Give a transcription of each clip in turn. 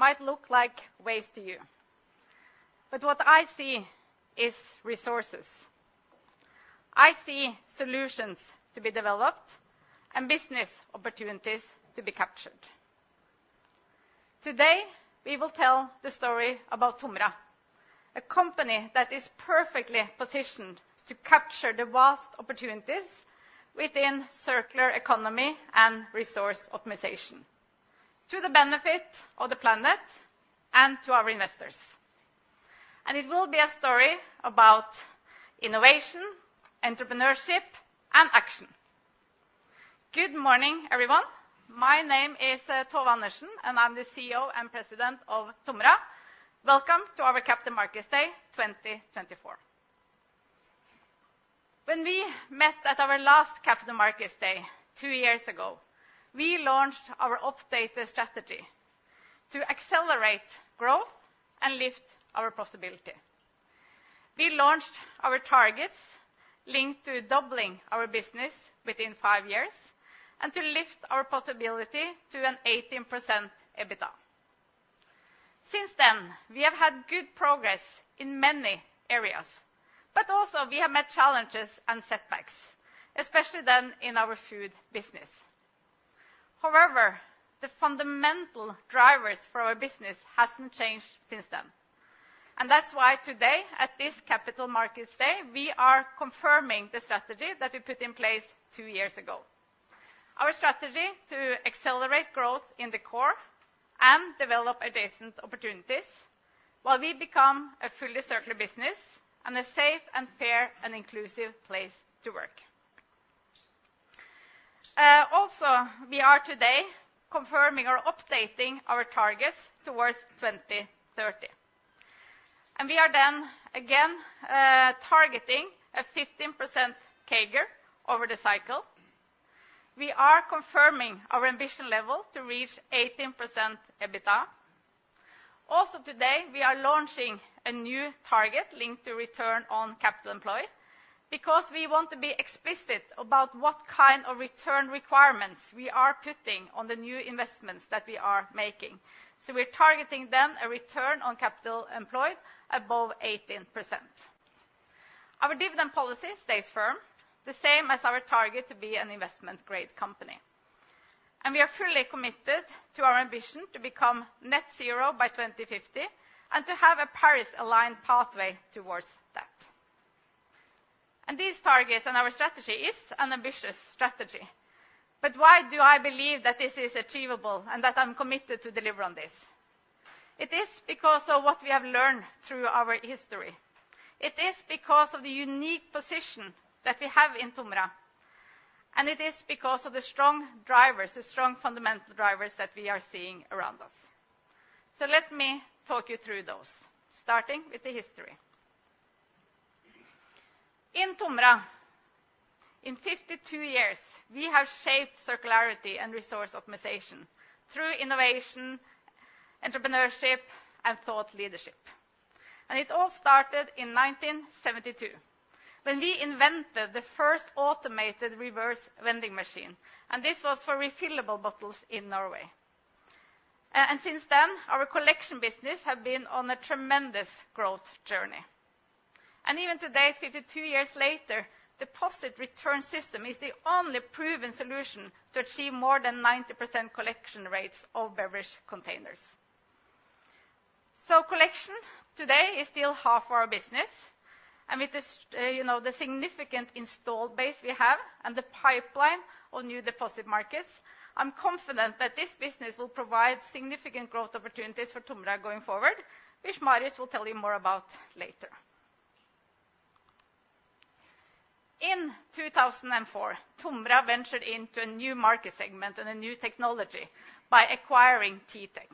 Might look like waste to you, but what I see is resources. I see solutions to be developed and business opportunities to be captured. Today, we will tell the story about TOMRA, a company that is perfectly positioned to capture the vast opportunities within circular economy and resource optimization, to the benefit of the planet and to our investors, and it will be a story about innovation, entrepreneurship, and action. Good morning, everyone. My name is Tove Andersen, and I'm the CEO and President of TOMRA. Welcome to our Capital Markets Day 2024. When we met at our last Capital Markets Day, two years ago, we launched our updated strategy to accelerate growth and lift our profitability. We launched our targets linked to doubling our business within five years and to lift our profitability to an 18% EBITDA. Since then, we have had good progress in many areas, but also we have met challenges and setbacks, especially then in our Food business. However, the fundamental drivers for our business hasn't changed since then, and that's why today, at this Capital Markets Day, we are confirming the strategy that we put in place two years ago. Our strategy to accelerate growth in the core and develop adjacent opportunities, while we become a fully circular business, and a safe and fair, and inclusive place to work. Also, we are today confirming or updating our targets towards 2030, and we are then, again, targeting a 15% CAGR over the cycle. We are confirming our ambition level to reach 18% EBITDA. Also today, we are launching a new target linked to return on capital employed, because we want to be explicit about what kind of return requirements we are putting on the new investments that we are making. So we're targeting then a return on capital employed above 18%. Our dividend policy stays firm, the same as our target to be an investment-grade company, and we are fully committed to our ambition to Net Zero by 2050, and to have a Paris-aligned pathway towards that. And these targets and our strategy is an ambitious strategy, but why do I believe that this is achievable and that I'm committed to deliver on this? It is because of what we have learned through our history. It is because of the unique position that we have in TOMRA, and it is because of the strong drivers, the strong fundamental drivers that we are seeing around us. So let me talk you through those, starting with the history. In TOMRA, in 52 years, we have shaped circularity and resource optimization through innovation, entrepreneurship, and thought leadership. And it all started in 1972, when we invented the first automated reverse vending machine, and this was for refillable bottles in Norway. And since then, our Collection business has been on a tremendous growth journey. And even today, 52 years later, deposit return system is the only proven solution to achieve more than 90% collection rates of beverage containers. Collection today is still half our business, and with this, you know, the significant installed base we have and the pipeline on new deposit markets, I'm confident that this business will provide significant growth opportunities for TOMRA going forward, which Marius will tell you more about later. In 2004, TOMRA ventured into a new market segment and a new technology by acquiring Titech.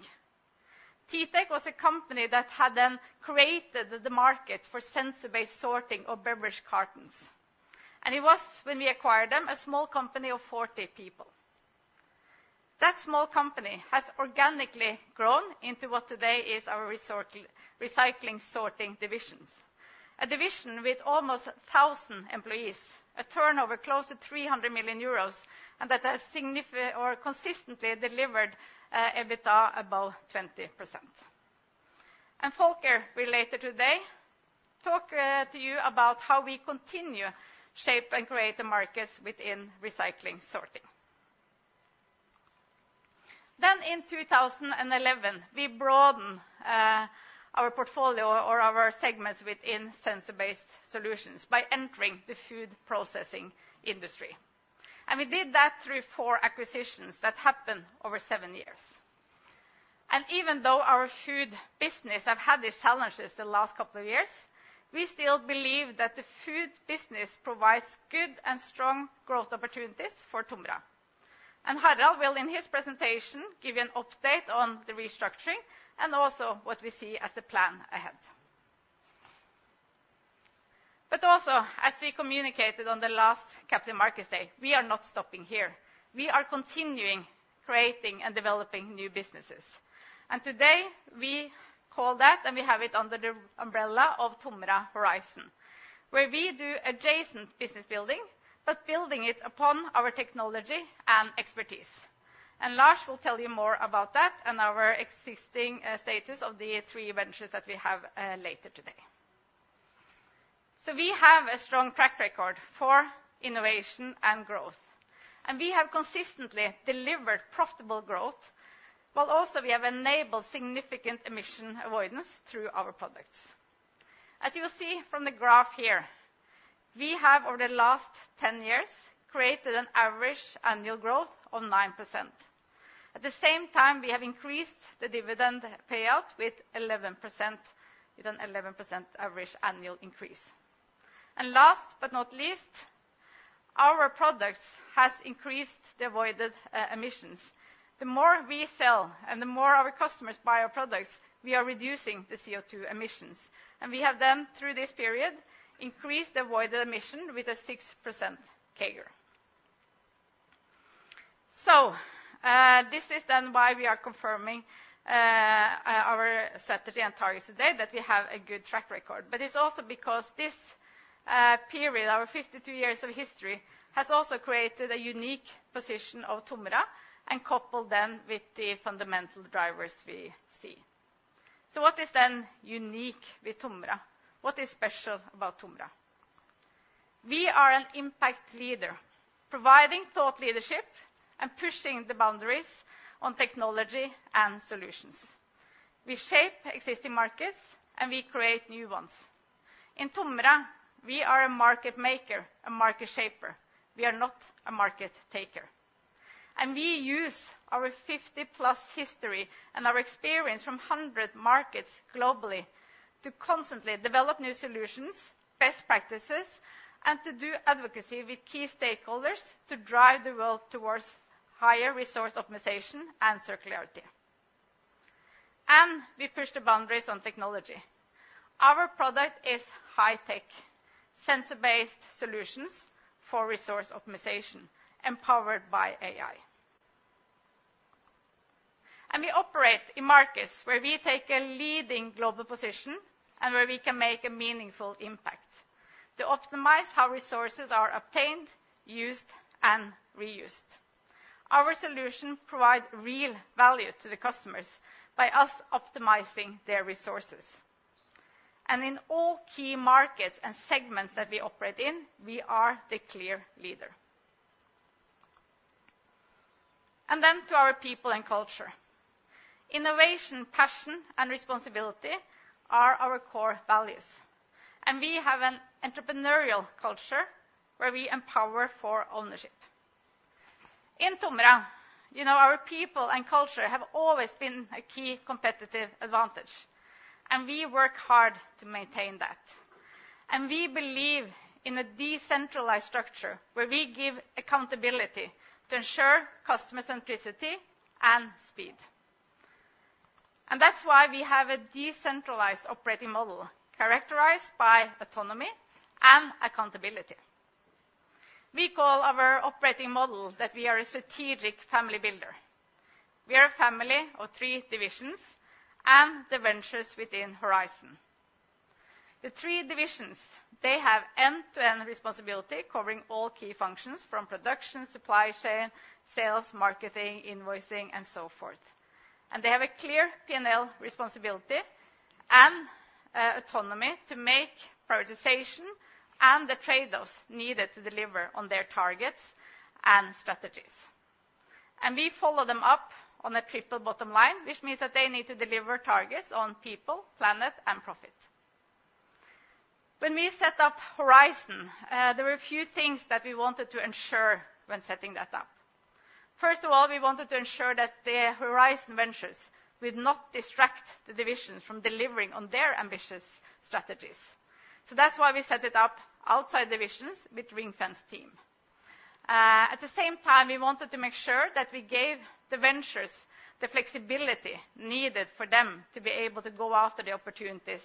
Titech was a company that had then created the market for sensor-based sorting of beverage cartons, and it was, when we acquired them, a small company of 40 people. That small company has organically grown into what today is our Recycling sorting division. A division with almost 1,000 employees, a turnover close to 300 million euros and that has or consistently delivered EBITDA above 20%. Volker will later today talk to you about how we continue to shape and create the markets within Recycling sorting. In 2011, we broaden our portfolio or our segments within sensor-based solutions by entering the food processing industry, and we did that through four acquisitions that happened over seven years. Even though our Food business have had these challenges the last couple of years, we still believe that the Food business provides good and strong growth opportunities for TOMRA. Harald will, in his presentation, give you an update on the restructuring and also what we see as the plan ahead, but also, as we communicated on the last Capital Markets Day, we are not stopping here. We are continuing creating and developing new businesses. Today we call that, and we have it under the umbrella of TOMRA Horizon, where we do adjacent business building, but building it upon our technology and expertise. And Lars will tell you more about that and our existing status of the three ventures that we have later today. So we have a strong track record for innovation and growth, and we have consistently delivered profitable growth, while also we have enabled significant emission avoidance through our products. As you will see from the graph here, we have, over the last 10 years, created an average annual growth of 9%. At the same time, we have increased the dividend payout with 11%, with an 11% average annual increase. And last but not least, our products has increased the avoided emissions. The more we sell and the more our customers buy our products, we are reducing the CO2 emissions, and we have then, through this period, increased the avoided emission with a 6% CAGR. This is then why we are confirming our strategy and targets today, that we have a good track record. It is also because this period, our 52 years of history, has also created a unique position of TOMRA and coupled them with the fundamental drivers we see. What is then unique with TOMRA? What is special about TOMRA? We are an impact leader, providing thought leadership and pushing the boundaries on technology and solutions. We shape existing markets, and we create new ones. In TOMRA, we are a market maker, a market shaper. We are not a market taker. And we use our 50+ history and our experience from hundred markets globally to constantly develop new solutions, best practices, and to do advocacy with key stakeholders to drive the world towards higher resource optimization and circularity. And we push the boundaries on technology. Our product is high tech, sensor-based solutions for resource optimization, empowered by AI. And we operate in markets where we take a leading global position and where we can make a meaningful impact to optimize how resources are obtained, used, and reused. Our solution provide real value to the customers by us optimizing their resources. And in all key markets and segments that we operate in, we are the clear leader. And then to our people and culture. Innovation, passion, and responsibility are our core values, and we have an entrepreneurial culture where we empower for ownership. In TOMRA, you know, our people and culture have always been a key competitive advantage, and we work hard to maintain that. And we believe in a decentralized structure, where we give accountability to ensure customer centricity and speed. And that's why we have a decentralized operating model, characterized by autonomy and accountability. We call our operating model that we are a strategic family builder. We are a family of three divisions and the ventures within Horizon. The three divisions, they have end-to-end responsibility, covering all key functions from production, supply chain, sales, marketing, invoicing, and so forth. And they have a clear P&L responsibility and, autonomy to make prioritization and the trade-offs needed to deliver on their targets and strategies. And we follow them up on a triple bottom line, which means that they need to deliver targets on people, planet, and profit. When we set up Horizon, there were a few things that we wanted to ensure when setting that up. First of all, we wanted to ensure that the Horizon ventures would not distract the divisions from delivering on their ambitious strategies. So that's why we set it up outside divisions with ring-fenced team. At the same time, we wanted to make sure that we gave the ventures the flexibility needed for them to be able to go after the opportunities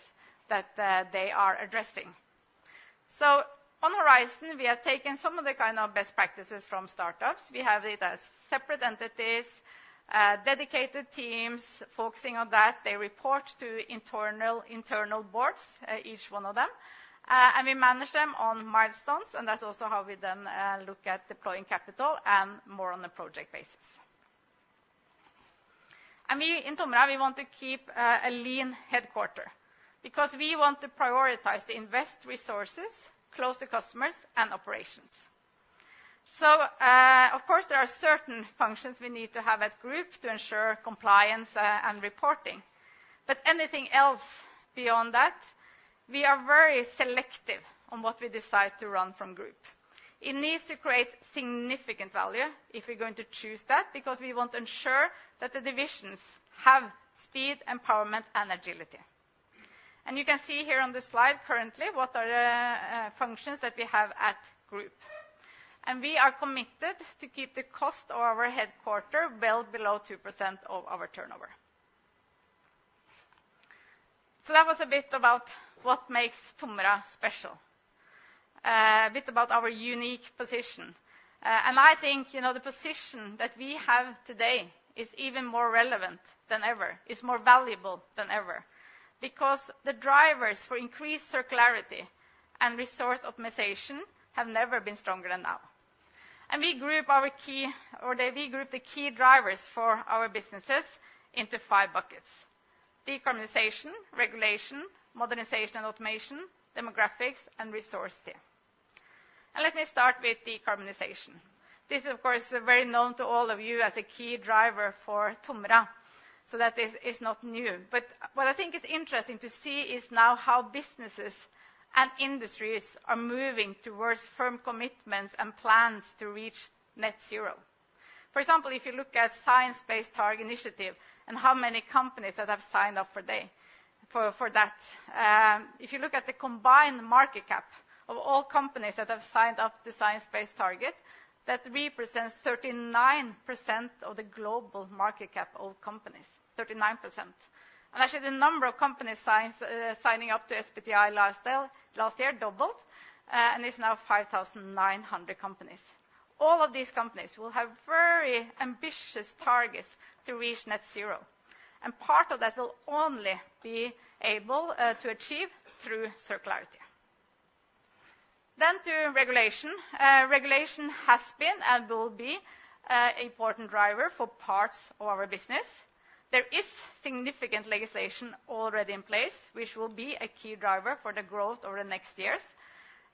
that they are addressing. So on Horizon, we have taken some of the kind of best practices from startups. We have it as separate entities, dedicated teams focusing on that. They report to internal boards, each one of them, and we manage them on milestones, and that's also how we then look at deploying capital and more on a project basis. We in TOMRA want to keep a lean headquarters because we want to prioritize to invest resources close to customers and operations. So, of course, there are certain functions we need to have at group to ensure compliance and reporting, but anything else beyond that, we are very selective on what we decide to run from group. It needs to create significant value if we're going to choose that, because we want to ensure that the divisions have speed, empowerment, and agility. You can see here on this slide currently what are functions that we have at group. We are committed to keep the cost of our headquarters well below 2% of our turnover. That was a bit about what makes TOMRA special, a bit about our unique position. And I think, you know, the position that we have today is even more relevant than ever, is more valuable than ever, because the drivers for increased circularity and resource optimization have never been stronger than now. And we group the key drivers for our businesses into five buckets: decarbonization, regulation, modernization and automation, demographics, and resource scarcity. And let me start with decarbonization. This, of course, is very known to all of you as a key driver for TOMRA, so that is not new. But what I think is interesting to see is now how businesses and industries are moving towards firm commitments and plans to Net Zero. for example, if you look at Science Based Targets initiative and how many companies that have signed up for that. If you look at the combined market cap of all companies that have signed up Science Based Targets, that represents 39% of the global market cap of companies, 39%. And actually, the number of companies signing up to SBTi last year doubled and is now 5,900 companies. All of these companies will have very ambitious targets to Net Zero, and part of that will only be able to achieve through circularity. Then to regulation. Regulation has been and will be an important driver for parts of our business. There is significant legislation already in place, which will be a key driver for the growth over the next years.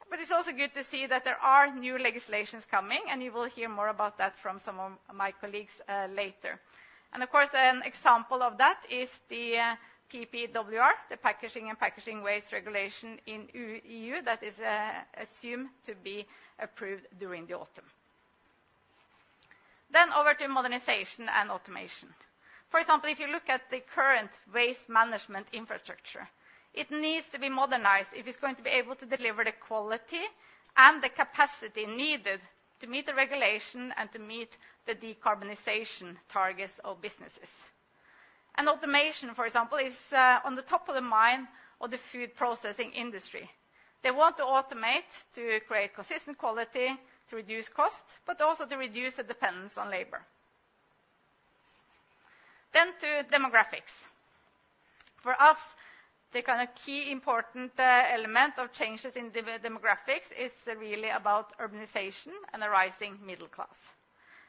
But it's also good to see that there are new legislation coming, and you will hear more about that from some of my colleagues later. Of course, an example of that is the PPWR, the Packaging and Packaging Waste Regulation in the EU, that is assumed to be approved during the autumn. Over to modernization and automation. For example, if you look at the current waste management infrastructure, it needs to be modernized if it's going to be able to deliver the quality and the capacity needed to meet the regulation and to meet the decarbonization targets of businesses. Automation, for example, is on the top of the mind of the food processing industry. They want to automate to create consistent quality, to reduce cost, but also to reduce the dependence on labor. To demographics. For us, the kind of key important element of changes in demographics is really about urbanization and a rising middle class.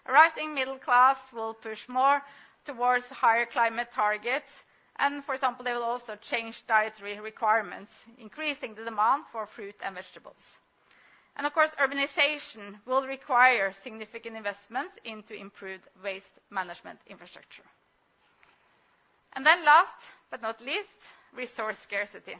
A rising middle class will push more towards higher climate targets, and for example, they will also change dietary requirements, increasing the demand for fruit and vegetables. And of course, urbanization will require significant investments into improved waste management infrastructure. And then last but not least, resource scarcity.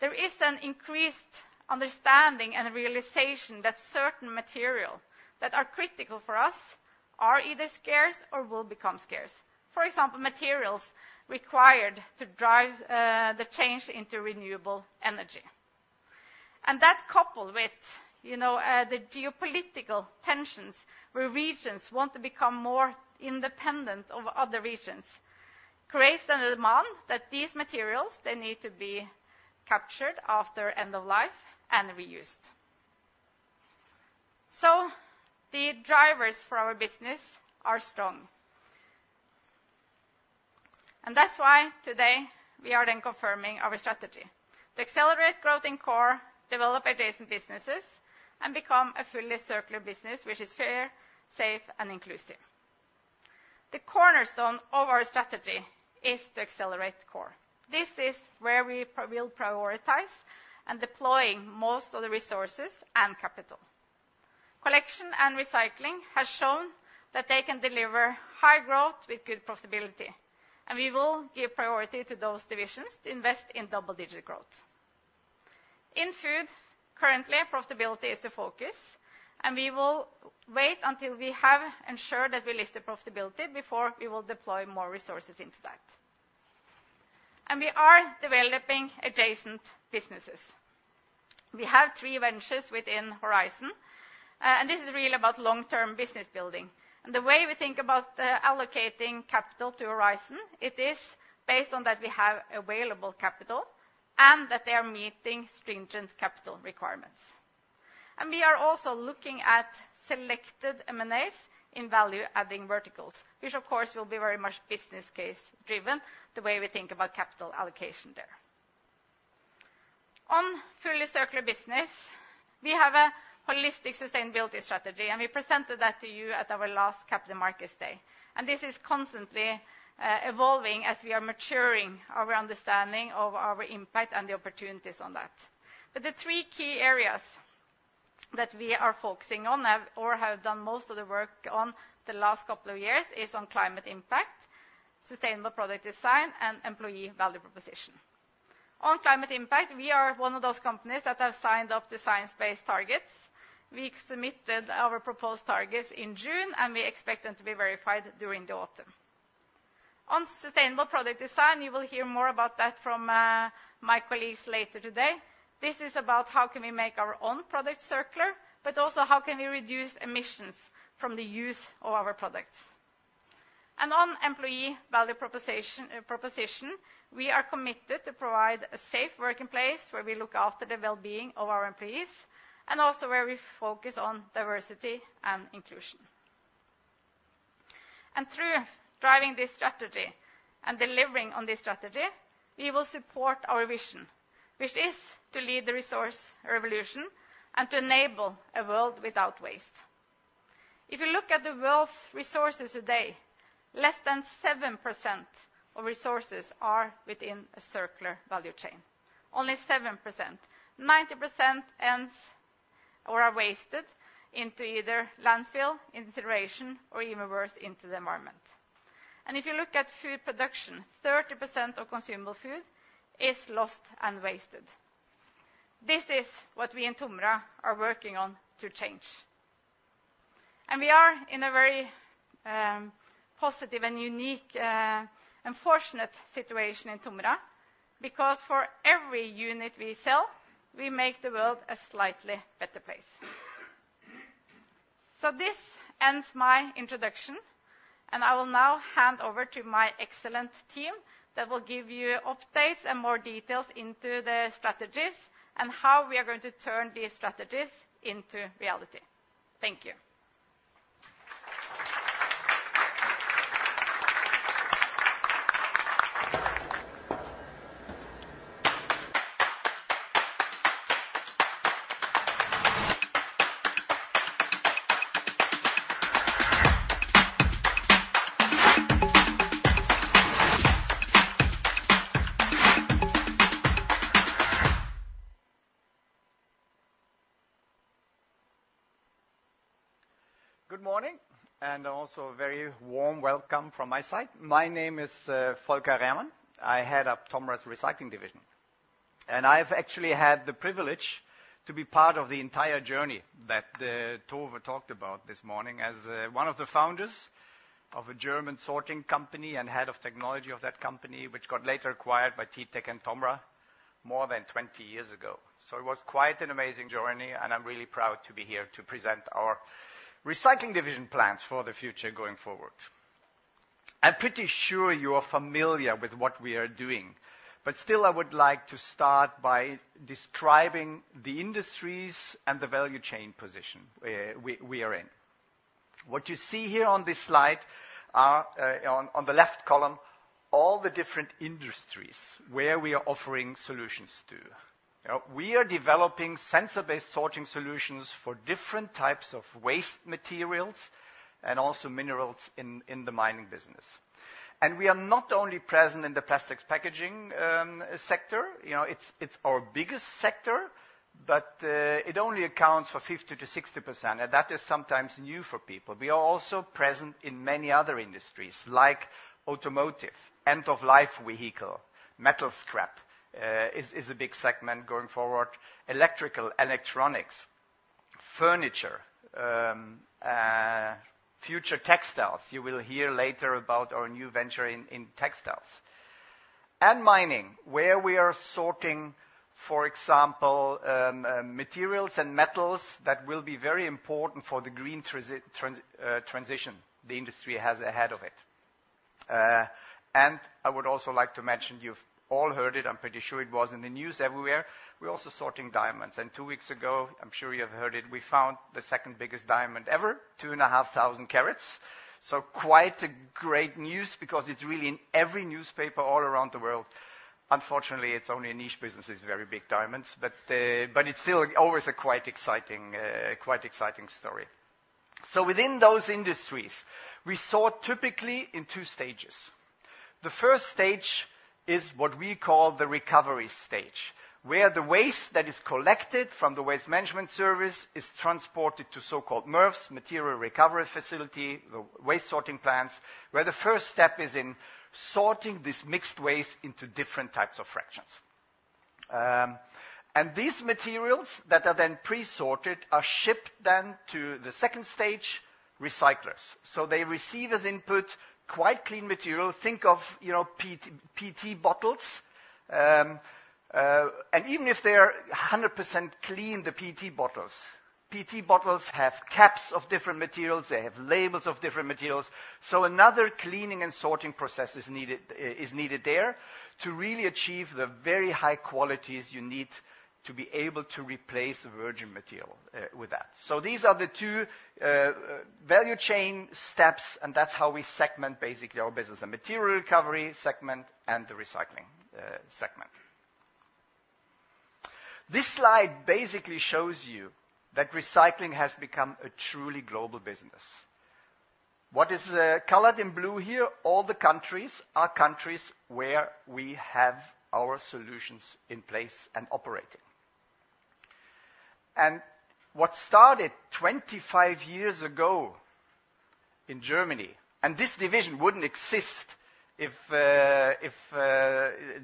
There is an increased understanding and realization that certain material that are critical for us are either scarce or will become scarce. For example, materials required to drive the change into renewable energy. And that, coupled with, you know, the geopolitical tensions, where regions want to become more independent of other regions, creates the demand that these materials, they need to be captured after end of life and reused. So the drivers for our business are strong. And that's why today we are then confirming our strategy: to accelerate growth in core, develop adjacent businesses, and become a fully circular business, which is fair, safe, and inclusive. The cornerstone of our strategy is to accelerate the core. This is where we will prioritize and deploying most of the resources and capital. Collection and Recycling has shown that they can deliver high growth with good profitability, and we will give priority to those divisions to invest in double-digit growth. in Food, currently, profitability is the focus, and we will wait until we have ensured that we lift the profitability before we will deploy more resources into that. And we are developing adjacent businesses. We have three ventures within Horizon, and this is really about long-term business building. And the way we think about allocating capital to Horizon, it is based on that we have available capital and that they are meeting stringent capital requirements. And we are also looking at selected M&As in value-adding verticals, which, of course, will be very much business case driven, the way we think about capital allocation there. On fully circular business, we have a holistic sustainability strategy, and we presented that to you at our last Capital Markets Day. And this is constantly evolving as we are maturing our understanding of our impact and the opportunities on that. But the three key areas that we are focusing on, or have done most of the work on the last couple of years, is on climate impact, sustainable product design, and employee value proposition. On climate impact, we are one of those companies that have signed up to Science Based Targets. We submitted our proposed targets in June, and we expect them to be verified during the autumn. On sustainable product design, you will hear more about that from my colleagues later today. This is about how can we make our own product circular, but also how can we reduce emissions from the use of our products. And on employee value proposition, we are committed to provide a safe working place, where we look after the well-being of our employees, and also where we focus on diversity and inclusion. And through driving this strategy and delivering on this strategy, we will support our vision, which is to lead the resource revolution and to enable a world without waste. If you look at the world's resources today, less than 7% of resources are within a circular value chain, only 7%. 90% ends or are wasted into either landfill, incineration, or even worse, into the environment. And if you look at food production, 30% of consumable food is lost and wasted. This is what we in TOMRA are working on to change. And we are in a very positive and unique and fortunate situation in TOMRA, because for every unit we sell, we make the world a slightly better place. So this ends my introduction, and I will now hand over to my excellent team that will give you updates and more details into the strategies, and how we are going to turn these strategies into reality. Thank you. Good morning, and also a very warm welcome from my side. My name is Volker Rehrmann. I head up TOMRA's Recycling Division, and I've actually had the privilege to be part of the entire journey that Tove talked about this morning, as one of the founders of a German sorting company and head of technology of that company, which got later acquired by Titech and TOMRA more than 20 years ago, so it was quite an amazing journey, and I'm really proud to be here to present our Recycling division plans for the future going forward. I'm pretty sure you are familiar with what we are doing, but still I would like to start by describing the industries and the value chain position we are in. What you see here on this slide are, on the left column, all the different industries where we are offering solutions to. We are developing sensor-based sorting solutions for different types of waste materials and also minerals in the mining business. And we are not only present in the plastics packaging sector. You know, it's our biggest sector, but it only accounts for 50%-60%, and that is sometimes new for people. We are also present in many other industries, like automotive, end-of-life vehicle. Metal scrap is a big segment going forward. Electrical, electronics, furniture, future textiles. You will hear later about our new venture in textiles. And mining, where we are sorting, for example, materials and metals that will be very important for the green transition the industry has ahead of it. And I would also like to mention, you've all heard it, I'm pretty sure it was in the news everywhere, we're also sorting diamonds. And two weeks ago, I'm sure you have heard it, we found the second-biggest diamond ever, 2500 carats. So quite a great news, because it's really in every newspaper all around the world. Unfortunately, it's only a niche business, these very big diamonds. But, but it's still always a quite exciting story. So within those industries, we sort typically in two stages. The first stage is what we call the recovery stage, where the waste that is collected from the waste management service is transported to so-called MRFs, material recovery facility, the waste sorting plants, where the first step is in sorting this mixed waste into different types of fractions. These materials that are then pre-sorted are shipped then to the second stage, recyclers. They receive as input, quite clean material. Think of, you know, PET, PET bottles. Even if they are 100% clean, the PET bottles have caps of different materials, they have labels of different materials, so another cleaning and sorting process is needed there to really achieve the very high qualities you need to be able to replace the virgin material with that. So these are the two value chain steps, and that's how we segment basically our business, the material recovery segment and the recycling segment. This slide basically shows you that recycling has become a truly global business. What is colored in blue here, all the countries are countries where we have our solutions in place and operating. And what started 25 years ago in Germany, and this division wouldn't exist if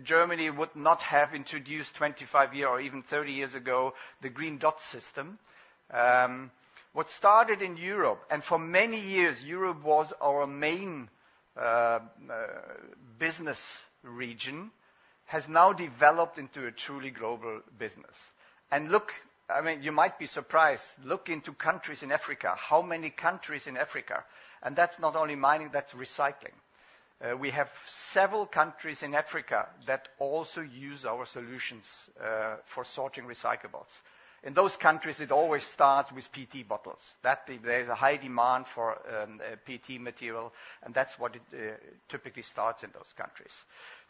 Germany would not have introduced 25 years, or even thirty years ago, the Green Dot system. What started in Europe, and for many years, Europe was our main business region has now developed into a truly global business. And look, I mean, you might be surprised. Look into countries in Africa, how many countries in Africa, and that's not only mining, that's recycling. We have several countries in Africa that also use our solutions for sorting recyclables. In those countries, it always starts with PET bottles. That there is a high demand for PET material, and that's what it typically starts in those countries.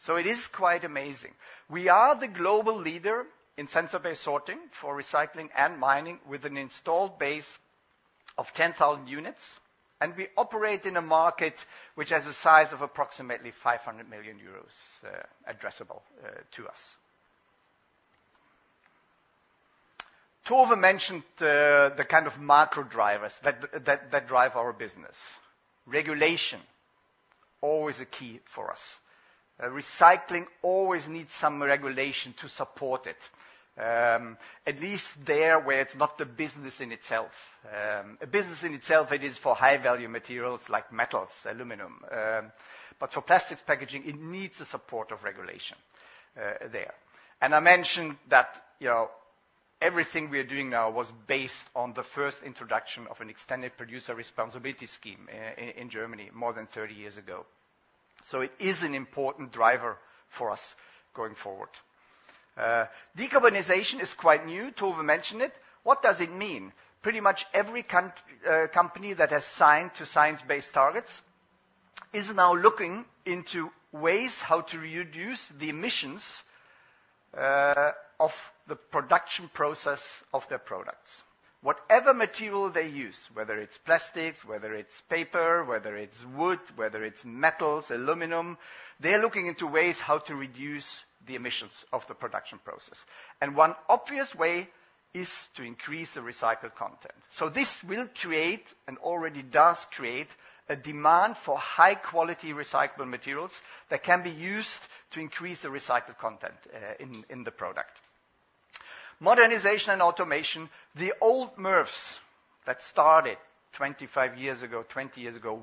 It is quite amazing. We are the global leader in sensor-based sorting for recycling and mining, with an installed base of 10,000 units, and we operate in a market which has a size of approximately 500 million euros addressable to us. Tove mentioned the kind of macro drivers that drive our business. Regulation, always a key for us. Recycling always needs some regulation to support it, at least there, where it's not a business in itself. A business in itself, it is for high-value materials like metals, aluminum, but for plastics packaging, it needs the support of regulation there. I mentioned that, you know, everything we are doing now was based on the first introduction of an extended producer responsibility scheme in Germany, more than thirty years ago. It is an important driver for us going forward. Decarbonization is quite new. Tove mentioned it. What does it mean? Pretty much every company that has Science Based Targets is now looking into ways how to reduce the emissions of the production process of their products. Whatever material they use, whether it's plastics, whether it's paper, whether it's wood, whether it's metals, aluminum, they're looking into ways how to reduce the emissions of the production process, and one obvious way is to increase the recycled content. So this will create, and already does create, a demand for high-quality recycled materials that can be used to increase the recycled content in the product. Modernization and automation, the old MRFs that started 25 years ago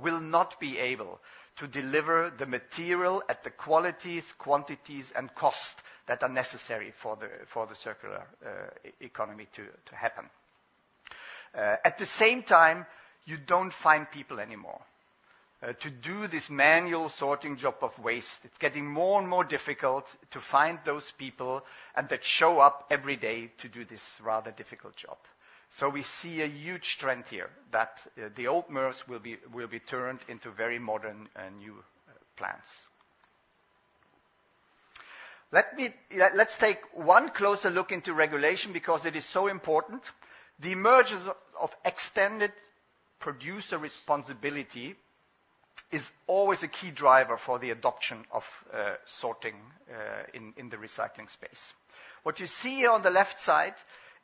will not be able to deliver the material at the qualities, quantities, and cost that are necessary for the circular economy to happen. At the same time, you don't find people anymore to do this manual sorting job of waste. It's getting more and more difficult to find those people and that show up every day to do this rather difficult job. So we see a huge trend here, the old MRFs will be turned into very modern and new plants. Let's take one closer look into regulation, because it is so important. The emergence of extended producer responsibility is always a key driver for the adoption of sorting in the recycling space. What you see here on the left side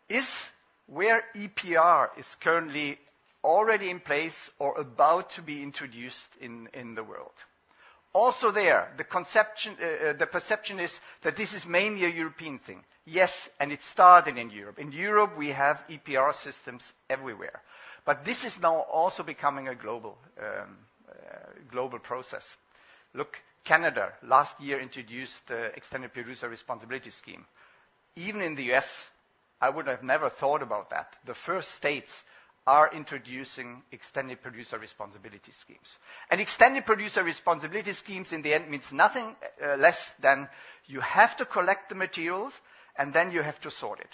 is where EPR is currently already in place or about to be introduced in the world. Also there, the perception is that this is mainly a European thing. Yes, and it started in Europe. In Europe, we have EPR systems everywhere, but this is now also becoming a global process. Look, Canada, last year, introduced a extended producer responsibility scheme. Even in the U.S., I would have never thought about that, the first states are introducing extended producer responsibility schemes. And extended producer responsibility schemes, in the end, means nothing less than you have to collect the materials, and then you have to sort it.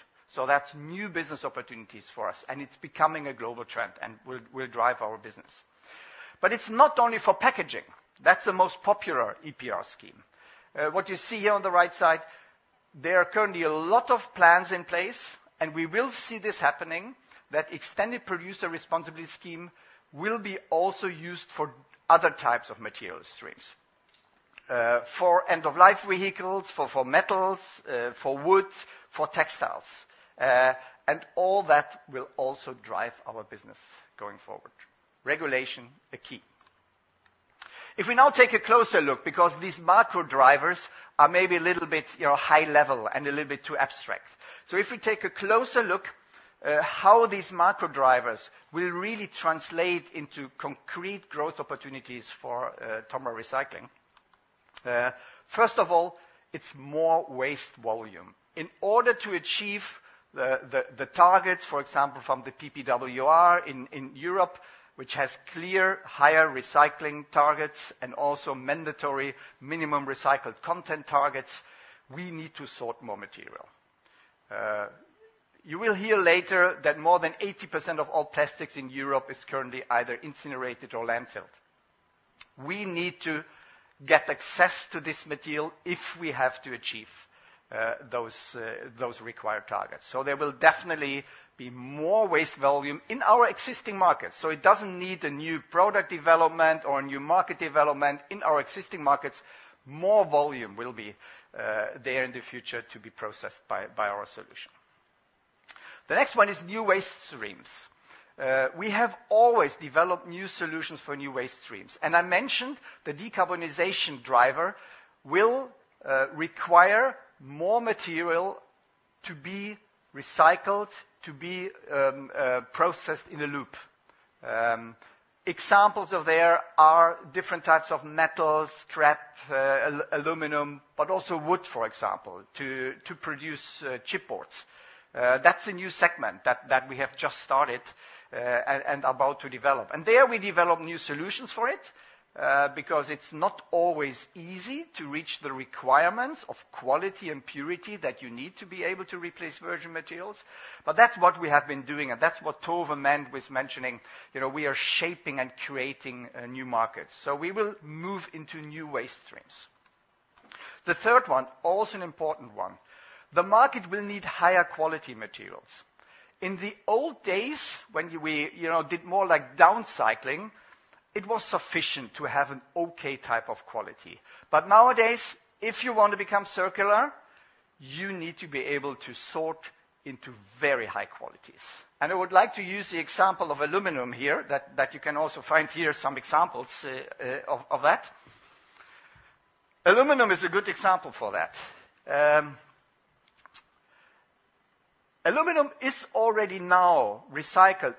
That's new business opportunities for us, and it's becoming a global trend, and will drive our business. It's not only for packaging. That's the most popular EPR scheme. What you see here on the right side, there are currently a lot of plans in place, and we will see this happening, that extended producer responsibility scheme will be also used for other types of material streams, for end-of-life vehicles, for metals, for wood, for textiles. All that will also drive our business going forward. Regulation, a key. If we now take a closer look, because these macro drivers are maybe a little bit, you know, high level and a little bit too abstract. If we take a closer look, how these macro drivers will really translate into concrete growth opportunities for TOMRA Recycling. First of all, it's more waste volume. In order to achieve the targets, for example, from the PPWR in Europe, which has clear higher recycling targets and also mandatory minimum recycled content targets, we need to sort more material. You will hear later that more than 80% of all plastics in Europe is currently either incinerated or landfilled. We need to get access to this material if we have to achieve those required targets. So there will definitely be more waste volume in our existing markets, so it doesn't need a new product development or a new market development. In our existing markets, more volume will be there in the future to be processed by our solution. The next one is new waste streams. We have always developed new solutions for new waste streams, and I mentioned the decarbonization driver will require more material to be recycled, to be processed in a loop. Examples, there are different types of metals, scrap, aluminum, but also wood, for example, to produce chipboards. That's a new segment that we have just started and about to develop. There we develop new solutions for it because it's not always easy to reach the requirements of quality and purity that you need to be able to replace virgin materials. That's what we have been doing, and that's what Tove mentioned. You know, we are shaping and creating new markets. So we will move into new waste streams. The third one, also an important one, the market will need higher quality materials. In the old days, when we, you know, did more like down cycling, it was sufficient to have an okay type of quality. But nowadays, if you want to become circular, you need to be able to sort into very high qualities. And I would like to use the example of aluminum here, that you can also find here some examples of that. Aluminum is a good example for that. Aluminum is already now recycled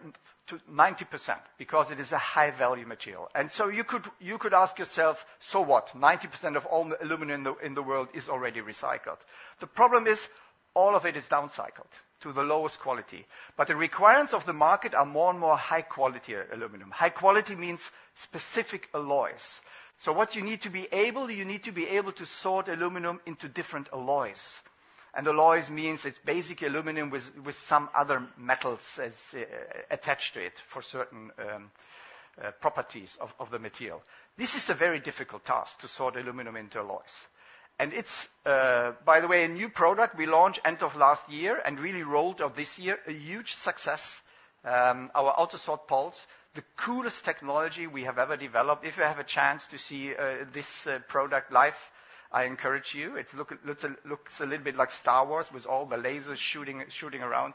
to 90% because it is a high-value material. And so you could ask yourself: So what? 90% of all the aluminum in the world is already recycled. The problem is, all of it is down cycled to the lowest quality, but the requirements of the market are more and more high quality aluminum. High quality means specific alloys. So what you need to be able to sort aluminum into different alloys. And alloys means it's basic aluminum with some other metals as attached to it for certain properties of the material. This is a very difficult task, to sort aluminum into alloys. And it's, by the way, a new product we launched end of last year and really rolled out this year, a huge success, our AUTOSORT PULSE, the coolest technology we have ever developed. If you have a chance to see this product live, I encourage you. It looks a little bit like Star Wars, with all the lasers shooting around.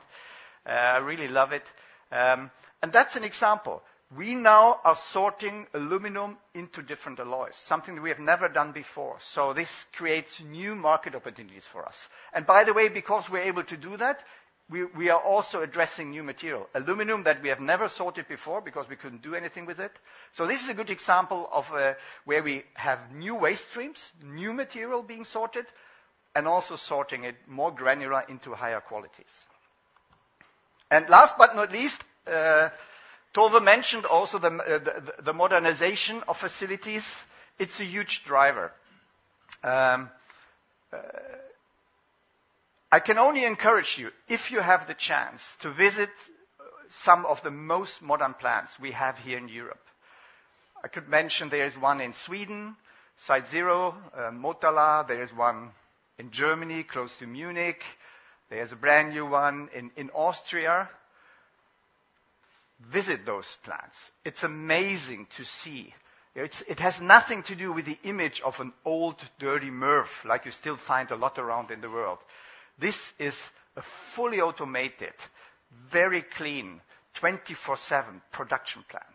I really love it. And that's an example. We now are sorting aluminum into different alloys, something we have never done before. So this creates new market opportunities for us. And by the way, because we're able to do that, we are also addressing new material, aluminum that we have never sorted before because we couldn't do anything with it. So this is a good example of where we have new waste streams, new material being sorted, and also sorting it more granular into higher qualities. And last but not least, Tove mentioned also the modernization of facilities. It's a huge driver. I can only encourage you, if you have the chance, to visit some of the most modern plants we have here in Europe. I could mention there is one in Sweden, Site Zero, Motala. There is one in Germany, close to Munich. There's a brand-new one in Austria. Visit those plants. It's amazing to see. It has nothing to do with the image of an old, dirty MRF, like you still find a lot around in the world. This is a fully automated, very clean, 24/7 production plant,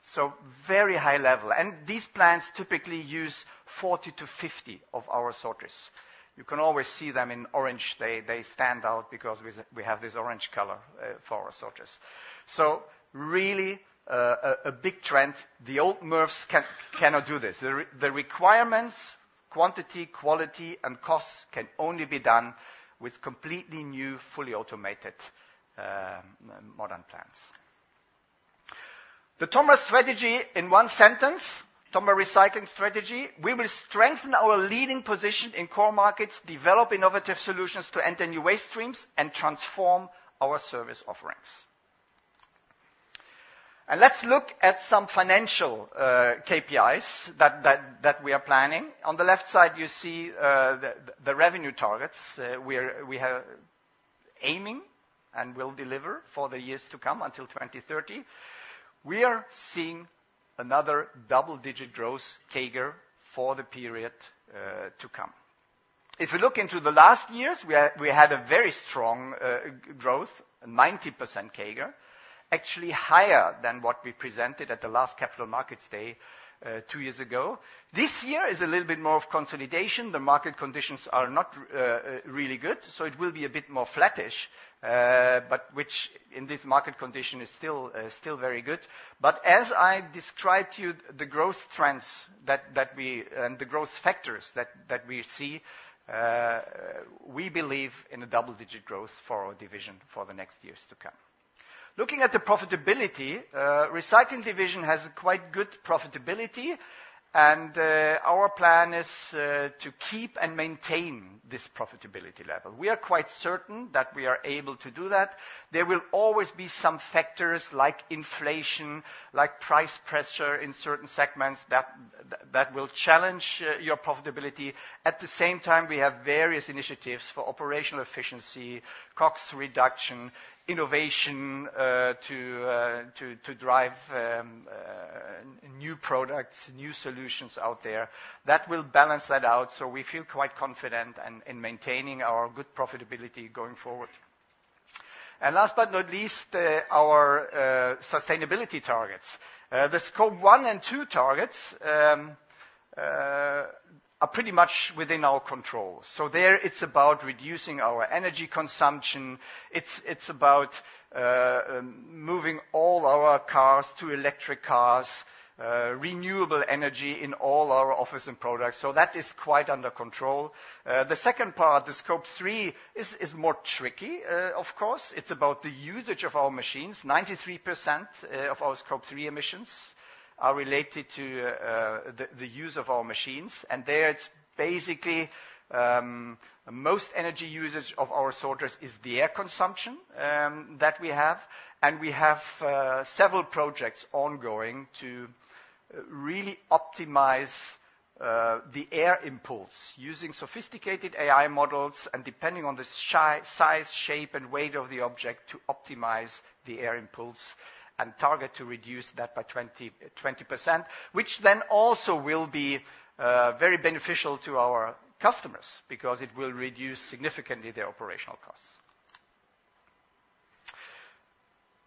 so very high level. And these plants typically use 40-50 of our sorters. You can always see them in orange. They stand out because we have this orange color for our sorters. So really, a big trend. The old MRFs cannot do this. The requirements, quantity, quality, and costs, can only be done with completely new, fully automated, modern plants. The TOMRA strategy in one sentence, TOMRA Recycling strategy: We will strengthen our leading position in core markets, develop innovative solutions to enter new waste streams, and transform our service offerings. Let's look at some financial KPIs that we are planning. On the left side, you see the revenue targets we are aiming and will deliver for the years to come, until 2030. We are seeing another double-digit growth CAGR for the period to come. If you look into the last years, we had a very strong growth, 90% CAGR, actually higher than what we presented at the last Capital Markets Day two years ago. This year is a little bit more of consolidation. The market conditions are not really good, so it will be a bit more flattish, but which in this market condition is still very good. But as I described to you, the growth trends that we and the growth factors that we see, we believe in a double-digit growth for our division for the next years to come. Looking at the profitability, Recycling division has a quite good profitability, and our plan is to keep and maintain this profitability level. We are quite certain that we are able to do that. There will always be some factors like inflation, like price pressure in certain segments, that will challenge your profitability. At the same time, we have various initiatives for operational efficiency, cost reduction, innovation, to drive new products, new solutions out there. That will balance that out, so we feel quite confident in maintaining our good profitability going forward. Last but not least, our sustainability targets. The Scope 1 and 2 targets are pretty much within our control. So there, it's about reducing our energy consumption. It's about moving all our cars to electric cars, renewable energy in all our office and products. So that is quite under control. The second part, the Scope 3, is more tricky. Of course, it's about the usage of our machines. 93% of our Scope 3 emissions are related to the use of our machines, and there it's basically most energy usage of our sorters is the air consumption that we have. We have several projects ongoing to really optimize the air impulse using sophisticated AI models, and depending on the size, shape, and weight of the object to optimize the air impulse, and target to reduce that by 20%, which then also will be very beneficial to our customers because it will reduce significantly their operational costs.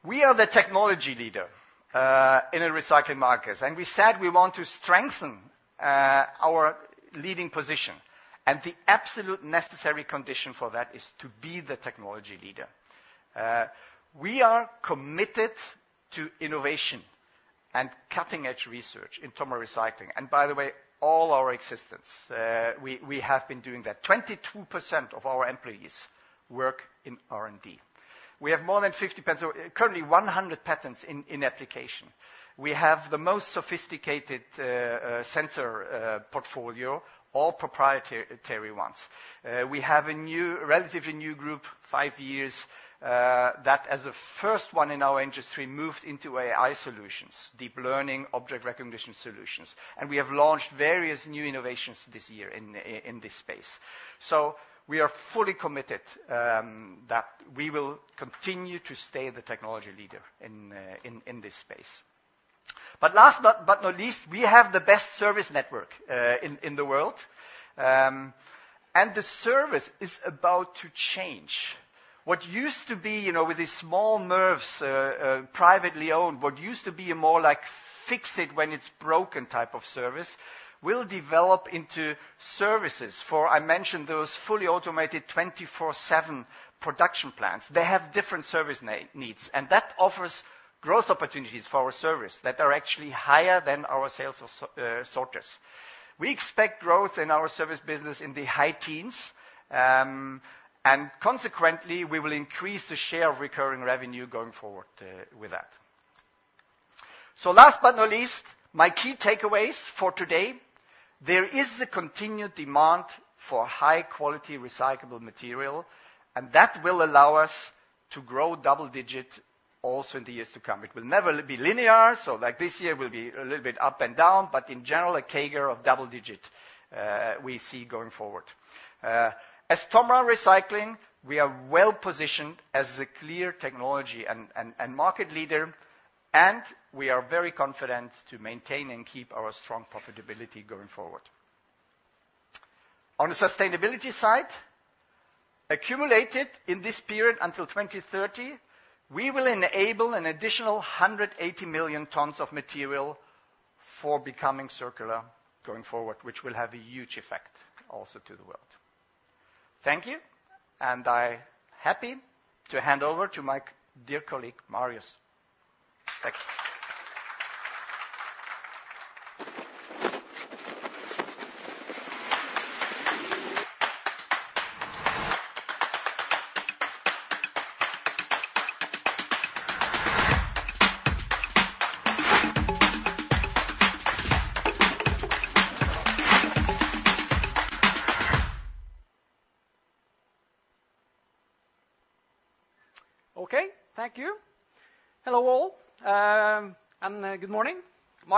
We are the technology leader in the recycling markets, and we said we want to strengthen our leading position, and the absolute necessary condition for that is to be the technology leader. We are committed to innovation and cutting-edge research in TOMRA Recycling. By the way, all our existence, we have been doing that. 22% of our employees work in R&D. We have more than 50 patents. Currently, 100 patents in application. We have the most sophisticated sensor portfolio, all proprietary ones. We have a relatively new group, five years, that, as the first one in our industry, moved into AI solutions, deep learning, object recognition solutions, and we have launched various new innovations this year in this space. We are fully committed that we will continue to stay the technology leader in this space. Last but not least, we have the best service network in the world, and the service is about to change. What used to be, you know, with these small firms, privately owned, what used to be a more like fix it when it's broken type of service, will develop into services for, I mentioned those fully automated 24/7 production plants. They have different service needs, and that offers growth opportunities for our service that are actually higher than our sales of sorters. We expect growth in our service business in the high teens, and consequently, we will increase the share of recurring revenue going forward, with that. So last but not least, my key takeaways for today, there is a continued demand for high-quality recyclable material, and that will allow us to grow double digit also in the years to come. It will never be linear, so like this year, will be a little bit up and down, but in general, a CAGR of double digit, we see going forward. As TOMRA Recycling, we are well-positioned as a clear technology and market leader, and we are very confident to maintain and keep our strong profitability going forward. On the sustainability side, accumulated in this period until 2030, we will enable an additional 180 million tons of material for becoming circular going forward, which will have a huge effect also to the world. Thank you, and I'm happy to hand over to my dear colleague, Marius. Thank you.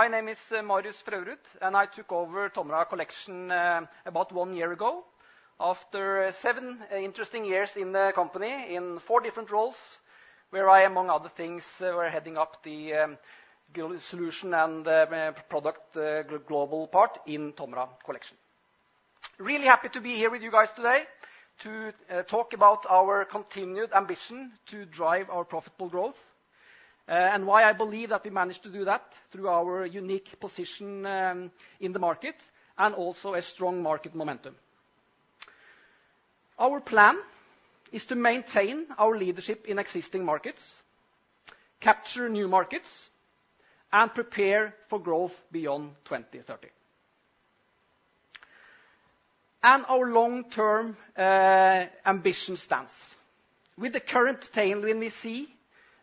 Okay, thank you. Hello, all, and good morning. My name is Marius Fraurud, and I took over TOMRA Collection about one year ago, after seven interesting years in the company in four different roles, where I, among other things, were heading up the solution and the product global part in TOMRA Collection. Really happy to be here with you guys today to talk about our continued ambition to drive our profitable growth, and why I believe that we managed to do that through our unique position in the market, and also a strong market momentum. Our plan is to maintain our leadership in existing markets, capture new markets, and prepare for growth beyond 2030. And our long-term ambition stance. With the current tailwind we see,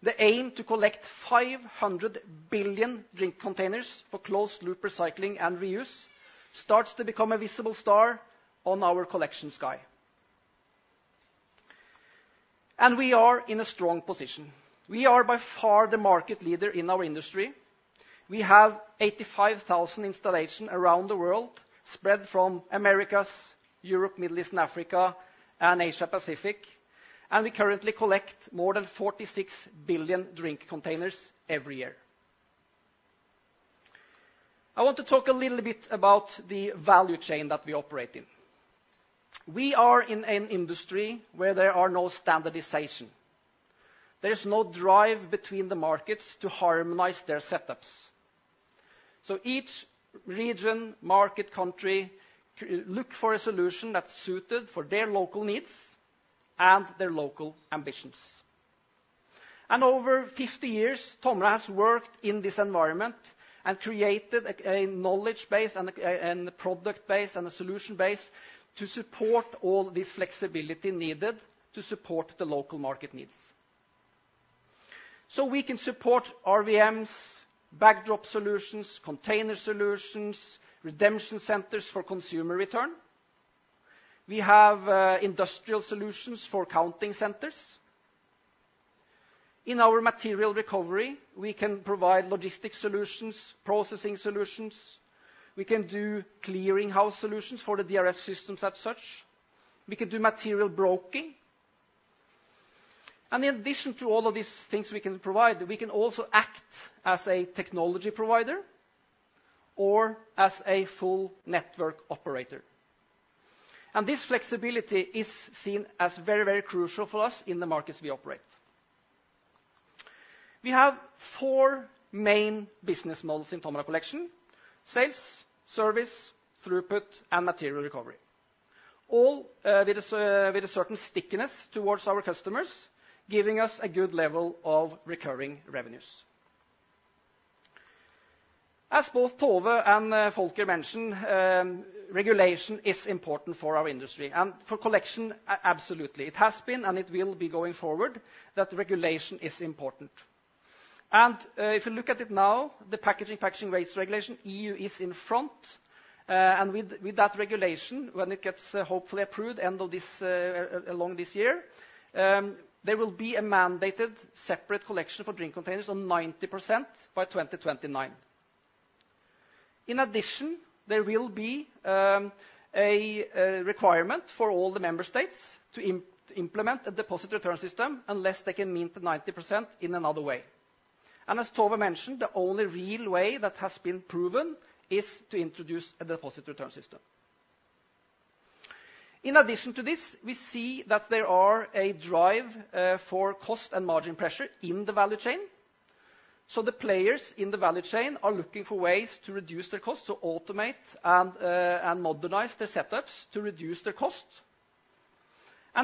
the aim to collect five hundred billion drink containers for closed-loop recycling and reuse starts to become a visible star on our Collection sky. And we are in a strong position. We are by far the market leader in our industry. We have 85,000 installations around the world, spread from Americas, Europe, Middle East and Africa, and Asia Pacific, and we currently collect more than forty-six billion drink containers every year. I want to talk a little bit about the value chain that we operate in. We are in an industry where there are no standardization. There is no drive between the markets to harmonize their setups. So each region, market, country, look for a solution that's suited for their local needs and their local ambitions. Over fifty years, TOMRA has worked in this environment and created a knowledge base, a product base, and a solution base to support all this flexibility needed to support the local market needs. We can support RVMs, backdrop solutions, container solutions, redemption centers for consumer return. We have industrial solutions for counting centers. In our material recovery, we can provide logistic solutions, processing solutions. We can do clearing house solutions for the DRS systems as such. We can do material broking. In addition to all of these things we can provide, we can also act as a technology provider or as a full network operator, and this flexibility is seen as very, very crucial for us in the markets we operate. We have four main business models in TOMRA Collection: sales, service, throughput, and material recovery. All with a certain stickiness towards our customers, giving us a good level of recurring revenues. As both Tove and Volker mentioned, regulation is important for our industry, and for collection, absolutely. It has been, and it will be going forward, that regulation is important. If you look at it now, the Packaging Waste Regulation, EU is in front. With that regulation, when it gets hopefully approved end of this year, there will be a mandated separate collection for drink containers on 90% by 2029. In addition, there will be a requirement for all the member states to implement a deposit return system, unless they can meet the 90% in another way. As Tove mentioned, the only real way that has been proven is to introduce a deposit return system. In addition to this, we see that there is a drive for cost and margin pressure in the value chain. The players in the value chain are looking for ways to reduce their costs, to automate and modernize their setups to reduce their cost.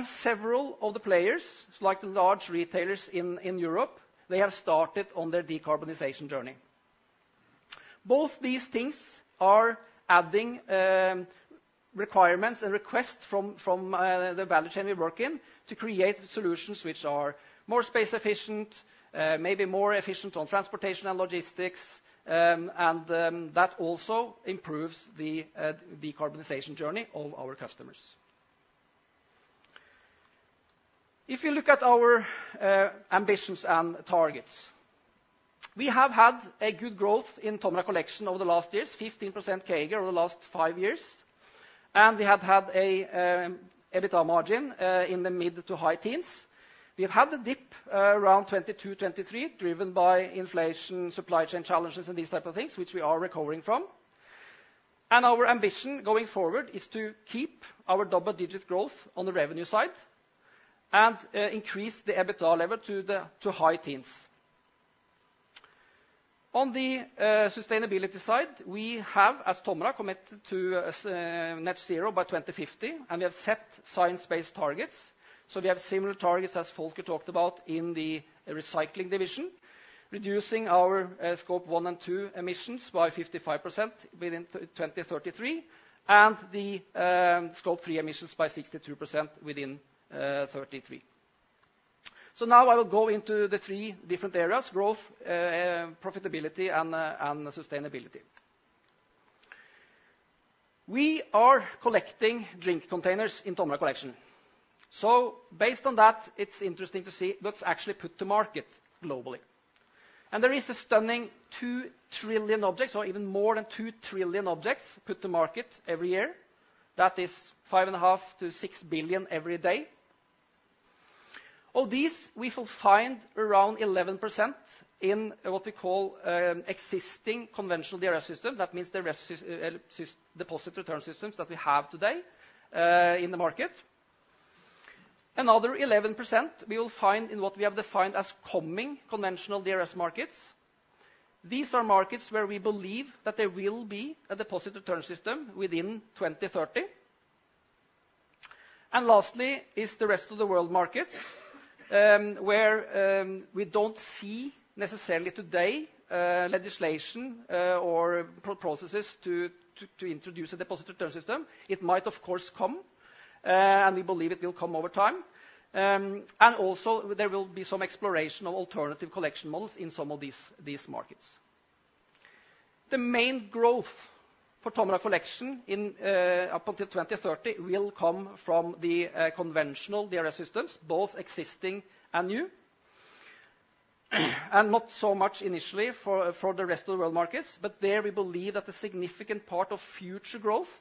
Several of the players, like the large retailers in Europe, have started on their decarbonization journey. Both these things are adding requirements and requests from the value chain we work in, to create solutions which are more space efficient, maybe more efficient on transportation and logistics. That also improves the decarbonization journey of our customers. If you look at our ambitions and targets, we have had a good growth in TOMRA Collection over the last years, 15% CAGR over the last five years, and we have had a EBITDA margin in the mid to high teens. We have had a dip around 2022, 2023, driven by inflation, supply chain challenges, and these type of things, which we are recovering from. Our ambition going forward is to keep our double-digit growth on the revenue side, and increase the EBITDA level to the high teens. On the sustainability side, we have, as TOMRA, committed Net Zero by 2050, and we have set Science Based Targets. So we have similar targets as Volker talked about in the recycling division, reducing our Scope 1 and 2 emissions by 55% within 2033, and the Scope 3 emissions by 62% within 2033. So now I will go into the three different areas: growth, profitability, and sustainability. We are collecting drink containers in TOMRA Collection. So based on that, it's interesting to see what's actually put to market globally. And there is a stunning 2 trillion objects, or even more than 2 trillion objects, put to market every year. That is 5.5-6 billion every day. Of these, we will find around 11% in what we call existing conventional DRS system. That means the rest deposit return systems that we have today in the market. Another 11% we will find in what we have defined as coming conventional DRS markets. These are markets where we believe that there will be a deposit return system within 2030. And lastly is the rest of the world markets, where we don't see necessarily today legislation or processes to introduce a deposit return system. It might, of course, come, and we believe it will come over time. And also there will be some exploration of alternative collection models in some of these markets. The main growth for TOMRA Collection up until 2030 will come from the conventional DRS systems, both existing and new. Not so much initially for the rest of the world markets, but there we believe that a significant part of future growth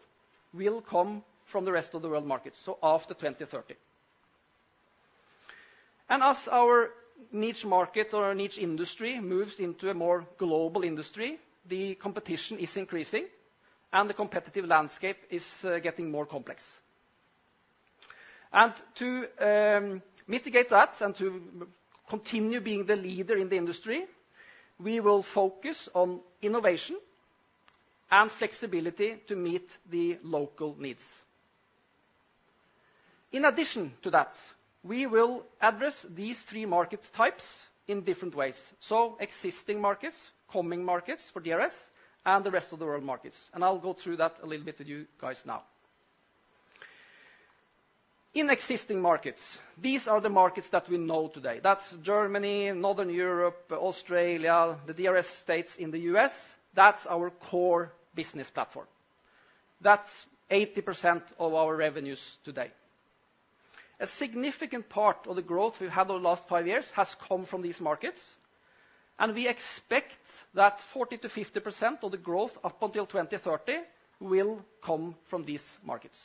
will come from the rest of the world markets, so after 2030.... As our niche market or our niche industry moves into a more global industry, the competition is increasing, and the competitive landscape is getting more complex. To mitigate that and to continue being the leader in the industry, we will focus on innovation and flexibility to meet the local needs. In addition to that, we will address these three market types in different ways: existing markets, coming markets for DRS, and the rest of the world markets. I'll go through that a little bit with you guys now. In existing markets, these are the markets that we know today: that's Germany, Northern Europe, Australia, the DRS states in the U.S. That's our core business platform. That's 80% of our revenues today. A significant part of the growth we've had over the last five years has come from these markets, and we expect that 40%-50% of the growth up until 2030 will come from these markets.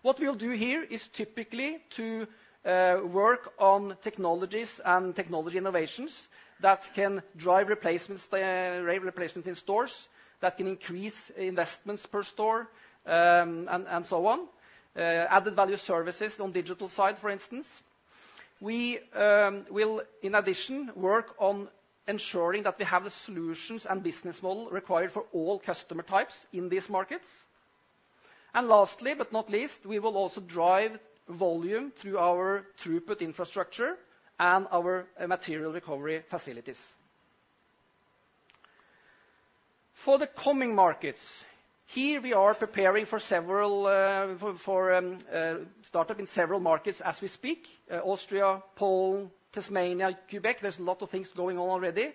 What we'll do here is typically to work on technologies and technology innovations that can drive replacements, drive replacements in stores, that can increase investments per store, and so on. Added value services on digital side, for instance. We will, in addition, work on ensuring that we have the solutions and business model required for all customer types in these markets. Lastly, but not least, we will also drive volume through our throughput infrastructure and our material recovery facilities. For the coming markets, here we are preparing for several startup in several markets as we speak: Austria, Poland, Tasmania, Quebec. There's a lot of things going on already,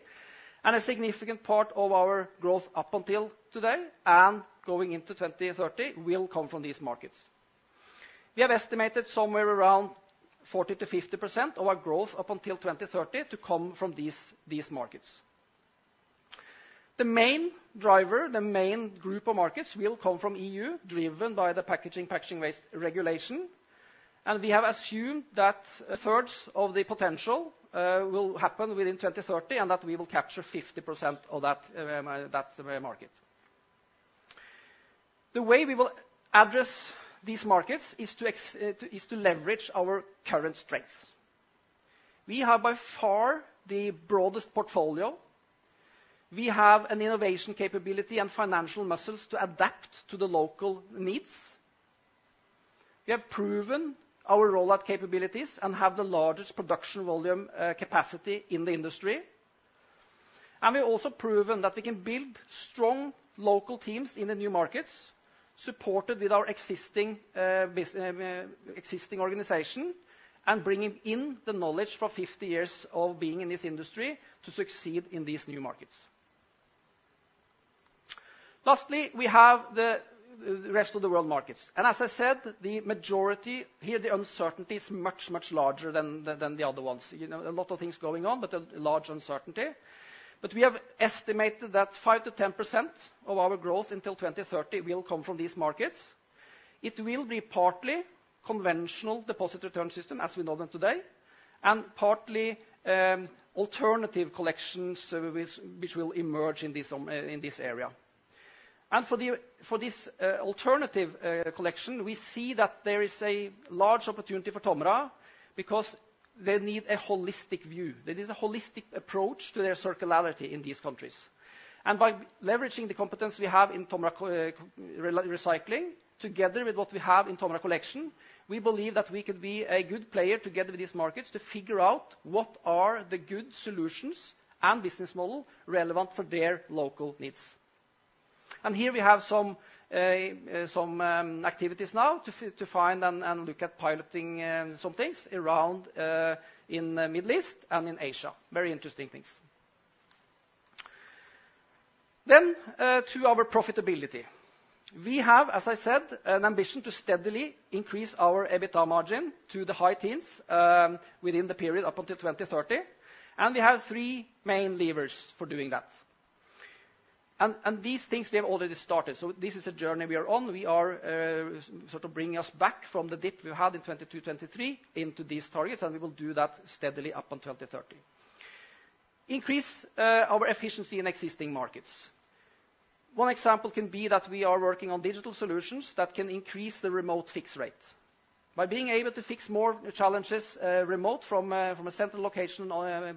and a significant part of our growth up until today and going into 2030 will come from these markets. We have estimated somewhere around 40%-50% of our growth up until 2030 to come from these markets. The main driver, the main group of markets, will come from EU, driven by the Packaging Waste Regulation, and we have assumed that a third of the potential will happen within 2030, and that we will capture 50% of that market. The way we will address these markets is to leverage our current strengths. We have, by far, the broadest portfolio. We have an innovation capability and financial muscles to adapt to the local needs. We have proven our rollout capabilities and have the largest production volume, capacity in the industry. And we've also proven that we can build strong local teams in the new markets, supported with our existing organization, and bringing in the knowledge for fifty years of being in this industry to succeed in these new markets. Lastly, we have the rest of the world markets, and as I said, the majority. Here, the uncertainty is much, much larger than the other ones. You know, a lot of things going on, but a large uncertainty. But we have estimated that five to 10% of our growth until 2030 will come from these markets. It will be partly conventional deposit return systems, as we know them today, and partly alternative collections, which will emerge in this area. For this alternative collection, we see that there is a large opportunity for TOMRA because they need a holistic view. There is a holistic approach to their circularity in these countries. By leveraging the competence we have in TOMRA Collection, recycling, together with what we have in TOMRA Collection, we believe that we could be a good player together with these markets to figure out what are the good solutions and business model relevant for their local needs. Here we have some activities now to find and look at piloting some things around in the Middle East and in Asia. Very interesting things. To our profitability. We have, as I said, an ambition to steadily increase our EBITDA margin to the high teens within the period up until 2030, and we have three main levers for doing that. These things we have already started, so this is a journey we are on. We are sort of bringing us back from the dip we had in 2022, 2023 into these targets, and we will do that steadily up until 2030. Increase our efficiency in existing markets. One example can be that we are working on digital solutions that can increase the remote fix rate. By being able to fix more challenges remote from a central location or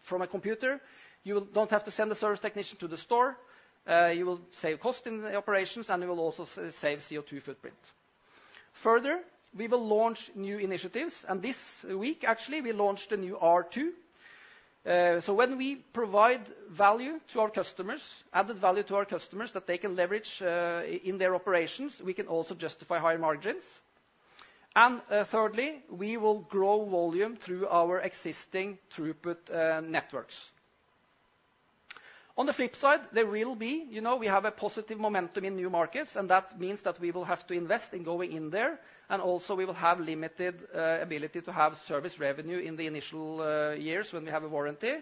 from a computer, you will not have to send a service technician to the store. You will save cost in the operations, and you will also save CO2 footprint. Further, we will launch new initiatives, and this week, actually, we launched a new R2. So when we provide value to our customers, added value to our customers that they can leverage in their operations, we can also justify higher margins. And thirdly, we will grow volume through our existing throughput networks. On the flip side, there will be, you know, we have a positive momentum in new markets, and that means that we will have to invest in going in there, and also, we will have limited ability to have service revenue in the initial years when we have a warranty.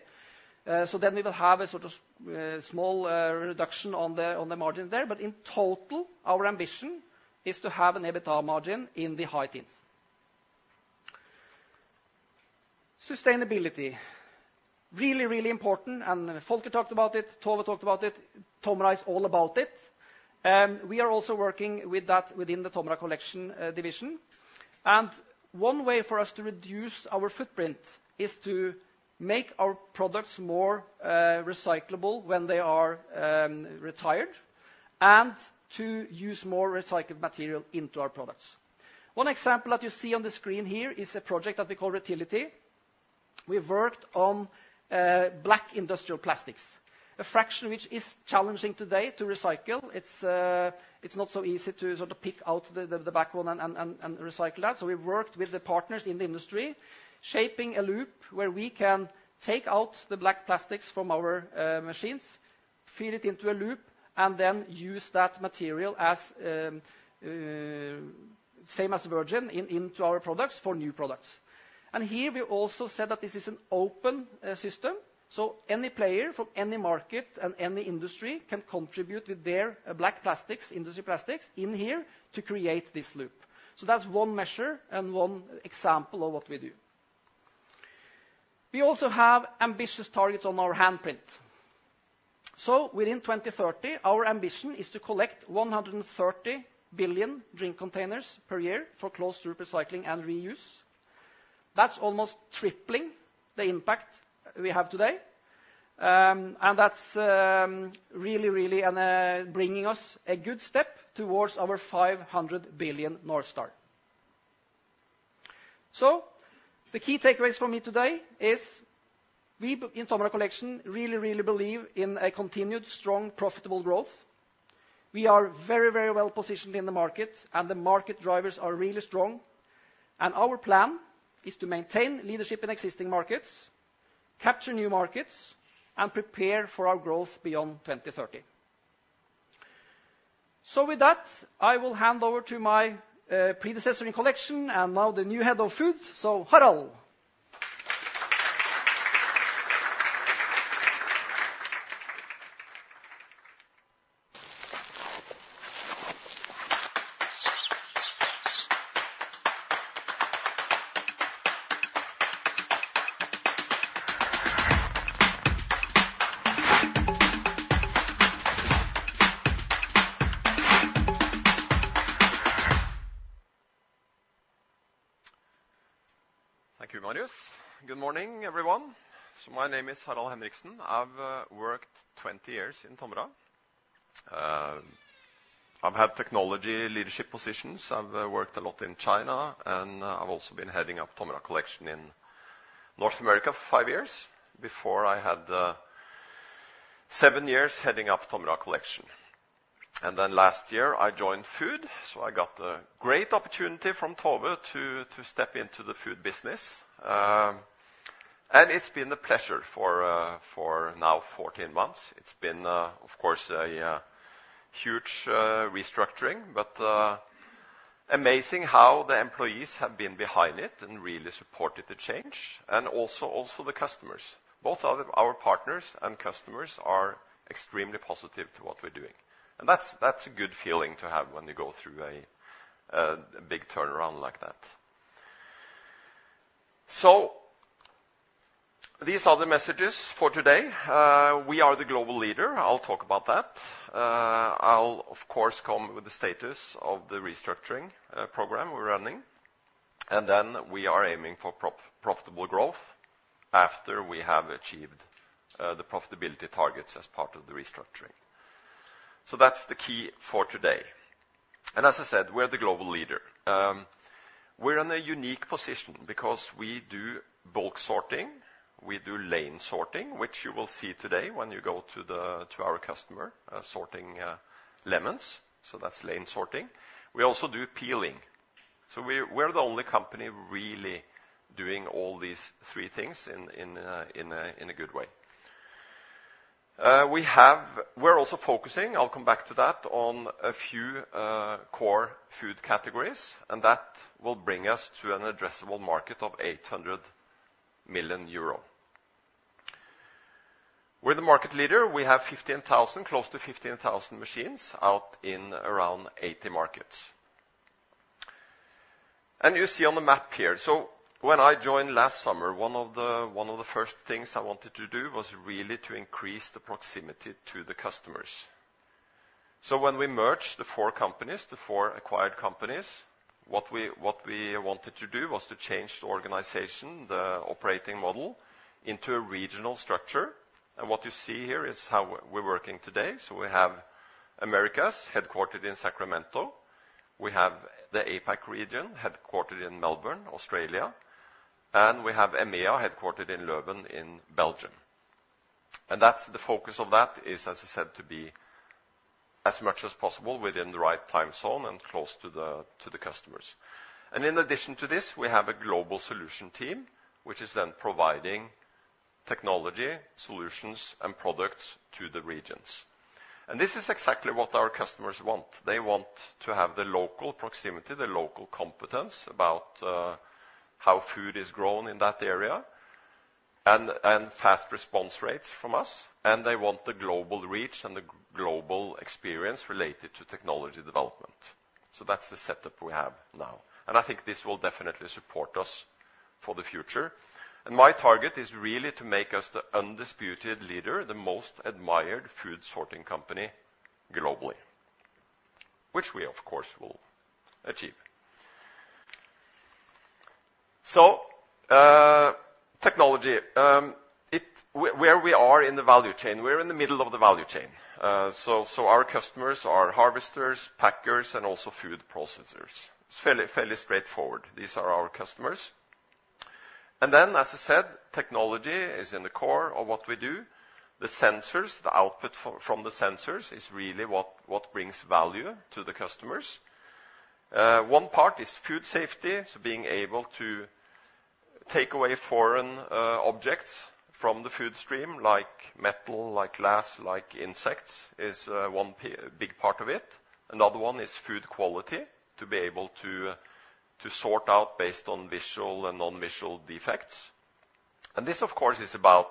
So then we will have a sort of small reduction on the margin there, but in total, our ambition is to have an EBITDA margin in the high teens. Sustainability, really, really important, and Volker talked about it, Tove talked about it, TOMRA is all about it. We are also working with that within the TOMRA Collection division, and one way for us to reduce our footprint is to make our products more recyclable when they are retired, and to use more recycled material into our products. One example that you see on the screen here is a project that we call Retility. We've worked on black industrial plastics, a fraction which is challenging today to recycle. It's not so easy to sort of pick out the black one and recycle that. So we've worked with the partners in the industry, shaping a loop where we can take out the black plastics from our machines, feed it into a loop, and then use that material as same as virgin into our products for new products. And here, we also said that this is an open system, so any player from any market and any industry can contribute with their black plastics, industry plastics, in here to create this loop. So that's one measure and one example of what we do. We also have ambitious targets on our handprint. Within 2030, our ambition is to collect 130 billion drink containers per year for closed-loop recycling and reuse. That's almost tripling the impact we have today, and that's really, really bringing us a good step towards our 500 billion North Star. The key takeaways for me today is we in TOMRA Collection really, really believe in a continued, strong, profitable growth. We are very, very well positioned in the market, and the market drivers are really strong. Our plan is to maintain leadership in existing markets, capture new markets, and prepare for our growth beyond 2030. With that, I will hand over to my predecessor in Collection, and now the new Head of Food, so Harald. Thank you, Marius. Good morning, everyone. So my name is Harald Henriksen. I've worked 20 years in TOMRA. I've had technology leadership positions. I've worked a lot in China, and I've also been heading up TOMRA Collection in North America for five years, before I had seven years heading up TOMRA Collection. And then last year, I joined Food, so I got a great opportunity from Tove to step into the Food business. And it's been a pleasure for now fourteen months. It's been, of course, a huge restructuring, but amazing how the employees have been behind it and really supported the change, and also the customers. Both our partners and customers are extremely positive to what we're doing, and that's a good feeling to have when you go through a big turnaround like that. So these are the messages for today. We are the global leader. I'll talk about that. I'll, of course, come with the status of the restructuring program we're running, and then we are aiming for profitable growth after we have achieved the profitability targets as part of the restructuring. So that's the key for today, and as I said, we're the global leader. We're in a unique position because we do bulk sorting, we do lane sorting, which you will see today when you go to our customer sorting lemons, so that's lane sorting. We also do peeling. We're the only company really doing all these three things in a good way. We have. We're also focusing. I'll come back to that, on a few core food categories, and that will bring us to an addressable market of 800 million euro. We're the market leader. We have 15,000, close to 15,000 machines out in around 80 markets. You see on the map here. When I joined last summer, one of the first things I wanted to do was really to increase the proximity to the customers. When we merged the four companies, the four acquired companies, what we wanted to do was to change the organization, the operating model, into a regional structure. What you see here is how we're working today. So we have Americas, headquartered in Sacramento. We have the APAC region, headquartered in Melbourne, Australia, and we have EMEA, headquartered in Leuven, in Belgium. And that's the focus of that is, as I said, to be as much as possible within the right time zone and close to the customers. And in addition to this, we have a global solution team, which is then providing technology, solutions, and products to the regions. And this is exactly what our customers want. They want to have the local proximity, the local competence about how food is grown in that area, and fast response rates from us, and they want the global reach and the global experience related to technology development. So that's the setup we have now, and I think this will definitely support us for the future. My target is really to make us the undisputed leader, the most admired food sorting company globally, which we, of course, will achieve. Technology, where we are in the value chain? We're in the middle of the value chain. Our customers are harvesters, packers, and also food processors. It's fairly straightforward. These are our customers. As I said, technology is in the core of what we do. The sensors, the output from the sensors is really what brings value to the customers. One part is food safety, so being able to take away foreign objects from the food stream, like metal, like glass, like insects, is one big part of it. Another one is food quality, to be able to sort out based on visual and non-visual defects. This, of course, is about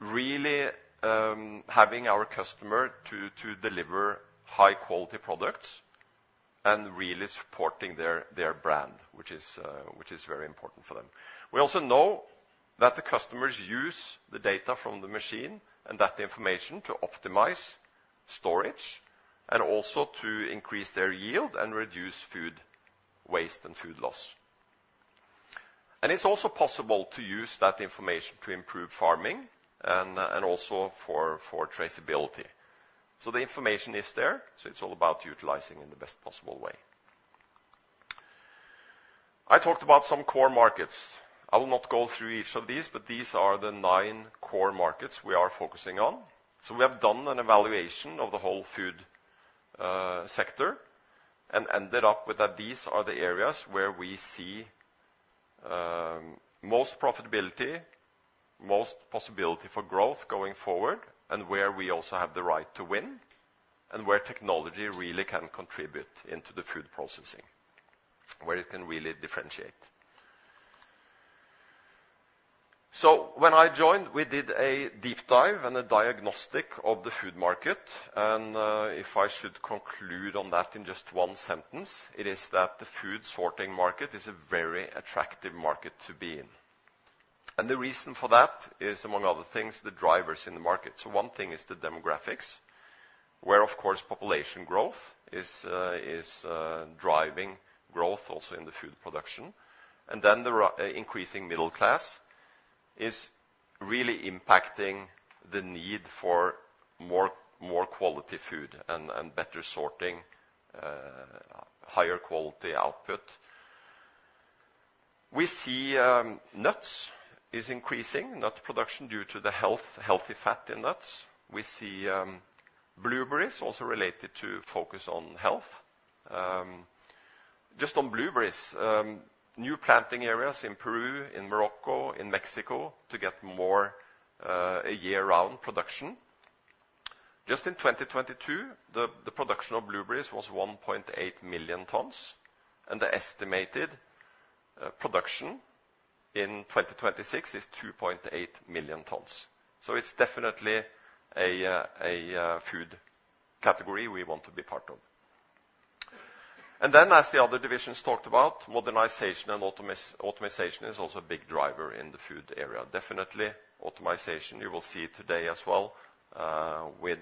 really having our customer to deliver high-quality products and really supporting their brand, which is very important for them. We also know that the customers use the data from the machine and that information to optimize storage, and also to increase their yield and reduce food waste and food loss. It's also possible to use that information to improve farming and also for traceability. The information is there, so it's all about utilizing in the best possible way. I talked about some core markets. I will not go through each of these, but these are the nine core markets we are focusing on. So we have done an evaluation of the whole food sector, and ended up with that these are the areas where we see most profitability, most possibility for growth going forward, and where we also have the right to win, and where technology really can contribute into the food processing, where it can really differentiate. So when I joined, we did a deep dive and a diagnostic of the food market, and if I should conclude on that in just one sentence, it is that the food sorting market is a very attractive market to be in. And the reason for that is, among other things, the drivers in the market. So one thing is the demographics, where, of course, population growth is driving growth also in the food production. And then the increasing middle class is really impacting the need for more quality food and better sorting, higher quality output. We see nuts is increasing, nut production, due to the healthy fat in nuts. We see blueberries also related to focus on health. Just on blueberries, new planting areas in Peru, in Morocco, in Mexico, to get more a year-round production. Just in 2022, the production of blueberries was 1.8 million tons, and the estimated production in 2026 is 2.8 million tons. So it's definitely a food category we want to be part of. And then, as the other divisions talked about, modernization and automation is also a big driver in the food area. Definitely, automation, you will see it today as well, with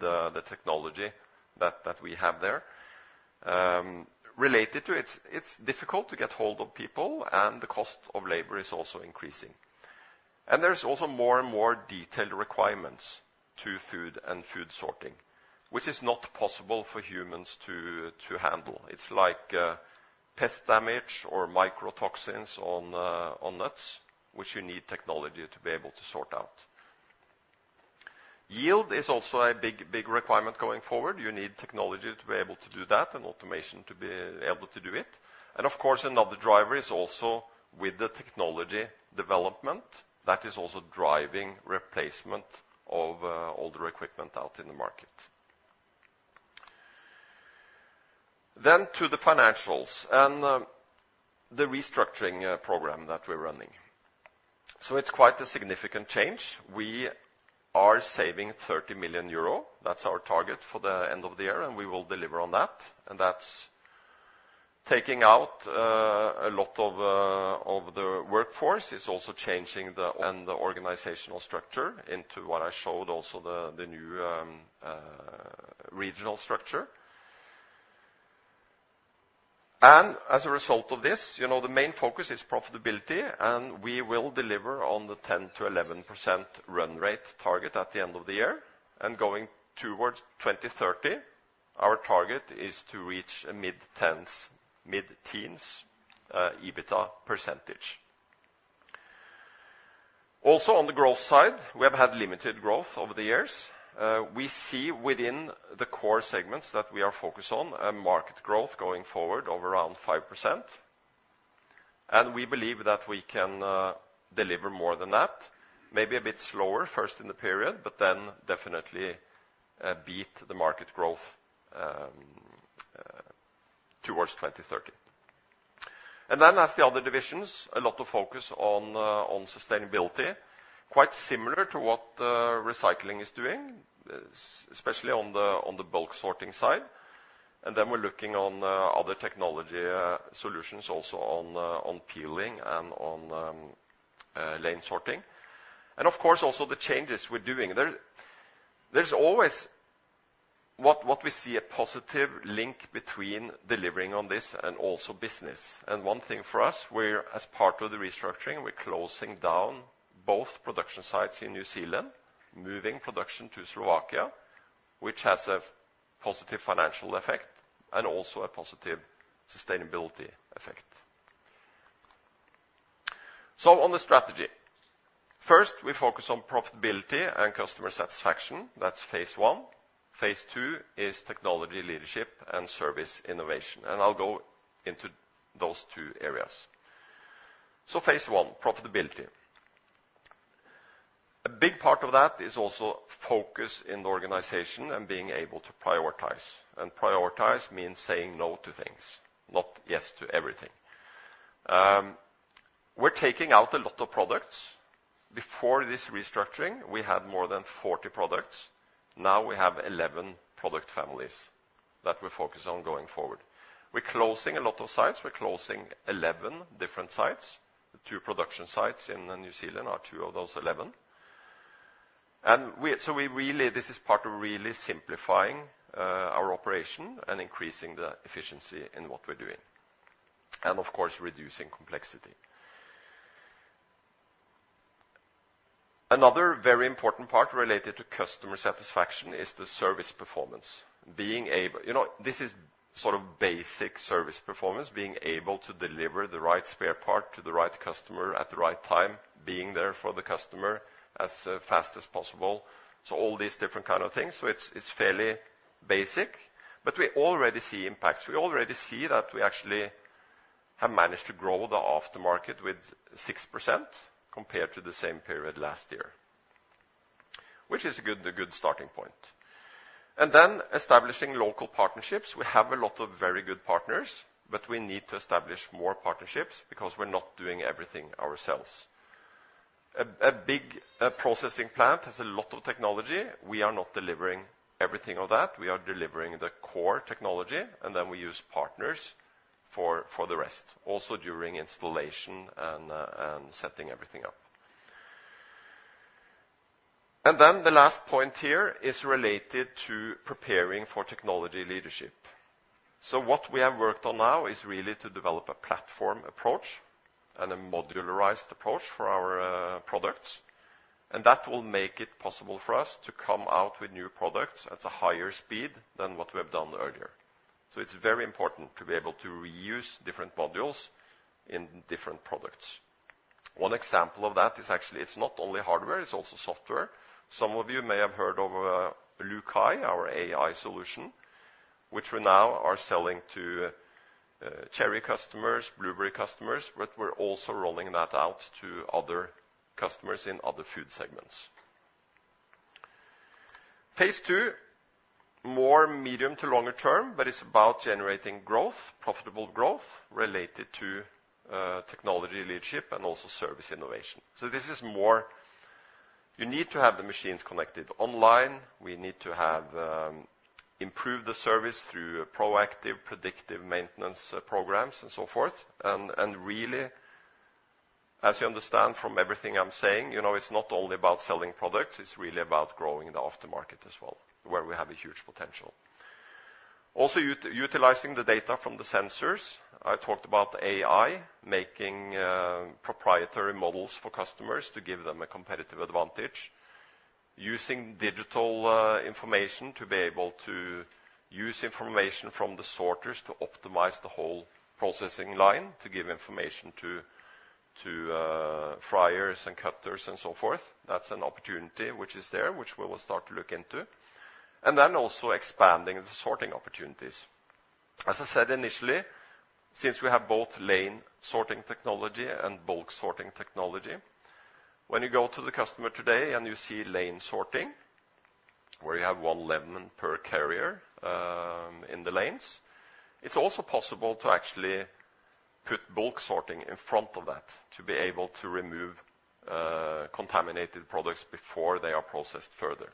the technology that we have there. Related to it, it's difficult to get hold of people, and the cost of labor is also increasing, and there's also more and more detailed requirements to food and food sorting, which is not possible for humans to handle. It's like, pest damage or mycotoxins on nuts, which you need technology to be able to sort out. Yield is also a big, big requirement going forward. You need technology to be able to do that, and automation to be able to do it, and of course, another driver is also with the technology development, that is also driving replacement of older equipment out in the market, then to the financials and the restructuring program that we're running, so it's quite a significant change. We are saving 30 million euro. That's our target for the end of the year, and we will deliver on that. That's taking out a lot of the workforce. It's also changing the and the organizational structure into what I showed, also the new regional structure. As a result of this, you know, the main focus is profitability, and we will deliver on the 10%-11% run rate target at the end of the year. Going towards 2030, our target is to reach a mid-tens, mid-teens EBITDA percentage. Also, on the growth side, we have had limited growth over the years. We see within the core segments that we are focused on market growth going forward of around 5%, and we believe that we can deliver more than that. Maybe a bit slower, first in the period, but then definitely beat the market growth towards 2030. And then as the other divisions, a lot of focus on sustainability, quite similar to what recycling is doing, especially on the bulk sorting side. And then we're looking on other technology solutions, also on peeling and on lane sorting. And of course, also the changes we're doing. There, there's always what we see a positive link between delivering on this and also business. And one thing for us, we're as part of the restructuring, we're closing down both production sites in New Zealand, moving production to Slovakia, which has a positive financial effect and also a positive sustainability effect. So on the strategy, first, we focus on profitability and customer satisfaction. That's phase one. phase two is technology, leadership, and service innovation, and I'll go into those two areas. So phase one, profitability. A big part of that is also focus in the organization and being able to prioritize. And prioritize means saying no to things, not yes to everything. We're taking out a lot of products. Before this restructuring, we had more than 40 products. Now we have 11 product families that we focus on going forward. We're closing a lot of sites. We're closing 11 different sites. The two production sites in New Zealand are two of those 11. And so we really, this is part of really simplifying, our operation and increasing the efficiency in what we're doing, and of course, reducing complexity. Another very important part related to customer satisfaction is the service performance. Being able... You know, this is sort of basic service performance, being able to deliver the right spare part to the right customer at the right time, being there for the customer as fast as possible. So all these different kind of things. So it's fairly basic, but we already see impacts. We already see that we actually have managed to grow the after market with 6% compared to the same period last year, which is a good starting point. And then establishing local partnerships. We have a lot of very good partners, but we need to establish more partnerships because we're not doing everything ourselves. A big processing plant has a lot of technology. We are not delivering everything of that. We are delivering the core technology, and then we use partners for the rest, also during installation and setting everything up. And then the last point here is related to preparing for technology leadership. So what we have worked on now is really to develop a platform approach and a modularized approach for our products, and that will make it possible for us to come out with new products at a higher speed than what we have done earlier. So it's very important to be able to reuse different modules in different products. One example of that is actually, it's not only hardware, it's also software. Some of you may have heard of LUCAi, our AI solution, which we now are selling to cherry customers, blueberry customers, but we're also rolling that out to other customers in other food segments. Phase two, more medium to longer term, but it's about generating growth, profitable growth related to technology leadership and also service innovation. So this is more... You need to have the machines connected online. We need to have improve the service through proactive, predictive maintenance programs and so forth. And really, as you understand from everything I'm saying, you know, it's not only about selling products, it's really about growing the after market as well, where we have a huge potential. Also, utilizing the data from the sensors, I talked about AI, making proprietary models for customers to give them a competitive advantage. Using digital information to be able to use information from the sorters to optimize the whole processing line, to give information to fryers and cutters and so forth. That's an opportunity which is there, which we will start to look into. And then also expanding the sorting opportunities. As I said initially, since we have both lane sorting technology and bulk sorting technology, when you go to the customer today and you see lane sorting, where you have one lemon per carrier in the lanes, it's also possible to actually put bulk sorting in front of that to be able to remove contaminated products before they are processed further.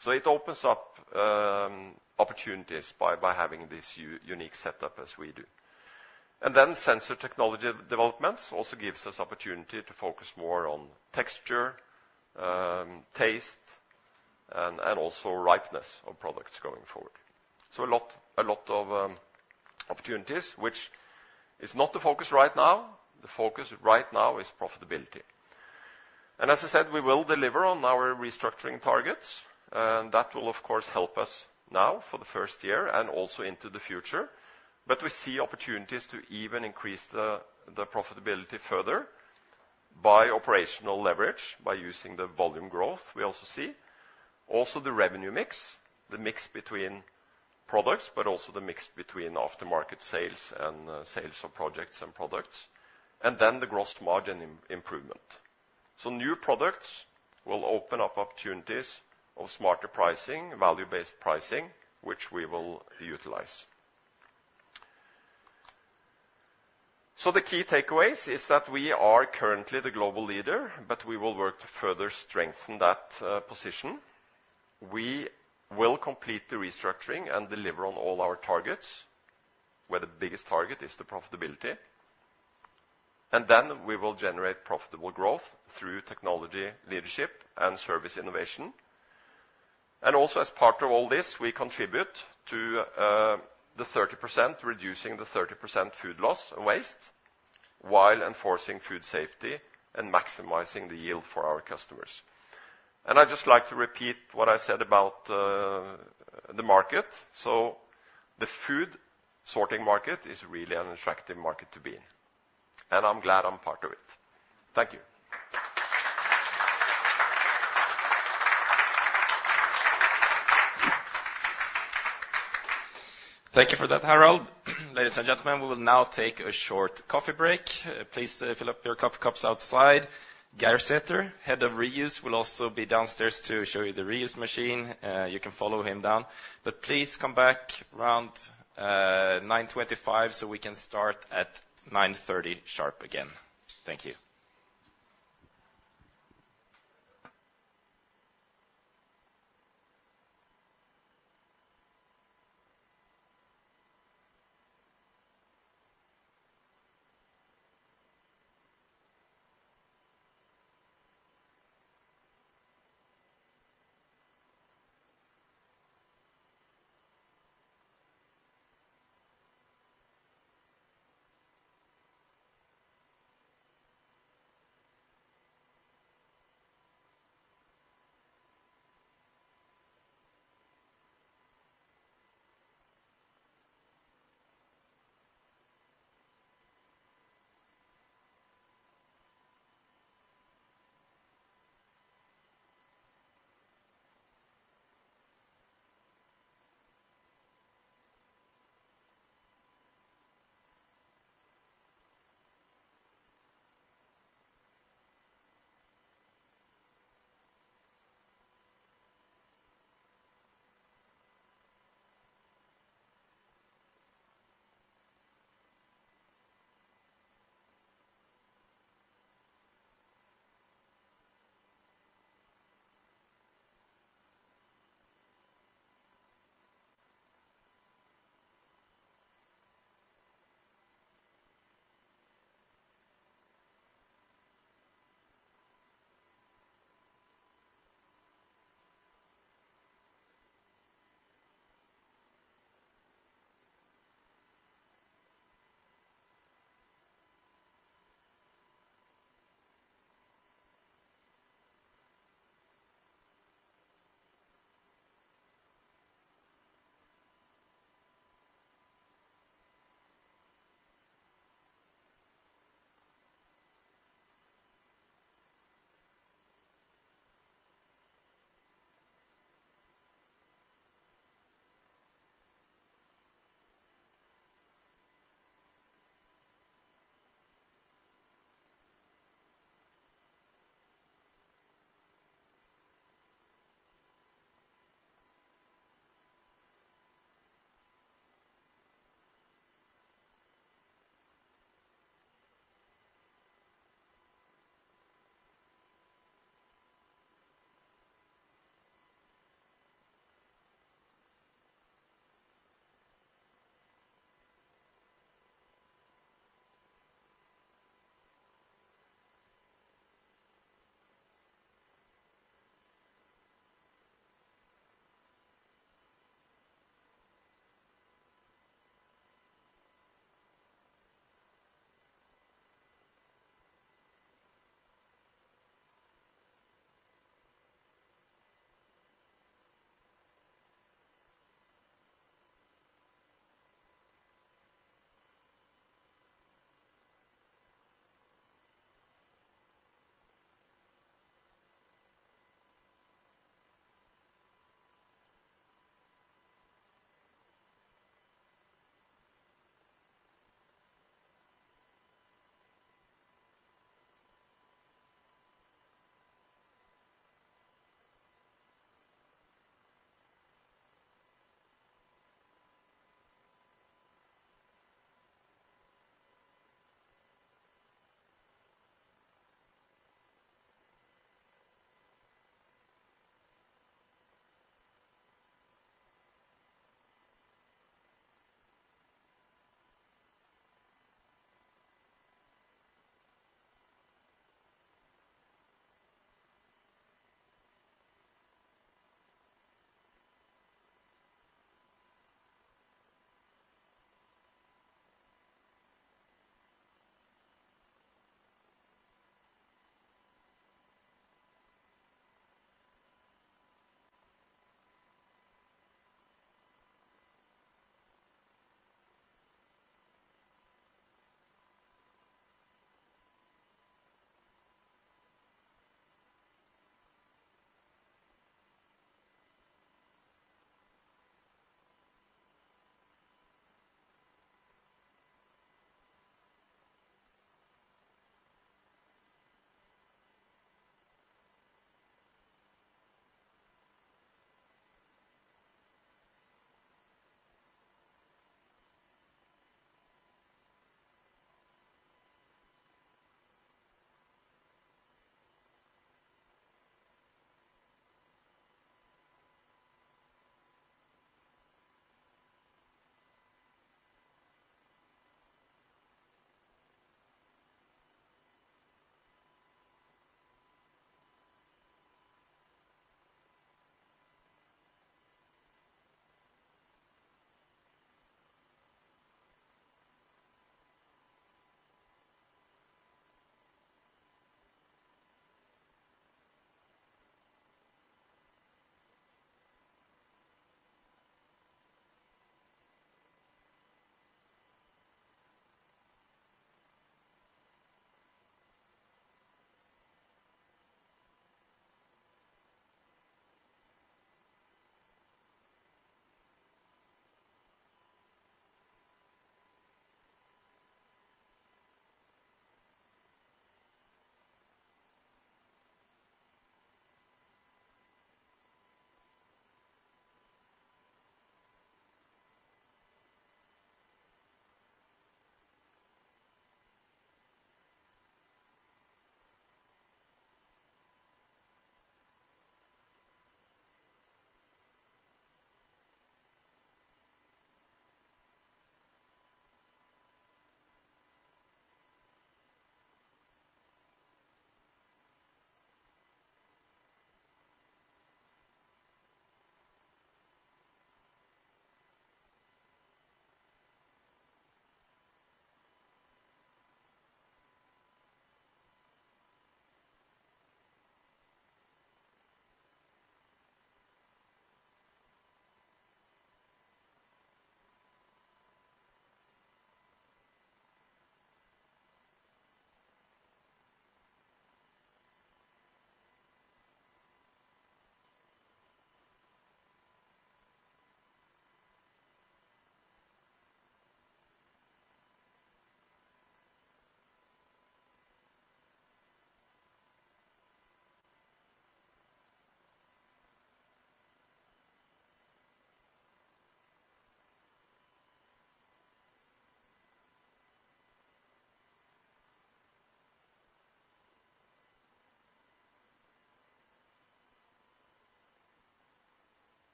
So it opens up opportunities by having this unique setup as we do, and then sensor technology developments also gives us opportunity to focus more on texture, taste, and also ripeness of products going forward, so a lot of opportunities, which is not the focus right now. The focus right now is profitability. And as I said, we will deliver on our restructuring targets, and that will, of course, help us now for the first year and also into the future. But we see opportunities to even increase the profitability further by operational leverage, by using the volume growth we also see. Also the revenue mix, the mix between products, but also the mix between after market sales and sales of projects and products, and then the gross margin improvement. So new products will open up opportunities of smarter pricing, value-based pricing, which we will utilize. So the key takeaways is that we are currently the global leader, but we will work to further strengthen that position. We will complete the restructuring and deliver on all our targets, where the biggest target is the profitability. And then we will generate profitable growth through technology, leadership, and service innovation. Also, as part of all this, we contribute to the 30%, reducing the 30% food loss and waste, while enforcing food safety and maximizing the yield for our customers. I'd just like to repeat what I said about the market. The food sorting market is really an attractive market to be in, and I'm glad I'm part of it. Thank you. Thank you for that, Harald. Ladies and gentlemen, we will now take a short coffee break. Please, fill up your coffee cups outside. Geir Sæther, Head of Reuse, will also be downstairs to show you the reuse machine. You can follow him down, but please come back around 9:25 A.M., so we can start at 9:30 A.M. sharp again. Thank you.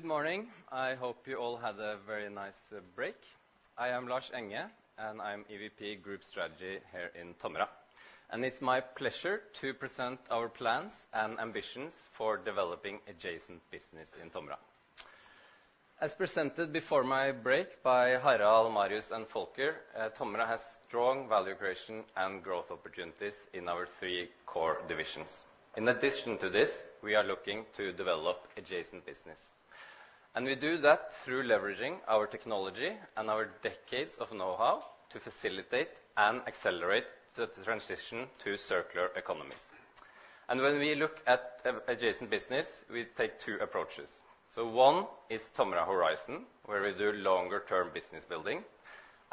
Good morning! I hope you all had a very nice break. I am Lars Enge, and I'm EVP Group Strategy here in TOMRA, and it's my pleasure to present our plans and ambitions for developing adjacent business in TOMRA. As presented before my break by Harald, Marius, and Volker, TOMRA has strong value creation and growth opportunities in our three core divisions. In addition to this, we are looking to develop adjacent business, and we do that through leveraging our technology and our decades of know-how to facilitate and accelerate the transition to circular economies. And when we look at adjacent business, we take two approaches. So one is TOMRA Horizon, where we do longer-term business building,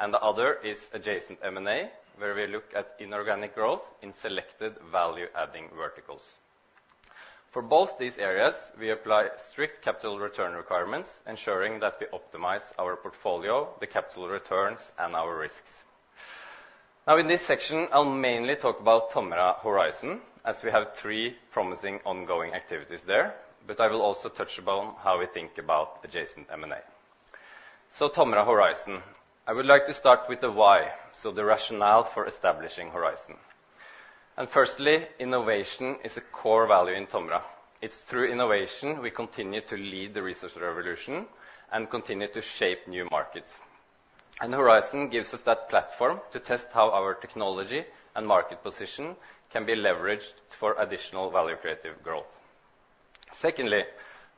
and the other is Adjacent M&A, where we look at inorganic growth in selected value-adding verticals. For both these areas, we apply strict capital return requirements, ensuring that we optimize our portfolio, the capital returns, and our risks. Now, in this section, I'll mainly talk about TOMRA Horizon, as we have three promising ongoing activities there, but I will also touch upon how we think about Adjacent M&A. TOMRA Horizon. I would like to start with the why, so the rationale for establishing Horizon. Firstly, innovation is a core value in TOMRA. It's through innovation, we continue to lead the resource revolution and continue to shape new markets. Horizon gives us that platform to test how our technology and market position can be leveraged for additional value creative growth. Secondly,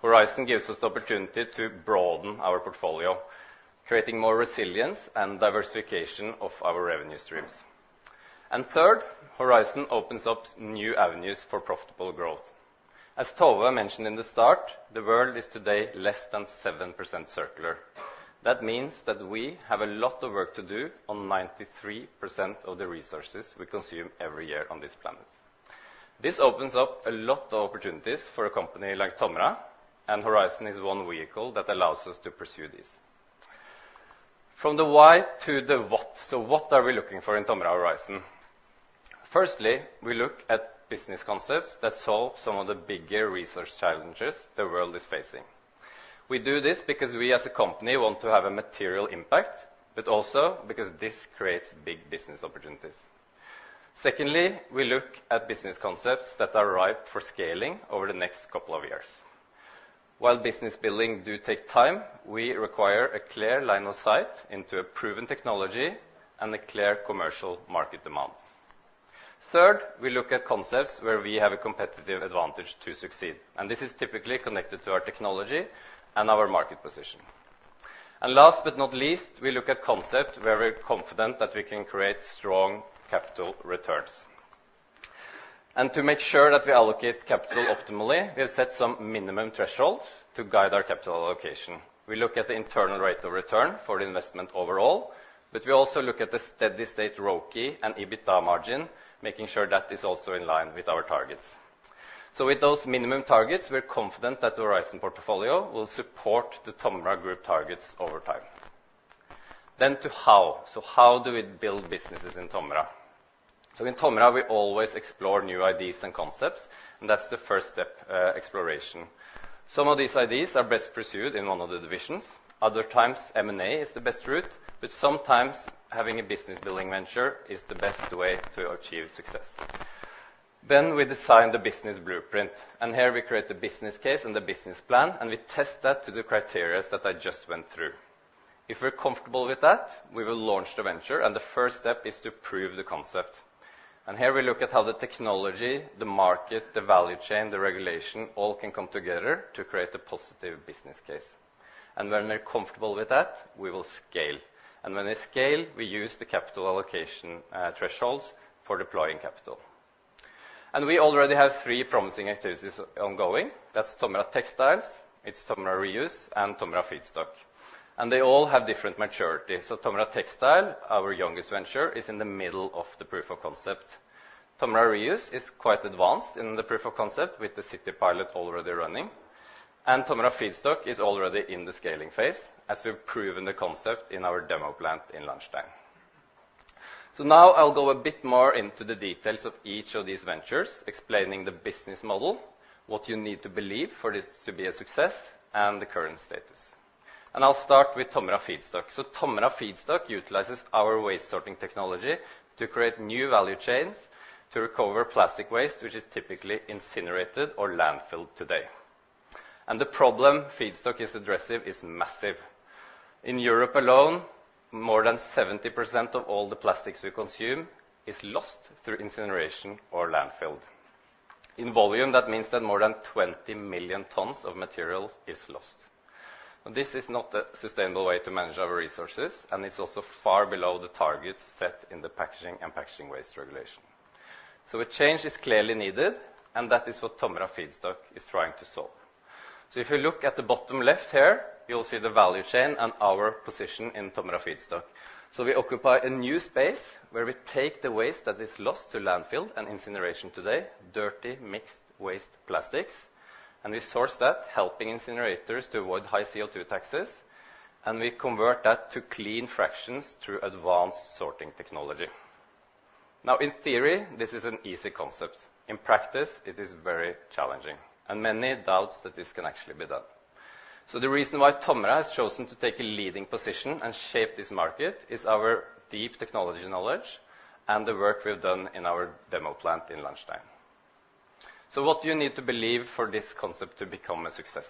Horizon gives us the opportunity to broaden our portfolio, creating more resilience and diversification of our revenue streams. Third, Horizon opens up new avenues for profitable growth. As Tove mentioned at the start, the world is today less than 7% circular. That means that we have a lot of work to do on 93% of the resources we consume every year on this planet. This opens up a lot of opportunities for a company like TOMRA, and Horizon is one vehicle that allows us to pursue this. From the why to the what: so what are we looking for in TOMRA Horizon? First, we look at business concepts that solve some of the bigger research challenges the world is facing. We do this because we, as a company, want to have a material impact, but also because this creates big business opportunities. Second, we look at business concepts that are ripe for scaling over the next couple of years. While business building do take time, we require a clear line of sight into a proven technology and a clear commercial market demand. Third, we look at concepts where we have a competitive advantage to succeed, and this is typically connected to our technology and our market position. And last but not least, we look at concept, where we're confident that we can create strong capital returns. And to make sure that we allocate capital optimally, we have set some minimum thresholds to guide our capital allocation. We look at the internal rate of return for the investment overall, but we also look at the steady-state ROCE and EBITDA margin, making sure that is also in line with our targets. So with those minimum targets, we're confident that the Horizon portfolio will support the TOMRA group targets over time. Then to how? So how do we build businesses in TOMRA? So in TOMRA, we always explore new ideas and concepts, and that's the first step, exploration. Some of these ideas are best pursued in one of the divisions. Other times, M&A is the best route, but sometimes having a business-building venture is the best way to achieve success. Then we design the business blueprint, and here we create the business case and the business plan, and we test that to the criteria that I just went through. If we're comfortable with that, we will launch the venture, and the first step is to prove the concept. And here we look at how the technology, the market, the value chain, the regulation, all can come together to create a positive business case. And when we're comfortable with that, we will scale. And when we scale, we use the capital allocation thresholds for deploying capital. We already have three promising activities ongoing. That's TOMRA Textiles, it's TOMRA Reuse, and TOMRA Feedstock, and they all have different maturity. TOMRA Textiles, our youngest venture, is in the middle of the proof of concept. TOMRA Reuse is quite advanced in the proof of concept, with the city pilot already running. TOMRA Feedstock is already in the scaling phase, as we've proven the concept in our demo plant in Lahnstein. Now I'll go a bit more into the details of each of these ventures, explaining the business model, what you need to believe for this to be a success, and the current status. I'll start with TOMRA Feedstock. TOMRA Feedstock utilizes our waste sorting technology to create new value chains to recover plastic waste, which is typically incinerated or landfilled today. The problem Feedstock is addressing is massive. In Europe alone, more than 70% of all the plastics we consume is lost through incineration or landfilled. In volume, that means that more than 20 million tons of material is lost. And this is not a sustainable way to manage our resources, and it's also far below the targets set in the Packaging and Packaging Waste Regulation. So a change is clearly needed, and that is what TOMRA Feedstock is trying to solve. So if you look at the bottom left here, you'll see the value chain and our position in TOMRA Feedstock. So we occupy a new space where we take the waste that is lost to landfill and incineration today, dirty, mixed waste plastics, and we source that, helping incinerators to avoid high CO2 taxes, and we convert that to clean fractions through advanced sorting technology. Now, in theory, this is an easy concept. In practice, it is very challenging, and many doubt that this can actually be done. The reason why TOMRA has chosen to take a leading position and shape this market is our deep technology knowledge and the work we've done in our demo plant in Lahnstein. What do you need to believe for this concept to become a success?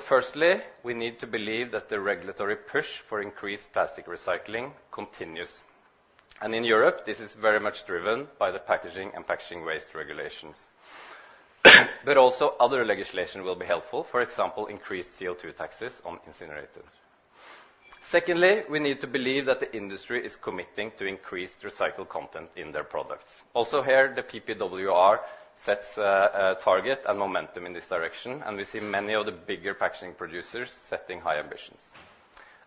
Firstly, we need to believe that the regulatory push for increased plastic recycling continues. In Europe, this is very much driven by the packaging and Packaging Waste Regulations. Other legislation will be helpful, for example, increased CO2 taxes on incinerators. Secondly, we need to believe that the industry is committing to increased recycled content in their products. Also here, the PPWR sets a target and momentum in this direction, and we see many of the bigger packaging producers setting high ambitions.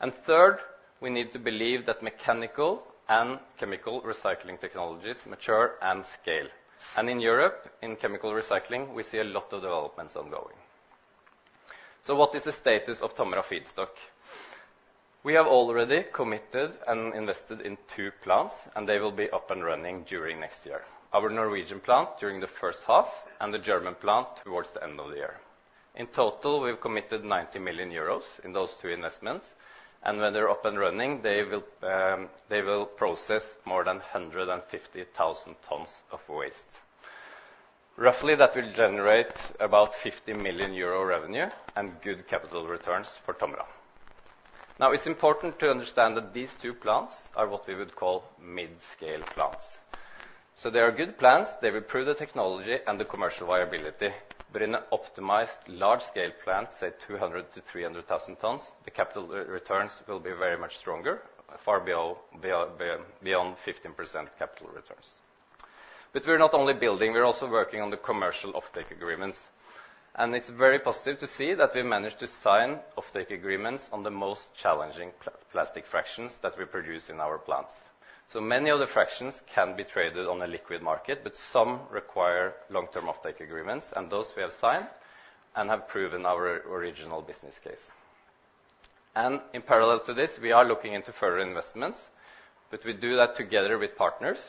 And third, we need to believe that mechanical and chemical recycling technologies mature and scale. And in Europe, in chemical recycling, we see a lot of developments ongoing. So what is the status of TOMRA Feedstock? We have already committed and invested in two plants, and they will be up and running during next year. Our Norwegian plant during the first half and the German plant towards the end of the year. In total, we've committed 90 million euros in those two investments, and when they're up and running, they will process more than 150,000 tons of waste. Roughly, that will generate about 50 million euro revenue and good capital returns for TOMRA. Now, it's important to understand that these two plants are what we would call mid-scale plants. So they are good plants. They will prove the technology and the commercial viability, but in an optimized large-scale plant, say, 200,000-300,000 tons, the capital returns will be very much stronger, far better, beyond 15% capital returns. But we're not only building, we're also working on the commercial offtake agreements, and it's very positive to see that we managed to sign offtake agreements on the most challenging plastic fractions that we produce in our plants. So many of the fractions can be traded on a liquid market, but some require long-term offtake agreements, and those we have signed and have proven our original business case. In parallel to this, we are looking into further investments, but we do that together with partners,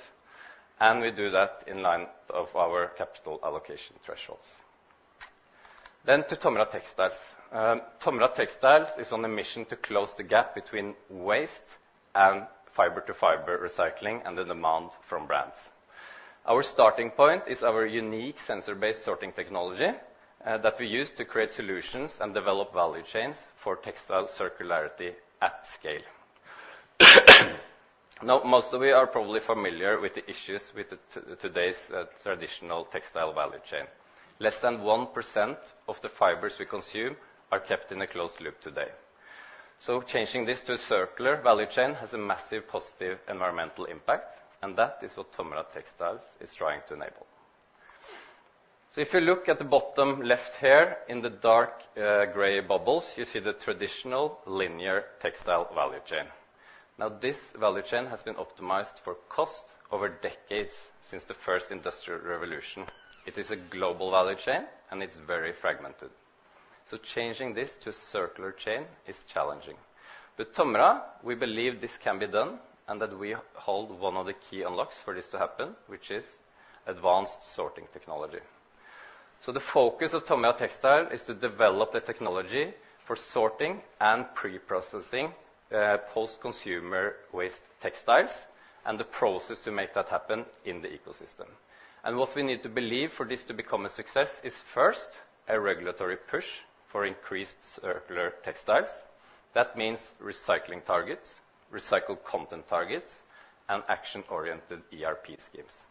and we do that in line with our capital allocation thresholds. To TOMRA Textiles. TOMRA Textiles is on a mission to close the gap between waste and fiber-to-fiber recycling and the demand from brands. Our starting point is our unique sensor-based sorting technology that we use to create solutions and develop value chains for textile circularity at scale. Now, most of you are probably familiar with the issues with today's traditional textile value chain. Less than 1% of the fibers we consume are kept in a closed loop today. So changing this to a circular value chain has a massive positive environmental impact, and that is what TOMRA Textiles is trying to enable. So if you look at the bottom left here, in the dark gray bubbles, you see the traditional linear textile value chain. Now, this value chain has been optimized for cost over decades since the first industrial revolution. It is a global value chain, and it's very fragmented, so changing this to a circular chain is challenging. With TOMRA, we believe this can be done, and that we hold one of the key unlocks for this to happen, which is advanced sorting technology. The focus of TOMRA Textiles is to develop the technology for sorting and pre-processing post-consumer waste textiles and the process to make that happen in the ecosystem. What we need to believe for this to become a success is, first, a regulatory push for increased circular textiles. That means recycling targets, recycled content targets, and action-oriented EPR schemes.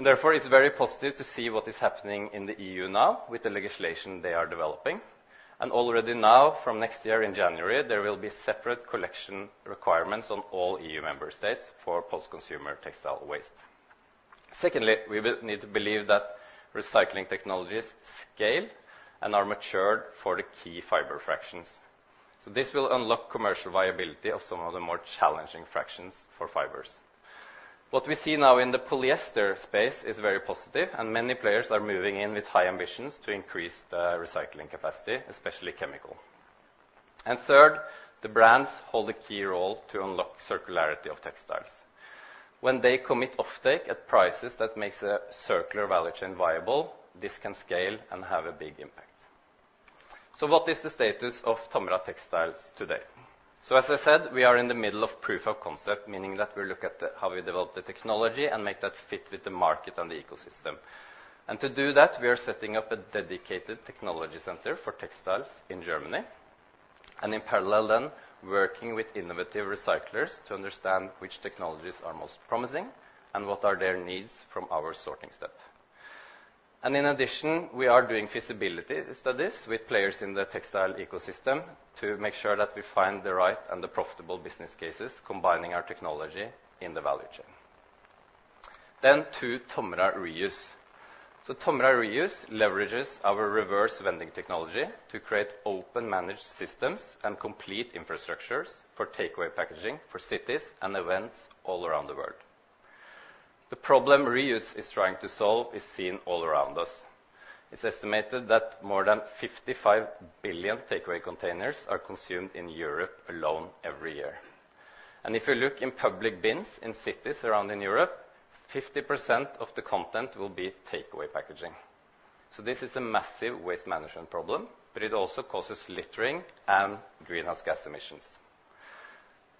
Therefore, it's very positive to see what is happening in the EU now with the legislation they are developing. Already now, from next year, in January, there will be separate collection requirements on all EU member states for post-consumer textile waste. Secondly, we will need to believe that recycling technologies scale and are matured for the key fiber fractions, so this will unlock commercial viability of some of the more challenging fractions for fibers. What we see now in the polyester space is very positive, and many players are moving in with high ambitions to increase the recycling capacity, especially chemical. And third, the brands hold a key role to unlock circularity of textiles. When they commit offtake at prices that makes a circular value chain viable, this can scale and have a big impact. So what is the status of TOMRA Textiles today? So, as I said, we are in the middle of proof of concept, meaning that we look at the, how we develop the technology and make that fit with the market and the ecosystem. To do that, we are setting up a dedicated technology center for textiles in Germany, and in parallel then, working with innovative recyclers to understand which technologies are most promising, and what are their needs from our sorting step. In addition, we are doing feasibility studies with players in the textile ecosystem to make sure that we find the right and the profitable business cases, combining our technology in the value chain. To TOMRA Reuse. TOMRA Reuse leverages our reverse vending technology to create open managed systems and complete infrastructures for takeaway packaging for cities and events all around the world. The problem Reuse is trying to solve is seen all around us. It's estimated that more than 55 billion takeaway containers are consumed in Europe alone every year. If you look in public bins in cities around in Europe, 50% of the content will be takeaway packaging. This is a massive waste management problem, but it also causes littering and greenhouse gas emissions.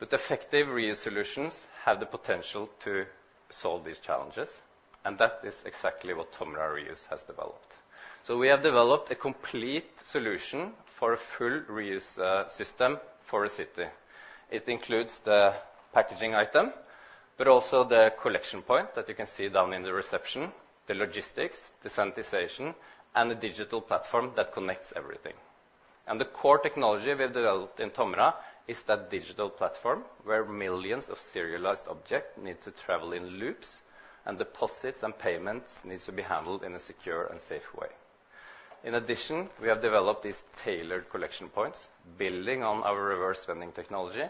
Effective reuse solutions have the potential to solve these challenges, and that is exactly what TOMRA Reuse has developed. We have developed a complete solution for a full reuse system for a city. It includes the packaging item, but also the collection point that you can see down in the reception, the logistics, the sanitization, and the digital platform that connects everything. The core technology we have developed in TOMRA is that digital platform, where millions of serialized objects need to travel in loops, and deposits and payments needs to be handled in a secure and safe way. In addition, we have developed these tailored collection points, building on our reverse vending technology,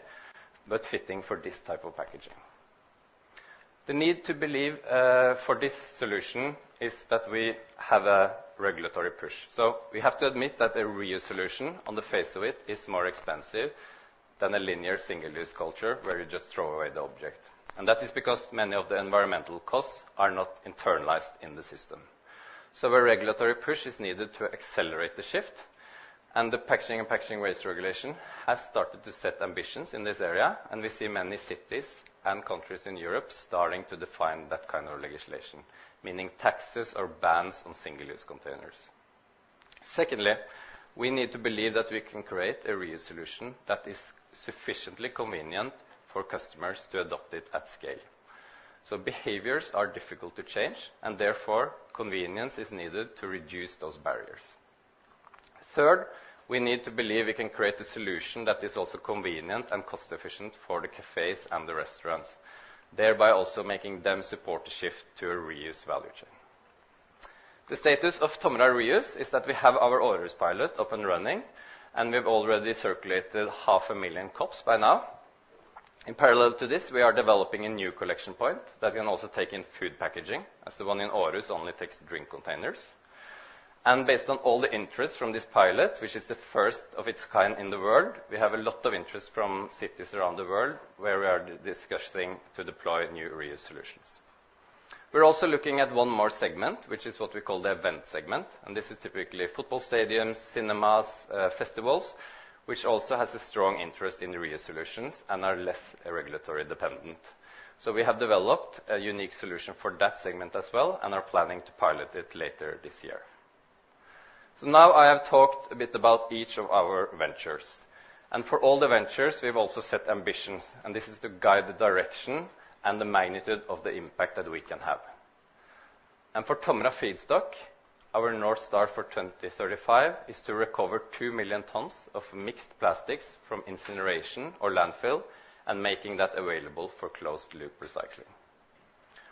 but fitting for this type of packaging. The need for this solution is that we have a regulatory push, so we have to admit that a reuse solution on the face of it is more expensive than a linear, single-use culture, where you just throw away the object, and that is because many of the environmental costs are not internalized in the system, so a regulatory push is needed to accelerate the shift, and the Packaging and Packaging Waste Regulation has started to set ambitions in this area, and we see many cities and countries in Europe starting to define that kind of legislation, meaning taxes or bans on single-use containers. Secondly, we need to believe that we can create a reuse solution that is sufficiently convenient for customers to adopt it at scale. So behaviors are difficult to change, and therefore, convenience is needed to reduce those barriers. Third, we need to believe we can create a solution that is also convenient and cost-efficient for the cafes and the restaurants, thereby also making them support the shift to a reuse value chain. The status of TOMRA Reuse is that we have our Aarhus pilot up and running, and we've already circulated 500,000 cups by now... In parallel to this, we are developing a new collection point that can also take in Food packaging, as the one in Aarhus only takes drink containers. Based on all the interest from this pilot, which is the first of its kind in the world, we have a lot of interest from cities around the world, where we are discussing to deploy new reuse solutions. We're also looking at one more segment, which is what we call the event segment, and this is typically football stadiums, cinemas, festivals, which also has a strong interest in reuse solutions and are less regulatory dependent. We have developed a unique solution for that segment as well, and are planning to pilot it later this year. Now I have talked a bit about each of our ventures, and for all the ventures, we've also set ambitions, and this is to guide the direction and the magnitude of the impact that we can have. For TOMRA Feedstock, our North Star for 2035 is to recover 2 million tons of mixed plastics from incineration or landfill, and making that available for closed-loop recycling.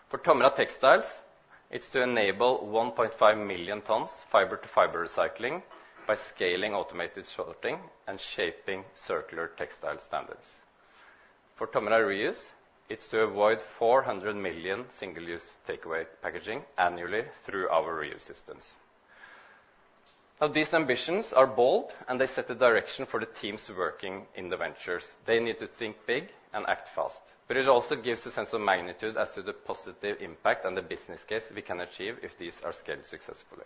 For TOMRA Textiles, it's to enable 1.5 million tons fiber-to-fiber recycling by scaling automated sorting and shaping circular textile standards. For TOMRA Reuse, it's to avoid 400 million single-use takeaway packaging annually through our reuse systems. Now, these ambitions are bold, and they set a direction for the teams working in the ventures. They need to think big and act fast, but it also gives a sense of magnitude as to the positive impact on the business case we can achieve if these are scaled successfully.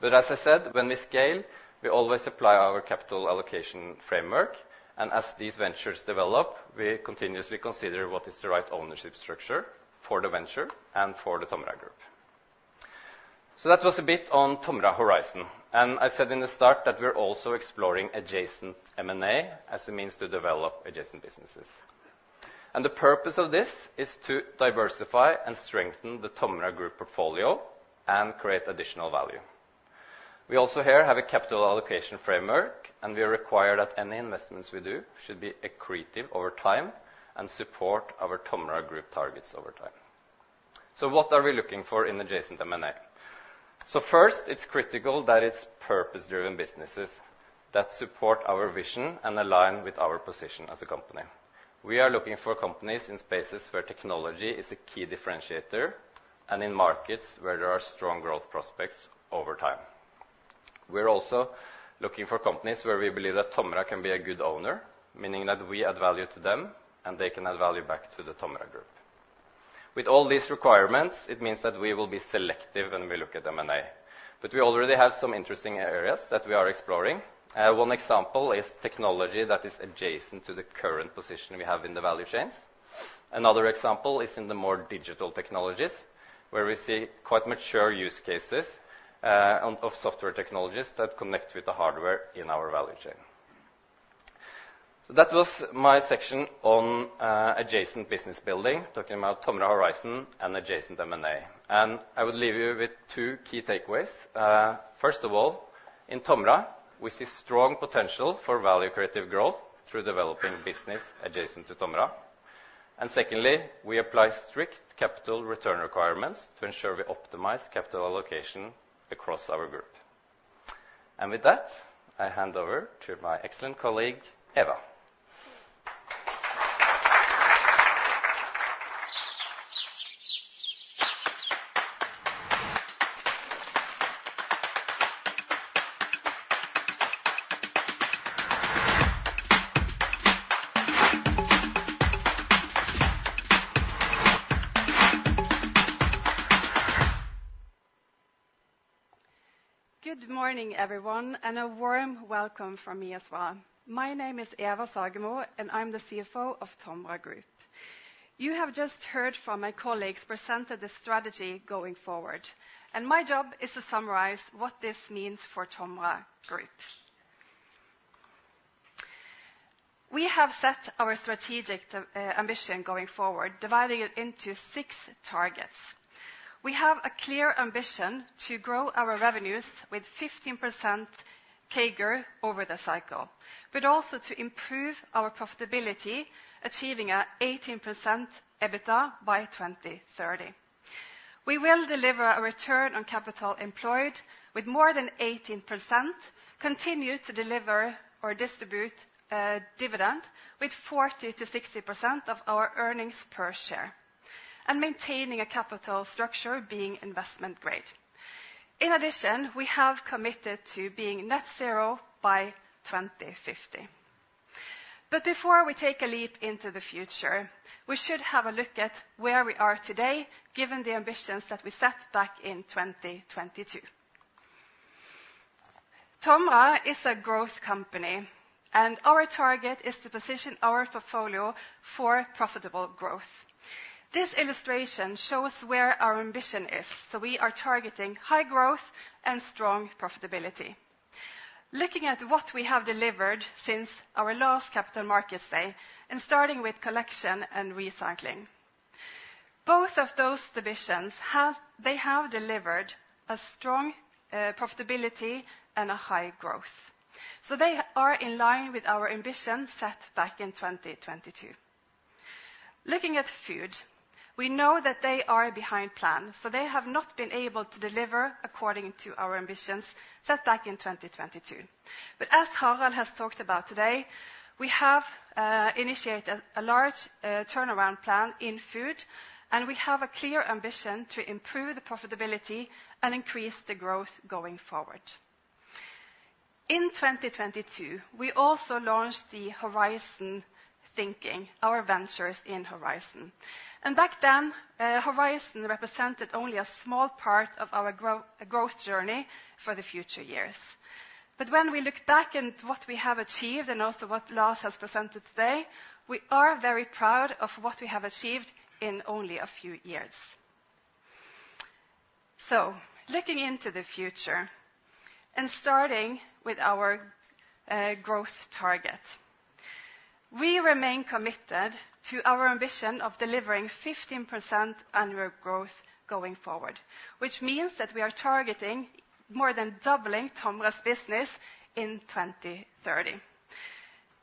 But as I said, when we scale, we always apply our capital allocation framework, and as these ventures develop, we continuously consider what is the right ownership structure for the venture and for the TOMRA Group. So that was a bit on TOMRA Horizon, and I said in the start that we're also exploring adjacent M&A as a means to develop adjacent businesses. And the purpose of this is to diversify and strengthen the TOMRA Group portfolio and create additional value. We also here have a capital allocation framework, and we are required that any investments we do should be accretive over time and support our TOMRA Group targets over time. So what are we looking for in adjacent M&A? So first, it's critical that it's purpose-driven businesses that support our vision and align with our position as a company. We are looking for companies in spaces where technology is a key differentiator and in markets where there are strong growth prospects over time. We're also looking for companies where we believe that TOMRA can be a good owner, meaning that we add value to them, and they can add value back to the TOMRA Group. With all these requirements, it means that we will be selective when we look at M&A, but we already have some interesting areas that we are exploring. One example is technology that is adjacent to the current position we have in the value chains. Another example is in the more digital technologies, where we see quite mature use cases, on, of software technologies that connect with the hardware in our value chain. So that was my section on adjacent business building, talking about TOMRA Horizon and adjacent M&A, and I will leave you with two key takeaways. First of all, in TOMRA, we see strong potential for value creative growth through developing business adjacent to TOMRA. And secondly, we apply strict capital return requirements to ensure we optimize capital allocation across our group. And with that, I hand over to my excellent colleague, Eva. Good morning, everyone, and a warm welcome from me as well. My name is Eva Sagemo, and I'm the CFO of TOMRA Group. You have just heard from my colleagues presented the strategy going forward, and my job is to summarize what this means for TOMRA Group. We have set our strategic ambition going forward, dividing it into six targets. We have a clear ambition to grow our revenues with 15% CAGR over the cycle, but also to improve our profitability, achieving an 18% EBITDA by 2030. We will deliver a return on capital employed with more than 18%, continue to deliver or distribute dividend with 40%-60% of our earnings per share, and maintaining a capital structure being investment grade. In addition, we have committed to Net Zero by 2050. But before we take a leap into the future, we should have a look at where we are today, given the ambitions that we set back in 2022. TOMRA is a growth company, and our target is to position our portfolio for profitable growth. This illustration shows where our ambition is, so we are targeting high growth and strong profitability. Looking at what we have delivered since our last Capital Markets Day, and starting with Collection and Recycling. Both of those divisions have, they have delivered a strong profitability and a high growth, so they are in line with our ambition set back in 2022. Looking at Food, we know that they are behind plan, so they have not been able to deliver according to our ambitions set back in 2022. But as Harald has talked about today, we have initiated a large turnaround plan in Food, and we have a clear ambition to improve the profitability and increase the growth going forward. In 2022, we also launched the Horizon thinking, our ventures in Horizon. And back then, Horizon represented only a small part of our growth journey for the future years. But when we look back at what we have achieved and also what Lars has presented today, we are very proud of what we have achieved in only a few years. So looking into the future, and starting with our growth target, we remain committed to our ambition of delivering 15% annual growth going forward, which means that we are targeting more than doubling TOMRA's business in 2030.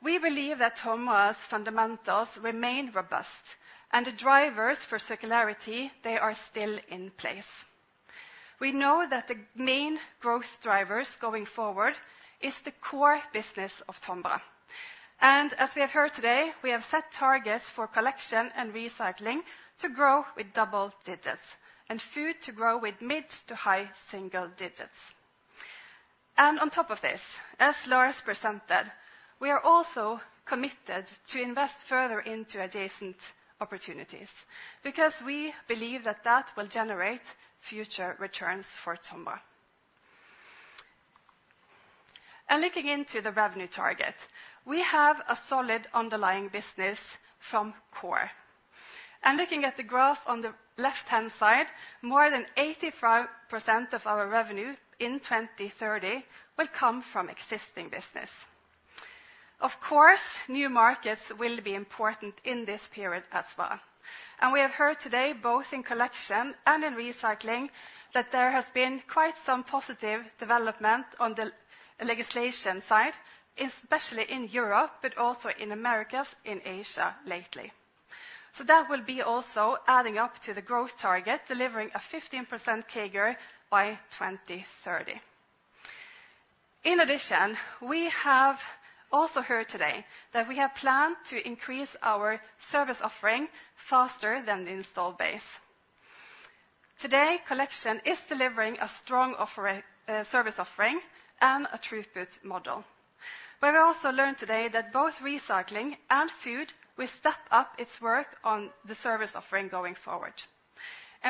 We believe that TOMRA's fundamentals remain robust, and the drivers for circularity, they are still in place. We know that the main growth drivers going forward is the core business of TOMRA, and as we have heard today, we have set targets for Collection and Recycling to grow with double digits, and food to grow with mid to high single digits, and on top of this, as Lars presented, we are also committed to invest further into adjacent opportunities, because we believe that that will generate future returns for TOMRA, and looking into the revenue target, we have a solid underlying business from core, and looking at the graph on the left-hand side, more than 85% of our revenue in 2030 will come from existing business. Of course, new markets will be important in this period as well, and we have heard today, both in Collection and in Recycling, that there has been quite some positive development on the legislation side, especially in Europe, but also in Americas, in Asia lately, so that will be also adding up to the growth target, delivering a 15% CAGR by 2030. In addition, we have also heard today that we have planned to increase our service offering faster than the install base. Today, Collection is delivering a strong service offering and a throughput model, but we also learned today that both Recycling and Food will step up its work on the service offering going forward.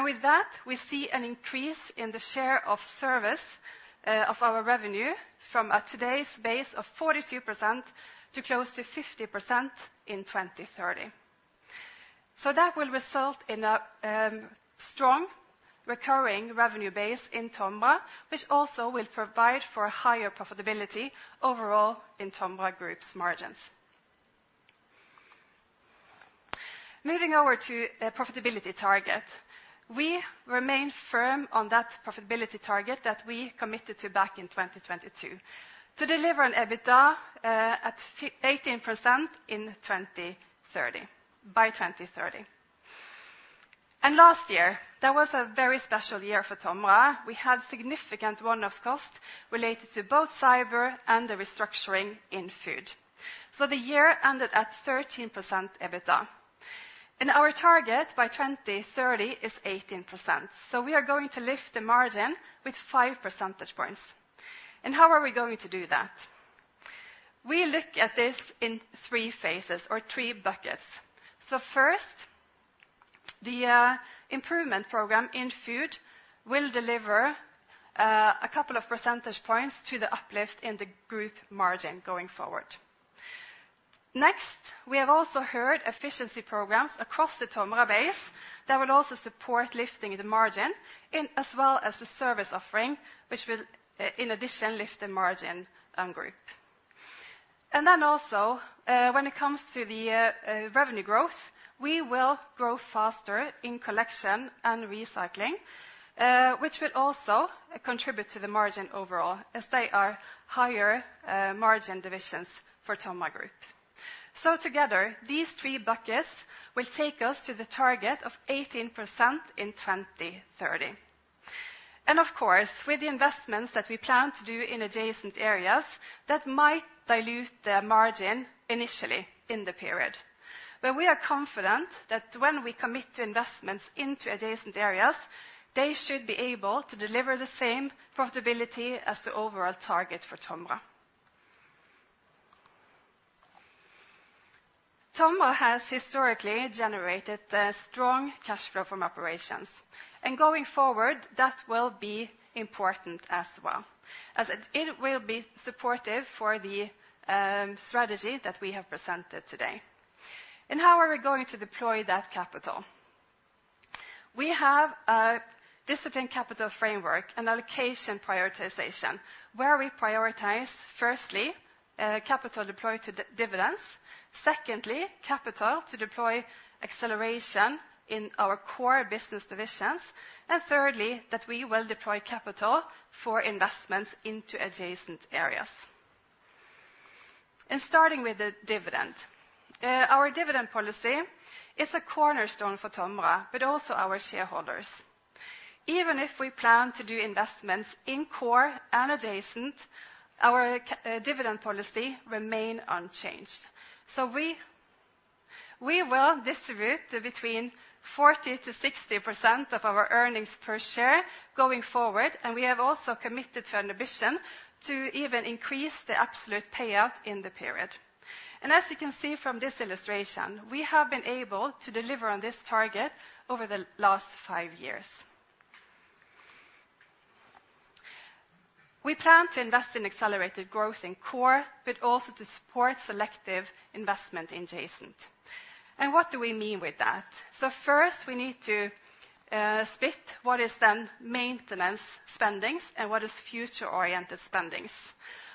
With that, we see an increase in the share of service of our revenue from today's base of 42% to close to 50% in 2030. That will result in a strong recurring revenue base in TOMRA, which also will provide for higher profitability overall in TOMRA Group's margins. Moving over to a profitability target, we remain firm on that profitability target that we committed to back in 2022, to deliver an EBITDA at 18% in 2030 by 2030. Last year, that was a very special year for TOMRA. We had significant one-off costs related to both cyber and the restructuring in Food. The year ended at 13% EBITDA, and our target by 2030 is 18%. We are going to lift the margin with 5 percentage points. And how are we going to do that? We look at this in three phases or three buckets. So first, the improvement program in Food will deliver a couple of percentage points to the uplift in the group margin going forward. Next, we have also heard efficiency programs across the TOMRA base that will also support lifting the margin, in as well as the service offering, which will in addition lift the margin group. And then also, when it comes to the revenue growth, we will grow faster in Collection and Recycling, which will also contribute to the margin overall, as they are higher margin divisions for TOMRA Group. So together, these three buckets will take us to the target of 18% in 2030. Of course, with the investments that we plan to do in adjacent areas, that might dilute the margin initially in the period. But we are confident that when we commit to investments into adjacent areas, they should be able to deliver the same profitability as the overall target for TOMRA. TOMRA has historically generated a strong cash flow from operations, and going forward, that will be important as well, as it will be supportive for the strategy that we have presented today. How are we going to deploy that capital? We have a disciplined capital framework and allocation prioritization, where we prioritize, firstly, capital deployed to dividends, secondly, capital to deploy acceleration in our core business divisions, and thirdly, that we will deploy capital for investments into adjacent areas. And starting with the dividend. Our dividend policy is a cornerstone for TOMRA, but also our shareholders. Even if we plan to do investments in core and adjacent, our dividend policy remains unchanged. So we will distribute between 40% and 60% of our earnings per share going forward, and we have also committed to an ambition to even increase the absolute payout in the period. As you can see from this illustration, we have been able to deliver on this target over the last five years. We plan to invest in accelerated growth in core, but also to support selective investment in adjacent. What do we mean with that? So first, we need to split what is then maintenance spendings and what is future-oriented spendings.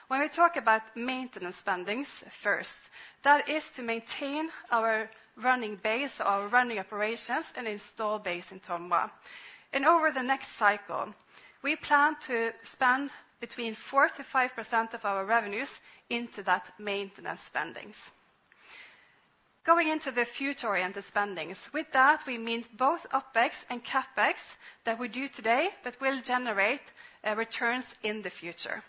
When we talk about maintenance spendings first, that is to maintain our running base, our running operations, and installed base in TOMRA. And over the next cycle, we plan to spend between 4-5% of our revenues into that maintenance spendings. Going into the future-oriented spendings, with that, we mean both OpEx and CapEx that we do today, but will generate returns in the future.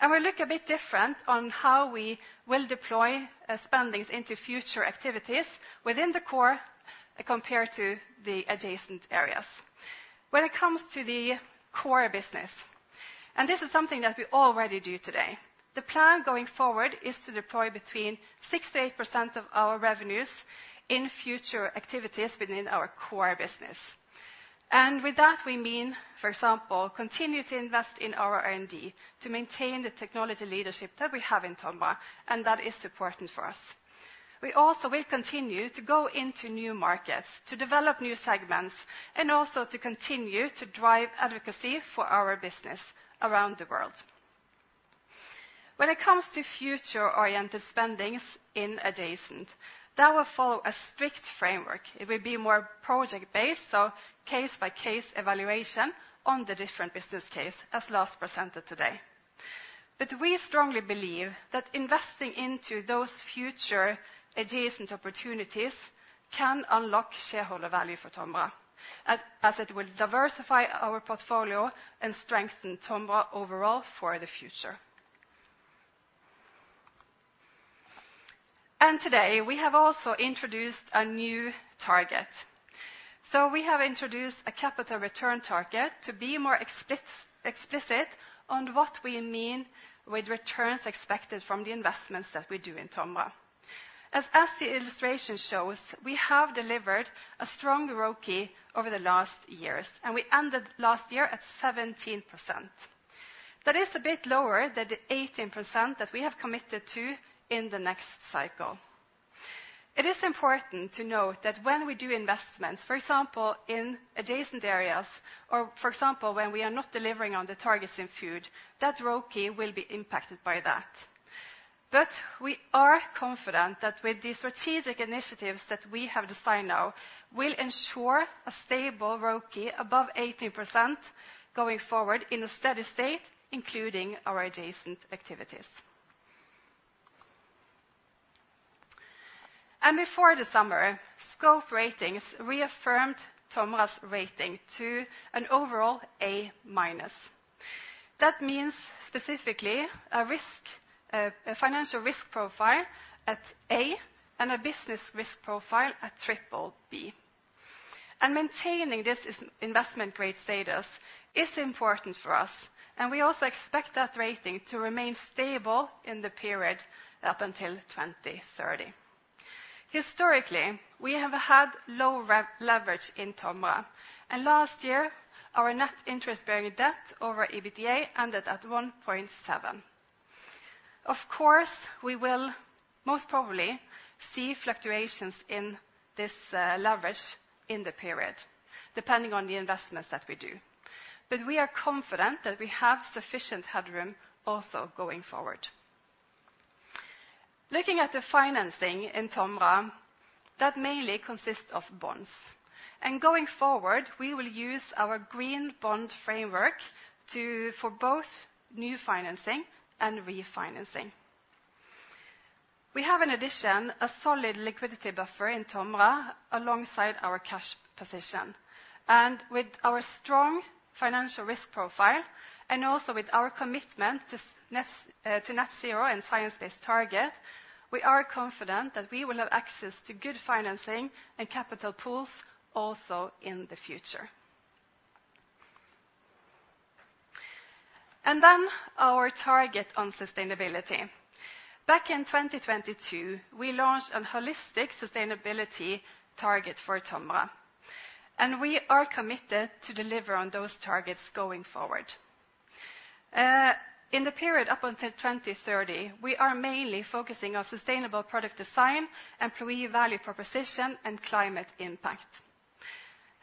And we look a bit different on how we will deploy spendings into future activities within the core, compared to the adjacent areas. When it comes to the core business, and this is something that we already do today, the plan going forward is to deploy between 6%-8% of our revenues in future activities within our core business. And with that, we mean, for example, continue to invest in our R&D to maintain the technology leadership that we have in TOMRA, and that is important for us. We also will continue to go into new markets, to develop new segments, and also to continue to drive advocacy for our business around the world. When it comes to future-oriented spending in adjacent, that will follow a strict framework. It will be more project-based, so case-by-case evaluation on the different business case, as Lars presented today. But we strongly believe that investing into those future adjacent opportunities can unlock shareholder value for TOMRA, as it will diversify our portfolio and strengthen TOMRA overall for the future, and today we have also introduced a new target. We have introduced a capital return target to be more explicit on what we mean with returns expected from the investments that we do in TOMRA. As the illustration shows, we have delivered a strong ROCE over the last years, and we ended last year at 17%. That is a bit lower than the 18% that we have committed to in the next cycle. It is important to note that when we do investments, for example, in adjacent areas, or for example, when we are not delivering on the targets in Food, that ROCE will be impacted by that. But we are confident that with the strategic initiatives that we have decided now, we'll ensure a stable ROCE above 18% going forward in a steady state, including our adjacent activities. And before the summer, Scope Ratings reaffirmed TOMRA's rating to an overall A-. That means specifically a risk, a financial risk profile at A, and a business risk profile at BBB. And maintaining this investment grade status is important for us, and we also expect that rating to remain stable in the period up until 2030. Historically, we have had low leverage in TOMRA, and last year, our net interest bearing debt over EBITDA ended at 1.7. Of course, we will most probably see fluctuations in this leverage in the period, depending on the investments that we do. But we are confident that we have sufficient headroom also going forward. Looking at the financing in TOMRA, that mainly consists of bonds. And going forward, we will use our green bond framework to for both new financing and refinancing. We have, in addition, a solid liquidity buffer in TOMRA alongside our cash position. And with our strong financial risk profile, and also with our commitment Net Zero and science-based target, we are confident that we will have access to good financing and capital pools also in the future. And then our target on sustainability. Back in 2022, we launched a holistic sustainability target for TOMRA, and we are committed to deliver on those targets going forward. In the period up until 2030, we are mainly focusing on sustainable product design, employee value proposition, and climate impact.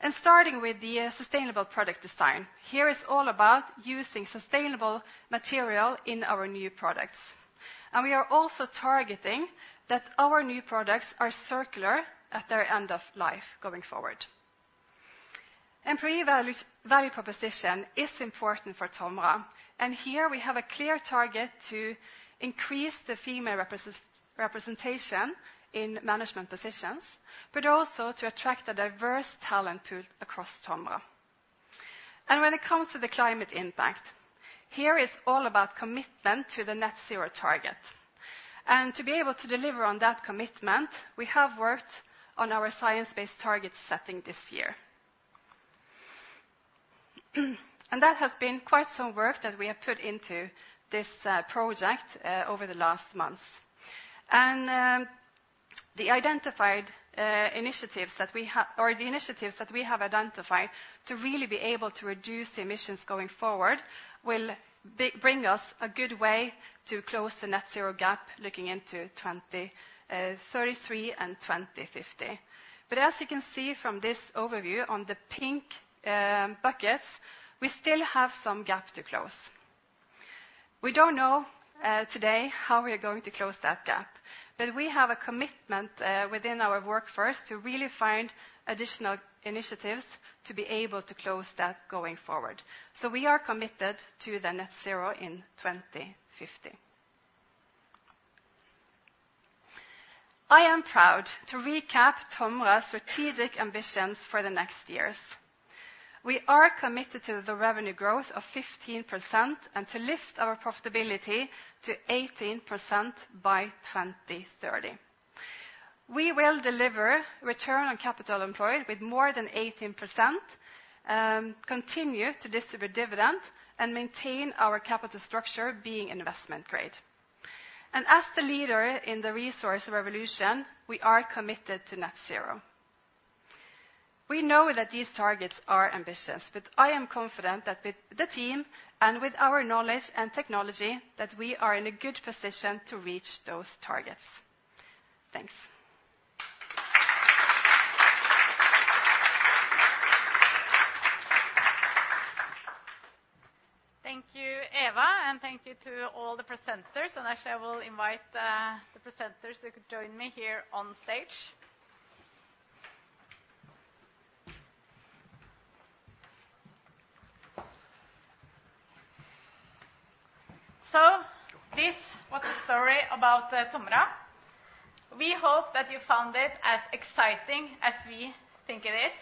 Starting with the sustainable product design, it's all about using sustainable material in our new products, and we are also targeting that our new products are circular at their end of life going forward. Employee value proposition is important for TOMRA, and here we have a clear target to increase the female representation in management positions, but also to attract a diverse talent pool across TOMRA. When it comes to the climate impact, it's all about commitment to Net Zero target. To be able to deliver on that commitment, we have worked on our science-based target setting this year. That has been quite some work that we have put into this project over the last months. The initiatives that we have identified to really be able to reduce emissions going forward will bring us a good way to close Net Zero gap, looking into 2033 and 2050. As you can see from this overview on the pink buckets, we still have some gap to close. We don't know today how we are going to close that gap. We have a commitment within our workforce to really find additional initiatives to be able to close that going forward. We are committed Net Zero in 2050. I am proud to recap TOMRA's strategic ambitions for the next years. We are committed to the revenue growth of 15%, and to lift our profitability to 18% by 2030. We will deliver return on capital employed with more than 18%, continue to distribute dividend, and maintain our capital structure being investment grade. And as the leader in the resource revolution, we are committed Net Zero. we know that these targets are ambitious, but I am confident that with the team and with our knowledge and technology, that we are in a good position to reach those targets. Thanks. Thank you, Eva, and thank you to all the presenters. And actually, I will invite the presenters who could join me here on stage. So this was the story about TOMRA. We hope that you found it as exciting as we think it is.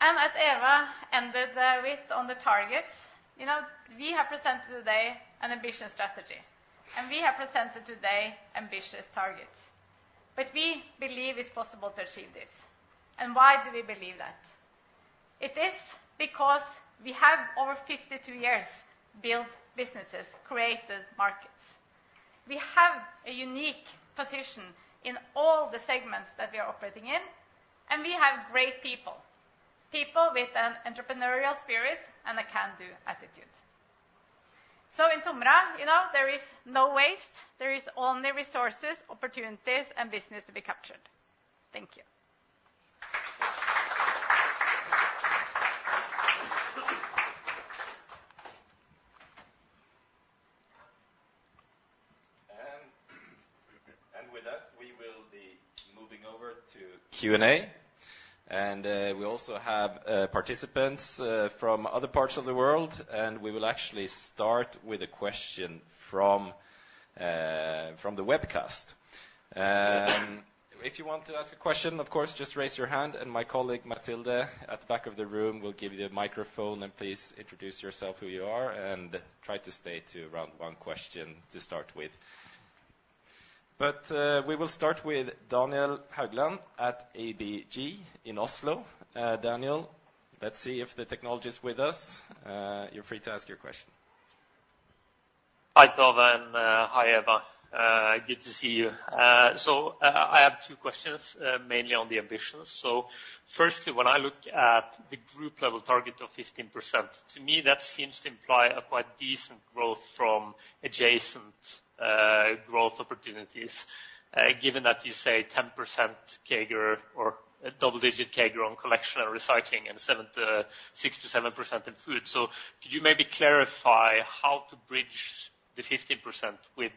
And as Eva ended with on the targets, you know, we have presented today an ambitious strategy, and we have presented today ambitious targets, but we believe it's possible to achieve this. And why do we believe that? It is because we have over 52 years built businesses, created markets. We have a unique position in all the segments that we are operating in, and we have great people, people with an entrepreneurial spirit and a can-do attitude. So in TOMRA, you know, there is no waste, there is only resources, opportunities, and business to be captured. Thank you. And with that, we will be moving over to Q&A. And we also have participants from other parts of the world, and we will actually start with a question from the webcast. If you want to ask a question, of course, just raise your hand, and my colleague, Mathilda, at the back of the room, will give you a microphone. And please introduce yourself, who you are, and try to stay to around one question to start with. But we will start with Daniel Haugland at ABG in Oslo. Daniel, let's see if the technology is with us. You're free to ask your question. Hi, Tove, and, hi, Eva. Good to see you. So, I have two questions, mainly on the ambitions. So firstly, when I look at the group level target of 15%, to me, that seems to imply a quite decent growth from adjacent, growth opportunities, given that you say 10% CAGR or a double-digit CAGR on Collection and Recycling, and 6%-7% in Food. So could you maybe clarify how to bridge the 15% with,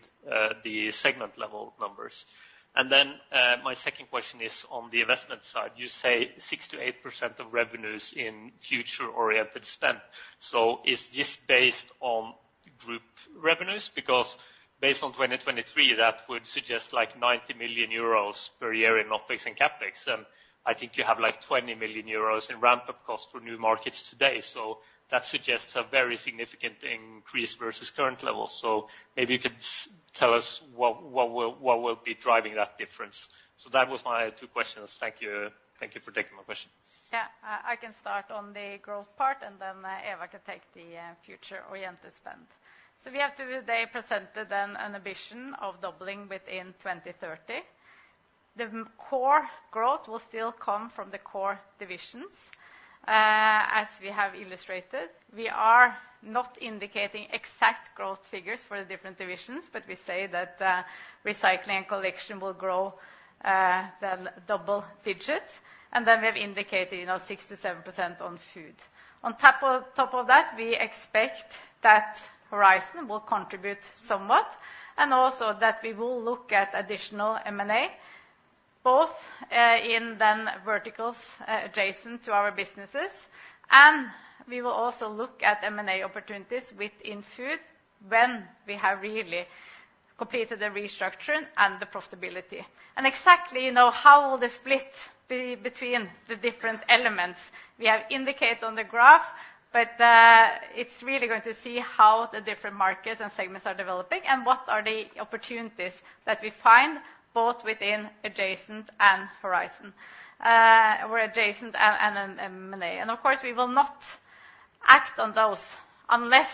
the segment-level numbers? And then, my second question is on the investment side. You say 6%-8% of revenues in future-oriented spend. So is this based on group revenues? Because based on 2023, that would suggest like 90 million euros per year in OpEx and CapEx, and I think you have, like, 20 million euros in ramp-up costs for new markets today. So that suggests a very significant increase versus current levels. So maybe you could tell us what, what will, what will be driving that difference. So that was my two questions. Thank you. Thank you for taking my questions. Yeah, I can start on the growth part, and then Eva can take the future-oriented spend. So we have today presented an ambition of doubling within 2030. The core growth will still come from the core divisions. As we have illustrated, we are not indicating exact growth figures for the different divisions, but we say that Recycling and Collection will grow in double digits, and then we've indicated, you know, 6%-7% on Food. On top of that, we expect that Horizon will contribute somewhat, and also that we will look at additional M&A both in the verticals adjacent to our businesses, and we will also look at M&A opportunities within Food when we have really completed the restructuring and the profitability. Exactly, you know, how will the split be between the different elements? We have indicated on the graph, but it's really going to see how the different markets and segments are developing, and what are the opportunities that we find both within adjacent and horizon, or adjacent and M&A. And of course, we will not act on those unless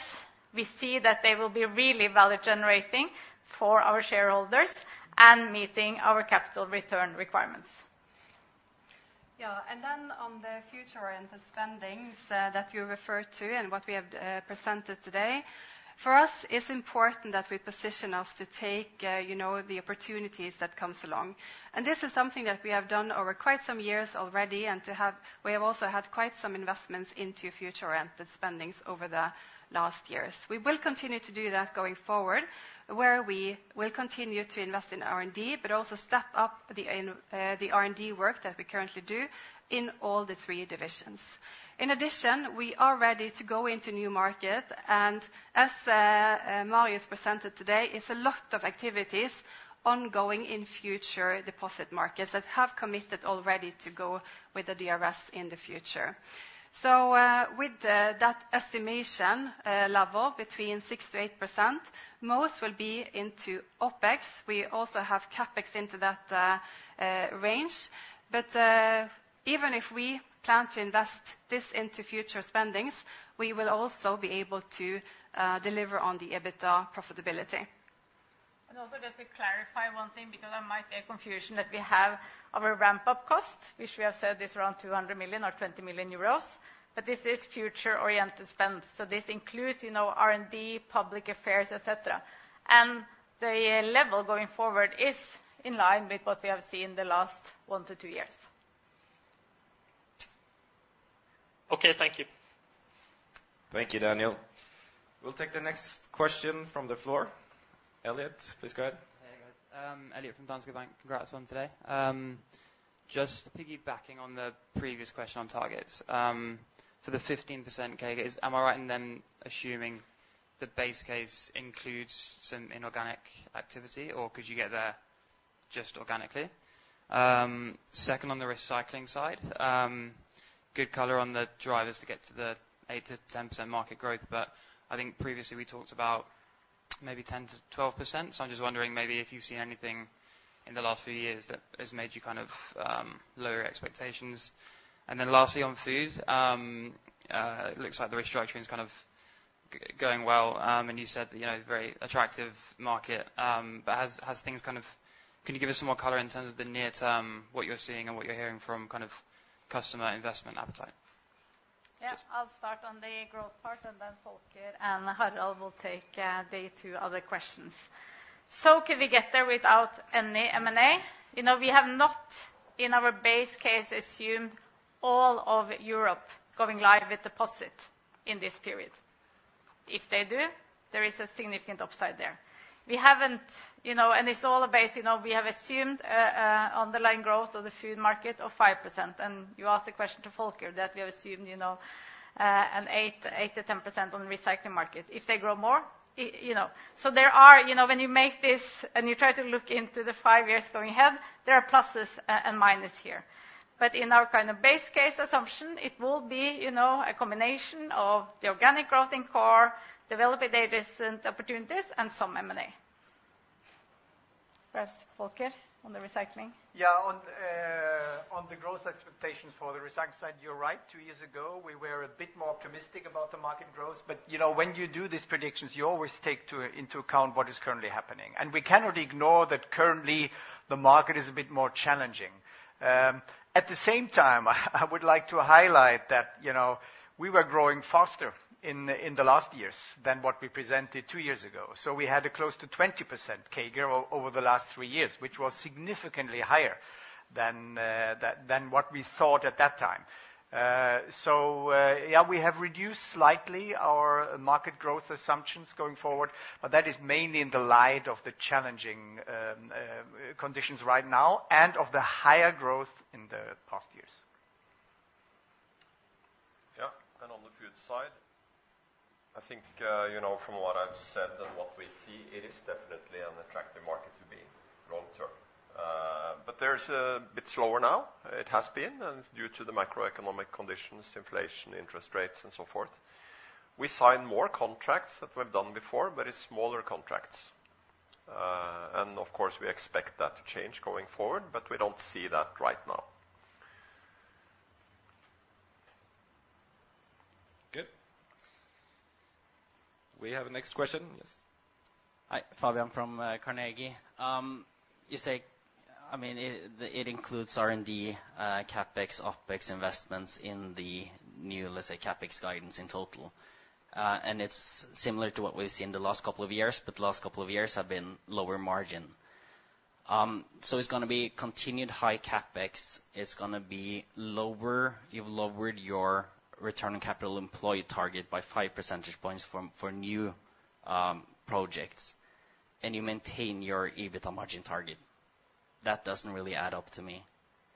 we see that they will be really value-generating for our shareholders and meeting our capital return requirements. Yeah, and then on the future-oriented spendings that you referred to and what we have presented today, for us, it's important that we position us to take, you know, the opportunities that comes along. This is something that we have done over quite some years already. We have also had quite some investments into future-oriented spendings over the last years. We will continue to do that going forward, where we will continue to invest in R&D, but also step up the in the R&D work that we currently do in all the three divisions. In addition, we are ready to go into new market, and as Marius presented today, it's a lot of activities ongoing in future deposit markets that have committed already to go with the DRS in the future. So, with that estimation level between 6% to 8%, most will be into OpEx. We also have CapEx into that range. But even if we plan to invest this into future spendings, we will also be able to deliver on the EBITDA profitability. And also, just to clarify one thing, because I might get confusion, that we have our ramp-up cost, which we have said is around 200 million or 20 million euros, but this is future-oriented spend, so this includes, you know, R&D, public affairs, et cetera. And the level going forward is in line with what we have seen the last one to two years. Okay, thank you. Thank you, Daniel. We'll take the next question from the floor. Elliott, please go ahead. Hey, guys. Elliott from Danske Bank. Congrats on today. Just piggybacking on the previous question on targets, for the 15% CAGR, am I right in then assuming the base case includes some inorganic activity, or could you get there just organically? Second, on the recycling side, good color on the drivers to get to the 8%-10% market growth, but I think previously we talked about maybe 10%-12%. So I'm just wondering maybe if you've seen anything in the last few years that has made you kind of lower your expectations. And then lastly, on Food, it looks like the restructuring is kind of going well, and you said that, you know, very attractive market, but has things kind of... Can you give us some more color in terms of the near term, what you're seeing and what you're hearing from kind of customer investment appetite? Yeah, I'll start on the growth part, and then Volker and Harald will take the two other questions. So could we get there without any M&A? You know, we have not, in our base case, assumed all of Europe going live with deposit in this period. If they do, there is a significant upside there. We haven't, you know, and it's all based, you know, we have assumed underlying growth of the food market of 5%, and you asked a question to Volker that we have assumed, you know, an 8%-10% on recycling market. If they grow more, you know. So there are, you know, when you make this, and you try to look into the five years going ahead, there are pluses and minuses here. But in our kind of base case assumption, it will be, you know, a combination of the organic growth in core, developing the recent opportunities, and some M&A. Perhaps Volker on the recycling? Yeah, on the growth expectations for the recycling side, you're right. Two years ago, we were a bit more optimistic about the market growth, but, you know, when you do these predictions, you always take into account what is currently happening, and we cannot ignore that currently the market is a bit more challenging. At the same time, I would like to highlight that, you know, we were growing faster in the last years than what we presented two years ago. So we had a close to 20% CAGR over the last three years, which was significantly higher than what we thought at that time. So, yeah, we have reduced slightly our market growth assumptions going forward, but that is mainly in the light of the challenging conditions right now and of the higher growth in the past years. Yeah, and on the Food side, I think, you know, from what I've said and what we see, it is definitely an attractive market to be in long term, but it's a bit slower now. It has been, and it's due to the macroeconomic conditions, inflation, interest rates, and so forth. We sign more contracts than we've done before, but it's smaller contracts, and of course, we expect that to change going forward, but we don't see that right now. Good. We have a next question. Yes? Hi, Fabian from Carnegie. You say, I mean, it includes R&D, CapEx, OpEx investments in the new, let's say, CapEx guidance in total. And it's similar to what we've seen the last couple of years, but the last couple of years have been lower margin. So it's gonna be continued high CapEx, it's gonna be lower. You've lowered your return on capital employed target by 5 percentage points for new projects, and you maintain your EBITDA margin target. That doesn't really add up to me.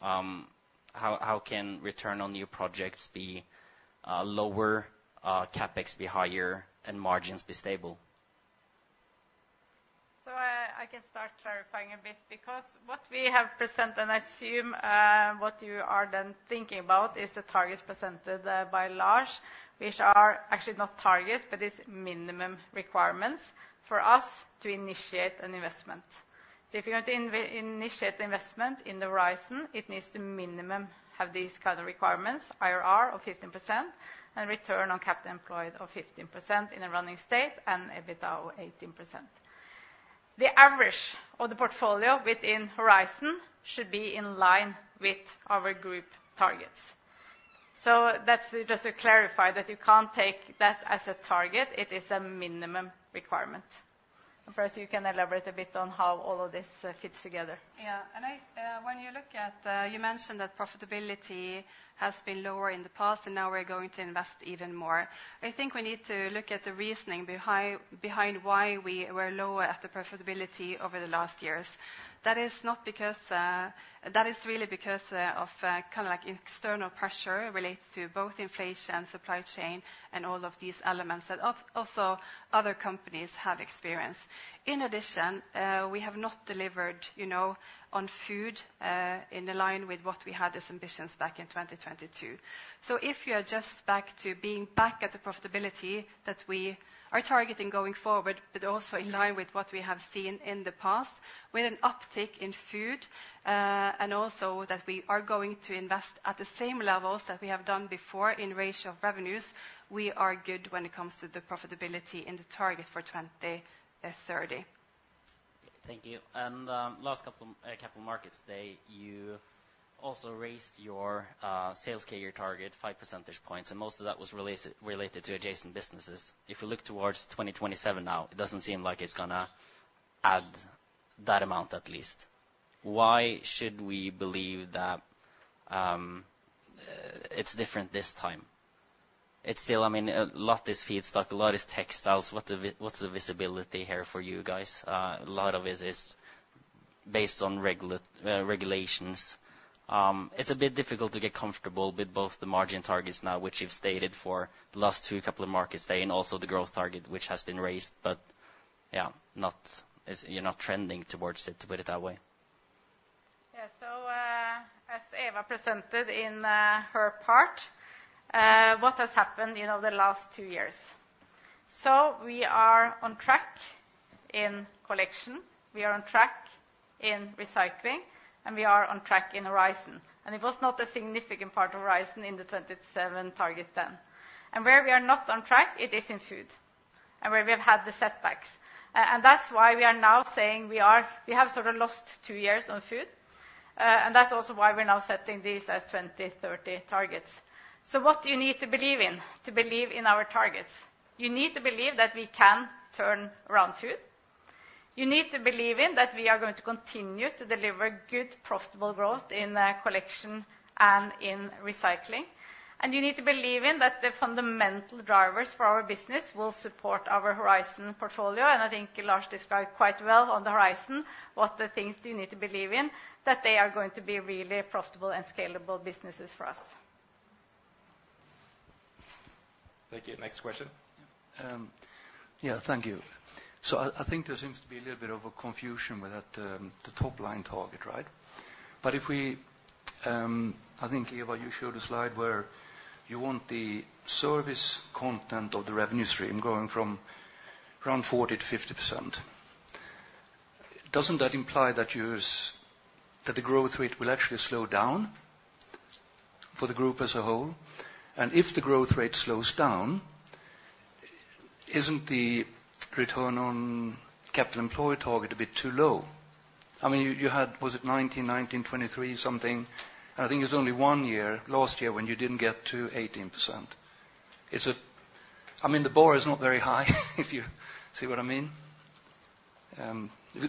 How can return on new projects be lower, CapEx be higher, and margins be stable? So, I can start clarifying a bit, because what we have presented, and I assume, what you are then thinking about, is the targets presented by Lars, which are actually not targets, but is minimum requirements for us to initiate an investment. So if you're going to initiate the investment in the Horizon, it needs to minimum have these kind of requirements: IRR of 15%, and return on capital employed of 15% in a running state, and EBITDA of 18%. The average of the portfolio within Horizon should be in line with our group targets. So that's just to clarify that you can't take that as a target, it is a minimum requirement. And first, you can elaborate a bit on how all of this fits together. Yeah. And I... When you look at... You mentioned that profitability has been lower in the past, and now we're going to invest even more. I think we need to look at the reasoning behind why we were lower at the profitability over the last years. That is not because, that is really because of kind of like external pressure related to both inflation, supply chain, and all of these elements that also other companies have experienced. In addition, we have not delivered, you know, on Food, in line with what we had as ambitions back in 2022. So if you are just back to being at the profitability that we are targeting going forward, but also in line with what we have seen in the past, with an uptick in Food, and also that we are going to invest at the same levels that we have done before in ratio of revenues, we are good when it comes to the profitability and the target for 2030. Thank you. And last couple Capital Markets Day, you also raised your sales CAGR target 5 percentage points, and most of that was related to adjacent businesses. If you look towards 2027 now, it doesn't seem like it's gonna add that amount, at least. Why should we believe that it's different this time? It's still, I mean, a lot is feedstock, a lot is textiles. What's the visibility here for you guys? A lot of it is based on regulations. It's a bit difficult to get comfortable with both the margin targets now, which you've stated for the last couple of market days, and also the growth target, which has been raised, but yeah, not. You're not trending towards it, to put it that way. Yeah. So, as Eva presented in her part, what has happened, you know, the last two years? So we are on track in Collection, we are on track in Recycling, and we are on track in Horizon. And it was not a significant part of Horizon in the 2027 targets then. And where we are not on track, it is in Food, and where we have had the setbacks. And that's why we are now saying we have sort of lost two years on Food, and that's also why we're now setting these as 2030 targets. So what do you need to believe in to believe in our targets? You need to believe that we can turn around food. You need to believe in that we are going to continue to deliver good, profitable growth in Collection and in Recycling. You need to believe in that the fundamental drivers for our business will support our Horizon portfolio. I think Lars described quite well on the Horizon what the things do you need to believe in, that they are going to be really profitable and scalable businesses for us. Thank you. Next question? Yeah, thank you. So I think there seems to be a little bit of a confusion with that, the top line target, right? But if we... I think, Eva, you showed a slide where you want the service content of the revenue stream going from around 40%-50%. Doesn't that imply that the growth rate will actually slow down for the group as a whole? And if the growth rate slows down, isn't the return on capital employed target a bit too low? I mean, you had, was it 2019, 2019-2023 something? And I think it's only one year, last year, when you didn't get to 18%. I mean, the bar is not very high, if you see what I mean.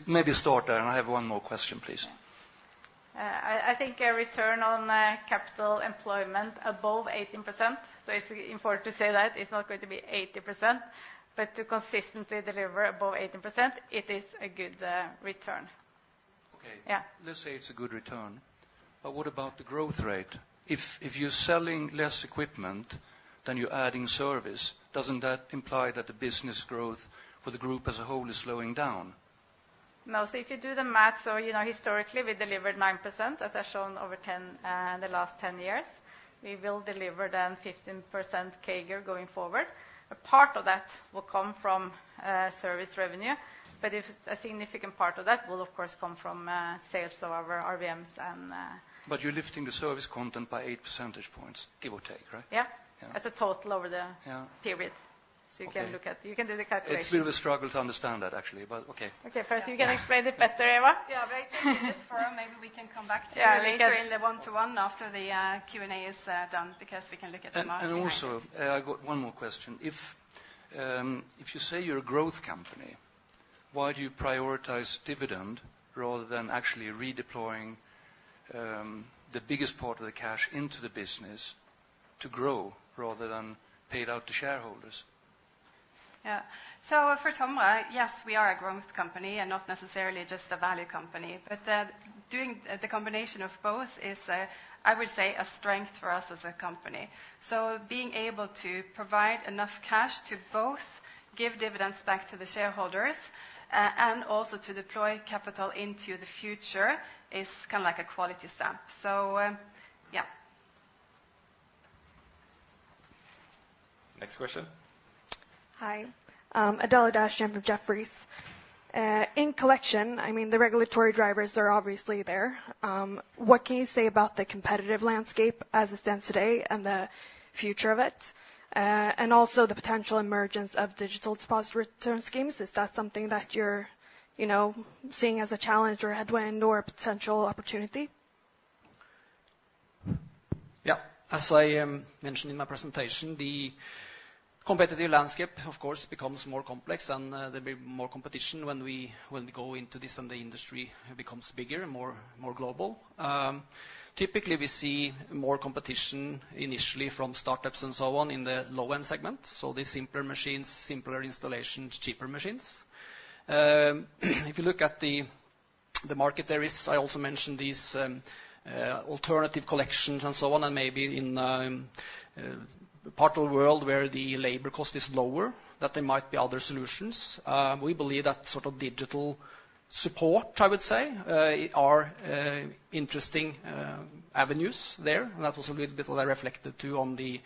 Maybe start there, and I have one more question, please. I think a return on capital employed above 18%, so it's important to say that, it's not going to be 80%, but to consistently deliver above 18%, it is a good return. Okay. Yeah. Let's say it's a good return, but what about the growth rate? If you're selling less equipment than you're adding service, doesn't that imply that the business growth for the group as a whole is slowing down? No. So if you do the math, so you know, historically, we delivered 9%, as I've shown over the last 10 years. We will deliver then 15% CAGR going forward. A part of that will come from service revenue. A significant part of that will, of course, come from sales of our RVMs and But you're lifting the service content by 8 percentage points, give or take, right? Yeah. As a total over the-... period. Okay. You can look at... You can do the calculation. It's a bit of a struggle to understand that, actually, but okay. Okay, first you can explain it better, Eva? Yeah, but I think it is fair, maybe we can come back to you-... later in the one-on-one after the Q&A is done, because we can look at the market. I got one more question: If you say you're a growth company-... why do you prioritize dividend rather than actually redeploying, the biggest part of the cash into the business to grow rather than pay it out to shareholders? Yeah. So for TOMRA, yes, we are a growth company and not necessarily just a value company. But, doing the combination of both is, I would say, a strength for us as a company. So being able to provide enough cash to both give dividends back to the shareholders, and also to deploy capital into the future is kind of like a quality stamp. So, yeah. Next question? Hi, Adela Dashian from Jefferies. In Collection, I mean, the regulatory drivers are obviously there. What can you say about the competitive landscape as it stands today and the future of it? And also the potential emergence of digital deposit return schemes, is that something that you're, you know, seeing as a challenge or a headwind or a potential opportunity? Yeah. As I mentioned in my presentation, the competitive landscape, of course, becomes more complex, and there'll be more competition when we go into this and the industry becomes bigger and more global. Typically, we see more competition initially from startups and so on in the low-end segment, so the simpler machines, simpler installations, cheaper machines. If you look at the market, there is, I also mentioned these alternative collections and so on, and maybe in part of the world where the labor cost is lower, that there might be other solutions. We believe that sort of digital support, I would say, are interesting avenues there. And that was a little bit what I reflected, too, on the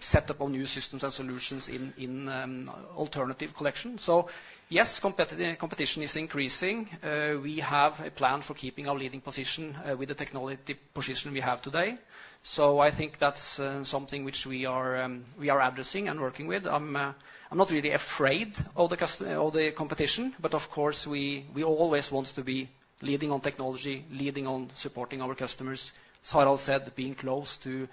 setup of new systems and solutions in alternative collection. So yes, competition is increasing. We have a plan for keeping our leading position with the technology position we have today. So I think that's something which we are addressing and working with. I'm not really afraid of the competition, but of course, we always want to be leading on technology, leading on supporting our customers. So, as I said, being close to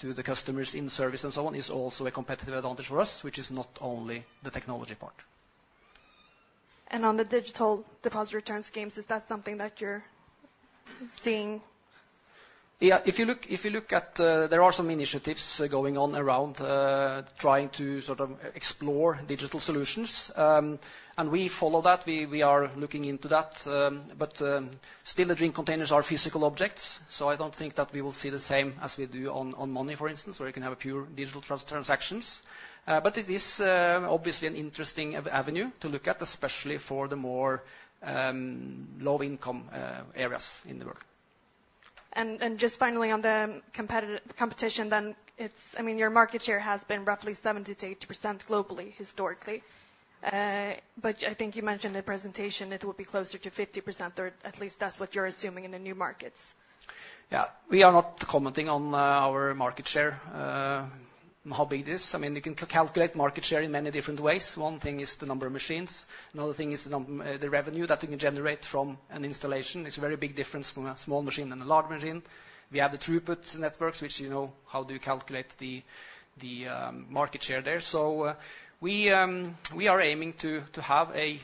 the customers in service and so on is also a competitive advantage for us, which is not only the technology part. And on the digital deposit return schemes, is that something that you're seeing? Yeah, if you look at. There are some initiatives going on around trying to sort of explore digital solutions. And we follow that. We are looking into that. But still, the drink containers are physical objects, so I don't think that we will see the same as we do on money, for instance, where you can have a pure digital transactions. But it is obviously an interesting avenue to look at, especially for the more low-income areas in the world. Just finally on the competition then, I mean, your market share has been roughly 70%-80% globally, historically. But I think you mentioned in the presentation it will be closer to 50%, or at least that's what you're assuming in the new markets. Yeah. We are not commenting on our market share, how big it is. I mean, you can calculate market share in many different ways. One thing is the number of machines, another thing is the revenue that you can generate from an installation. It's a very big difference from a small machine and a large machine. We have the throughput networks, which you know, how do you calculate the market share there? So, we are aiming to have a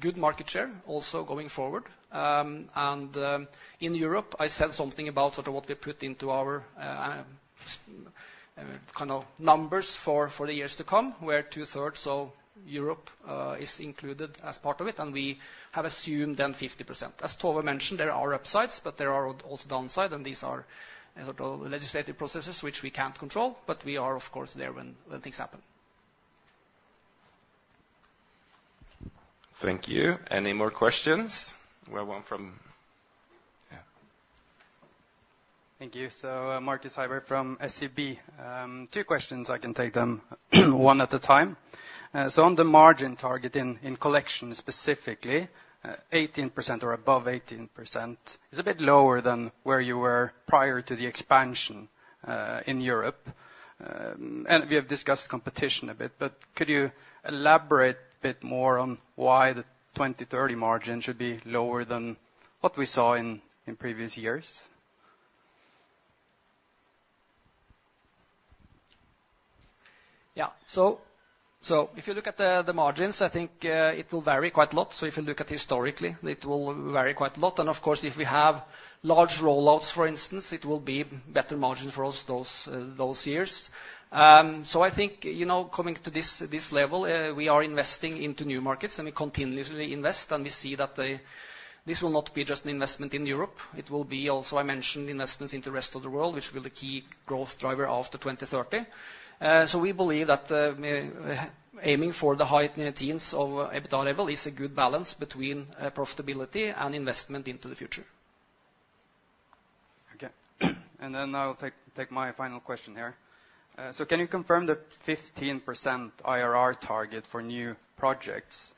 good market share also going forward. And in Europe, I said something about sort of what we put into our kind of numbers for the years to come, where two-thirds of Europe is included as part of it, and we have assumed then 50%. As Tove mentioned, there are upsides, but there are also downsides, and these are sort of legislative processes which we can't control, but we are, of course, there when things happen. Thank you. Any more questions? We have one from... Yeah. Thank you. So, Markus Heiberg from SEB. Two questions, I can take them one at a time. So on the margin target in Collection, specifically, 18% or above 18% is a bit lower than where you were prior to the expansion in Europe. And we have discussed competition a bit, but could you elaborate a bit more on why the 20-30 margin should be lower than what we saw in previous years? Yeah. So if you look at the margins, I think it will vary quite a lot. So if you look at it historically, it will vary quite a lot. And of course, if we have large rollouts, for instance, it will be better margin for us those years. So I think, you know, coming to this level, we are investing into new markets, and we continuously invest, and we see that this will not be just an investment in Europe. It will be also, I mentioned, investments in the rest of the world, which will be the key growth driver after 2030. So we believe that aiming for the high teens of EBITDA level is a good balance between profitability and investment into the future. Okay. And then I'll take my final question here. So can you confirm the 15% IRR target for new projects?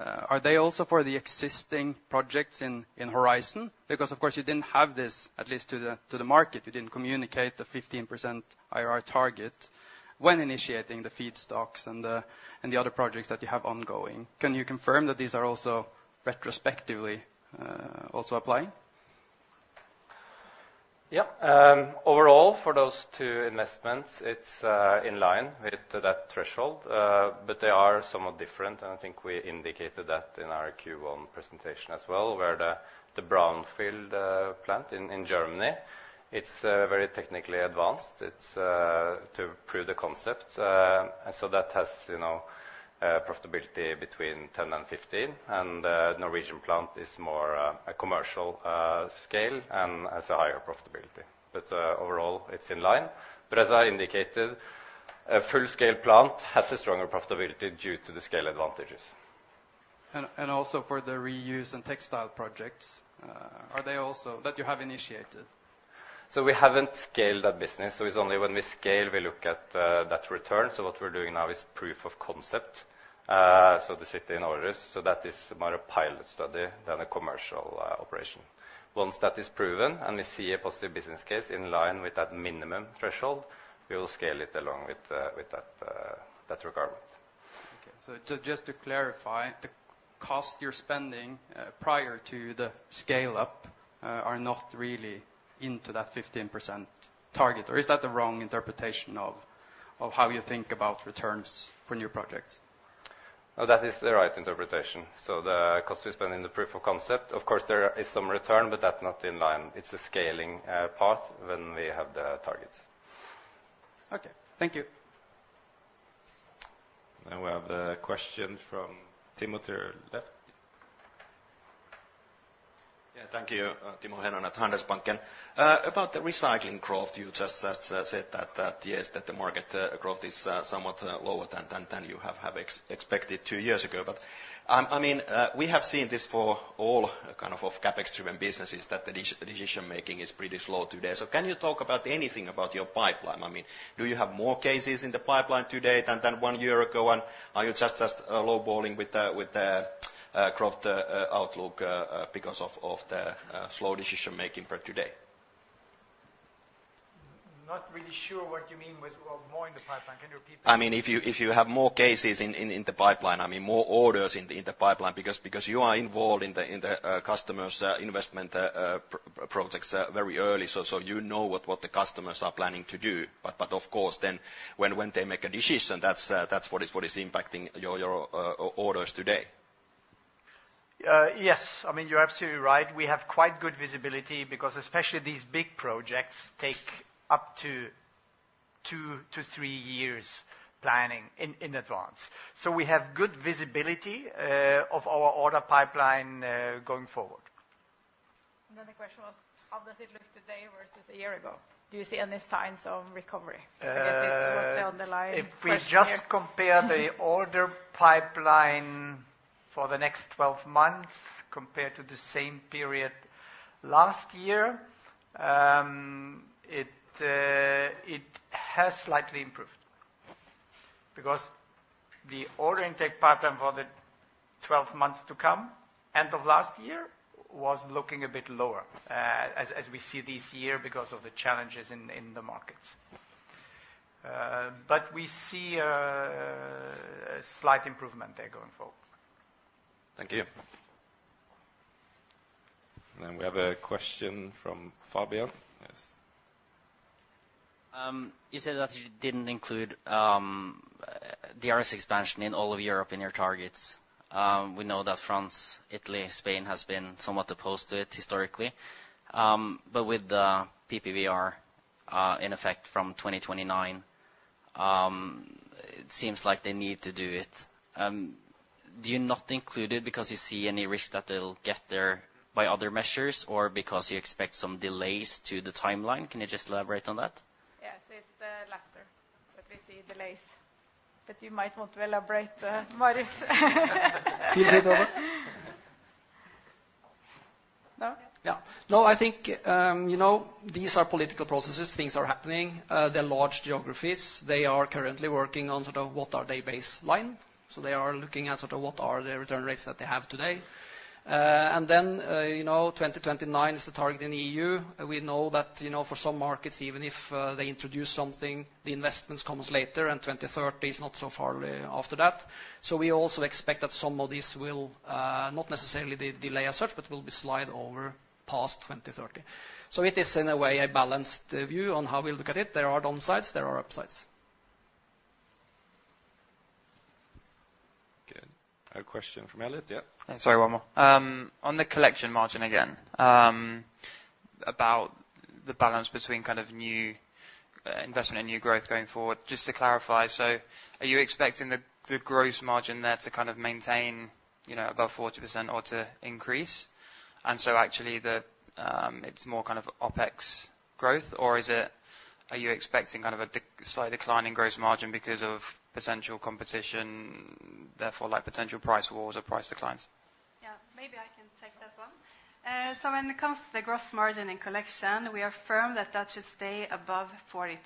Are they also for the existing projects in Horizon? Because, of course, you didn't have this, at least to the market. You didn't communicate the 15% IRR target when initiating the feedstocks and the other projects that you have ongoing. Can you confirm that these are also retrospectively applying?... Yeah, overall, for those two investments, it's in line with that threshold. But they are somewhat different, and I think we indicated that in our Q1 presentation as well, where the brownfield plant in Germany, it's very technically advanced. It's to prove the concept. And so that has, you know, profitability between 10% and 15%, and the Norwegian plant is more a commercial scale and has a higher profitability. But overall, it's in line. But as I indicated, a full-scale plant has a stronger profitability due to the scale advantages. And also for the reuse and textile projects, are they also... that you have initiated? So we haven't scaled that business, so it's only when we scale we look at that return. So what we're doing now is proof of concept, so to sort in orders. So that is more a pilot study than a commercial operation. Once that is proven, and we see a positive business case in line with that minimum threshold, we will scale it along with that requirement. Okay. So just to clarify, the cost you're spending, prior to the scale-up, are not really into that 15% target, or is that the wrong interpretation of how you think about returns for new projects? No, that is the right interpretation. So the cost we spend in the proof of concept, of course there is some return, but that's not in line. It's the scaling part when we have the targets. Okay. Thank you. Now we have a question from Timothy Left. Yeah, thank you. Timo Heinonen at Handelsbanken. About the recycling growth, you just said that yes, the market growth is somewhat lower than you have expected two years ago. But, I mean, we have seen this for all kind of CapEx-driven businesses, that the decision-making is pretty slow today. So can you talk about anything about your pipeline? I mean, do you have more cases in the pipeline today than one year ago? And are you just lowballing with the growth outlook because of the slow decision-making for today? Not really sure what you mean with more in the pipeline. Can you repeat that? I mean, if you have more cases in the pipeline, I mean, more orders in the pipeline, because you are involved in the customers' investment projects very early, so you know what the customers are planning to do. But of course, then when they make a decision, that's what is impacting your orders today. Yes. I mean, you're absolutely right. We have quite good visibility, because especially these big projects take up to two to three years planning in advance. So we have good visibility of our order pipeline going forward. The question was, how does it look today versus a year ago? Do you see any signs of recovery? Because it's not the underlying question here. If we just compare the order pipeline for the next 12 months compared to the same period last year, it has slightly improved. Because the order intake pipeline for the 12 months to come, end of last year, was looking a bit lower, as we see this year because of the challenges in the markets, but we see a slight improvement there going forward. Thank you. Then we have a question from Fabian. Yes. You said that you didn't include the DRS expansion in all of Europe in your targets. We know that France, Italy, Spain has been somewhat opposed to it historically. But with the PPWR in effect from 2029, it seems like they need to do it. Do you not include it because you see any risk that they'll get there by other measures, or because you expect some delays to the timeline? Can you just elaborate on that? Yes, it's the latter, that we see delays, but you might want to elaborate, Marius. You take over? No? Yeah. No, I think, you know, these are political processes. Things are happening. They're large geographies. They are currently working on sort of what are their baseline, so they are looking at sort of what are their return rates that they have today. And then, you know, 2029 is the target in the EU. We know that, you know, for some markets, even if they introduce something, the investments comes later, and 2030 is not so far after that. So we also expect that some of these will, not necessarily delay as such, but will slide over past 2030. So it is, in a way, a balanced view on how we look at it. There are downsides, there are upsides. Good. A question from Elliott, yeah? Sorry, one more. On the collection margin again, about the balance between kind of new investment and new growth going forward, just to clarify, so are you expecting the gross margin there to kind of maintain, you know, above 40% or to increase? And so actually, it's more kind of OpEx growth, or is it? Are you expecting kind of a slight decline in gross margin because of potential competition, therefore, like, potential price wars or price declines? Yeah, maybe I can take that one. So when it comes to the gross margin in collection, we are firm that that should stay above 40%.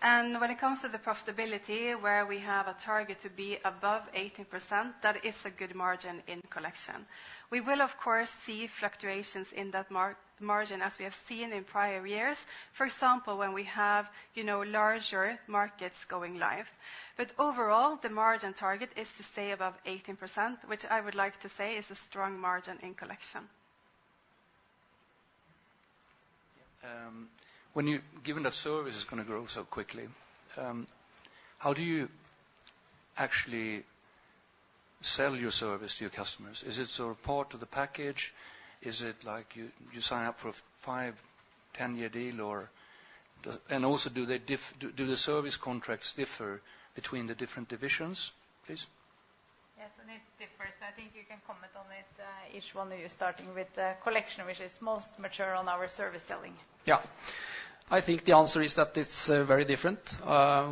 And when it comes to the profitability, where we have a target to be above 18%, that is a good margin in collection. We will, of course, see fluctuations in that margin, as we have seen in prior years. For example, when we have, you know, larger markets going live. But overall, the margin target is to stay above 18%, which I would like to say is a strong margin in collection.... when you-- given that service is going to grow so quickly, how do you actually sell your service to your customers? Is it so part of the package? Is it like you sign up for a five, ten-year deal, or does-- And also do they differ between the different divisions, please? Yes, and it differs. I think you can comment on it, each one of you, starting with Collection, which is most mature on our service selling. Yeah. I think the answer is that it's very different.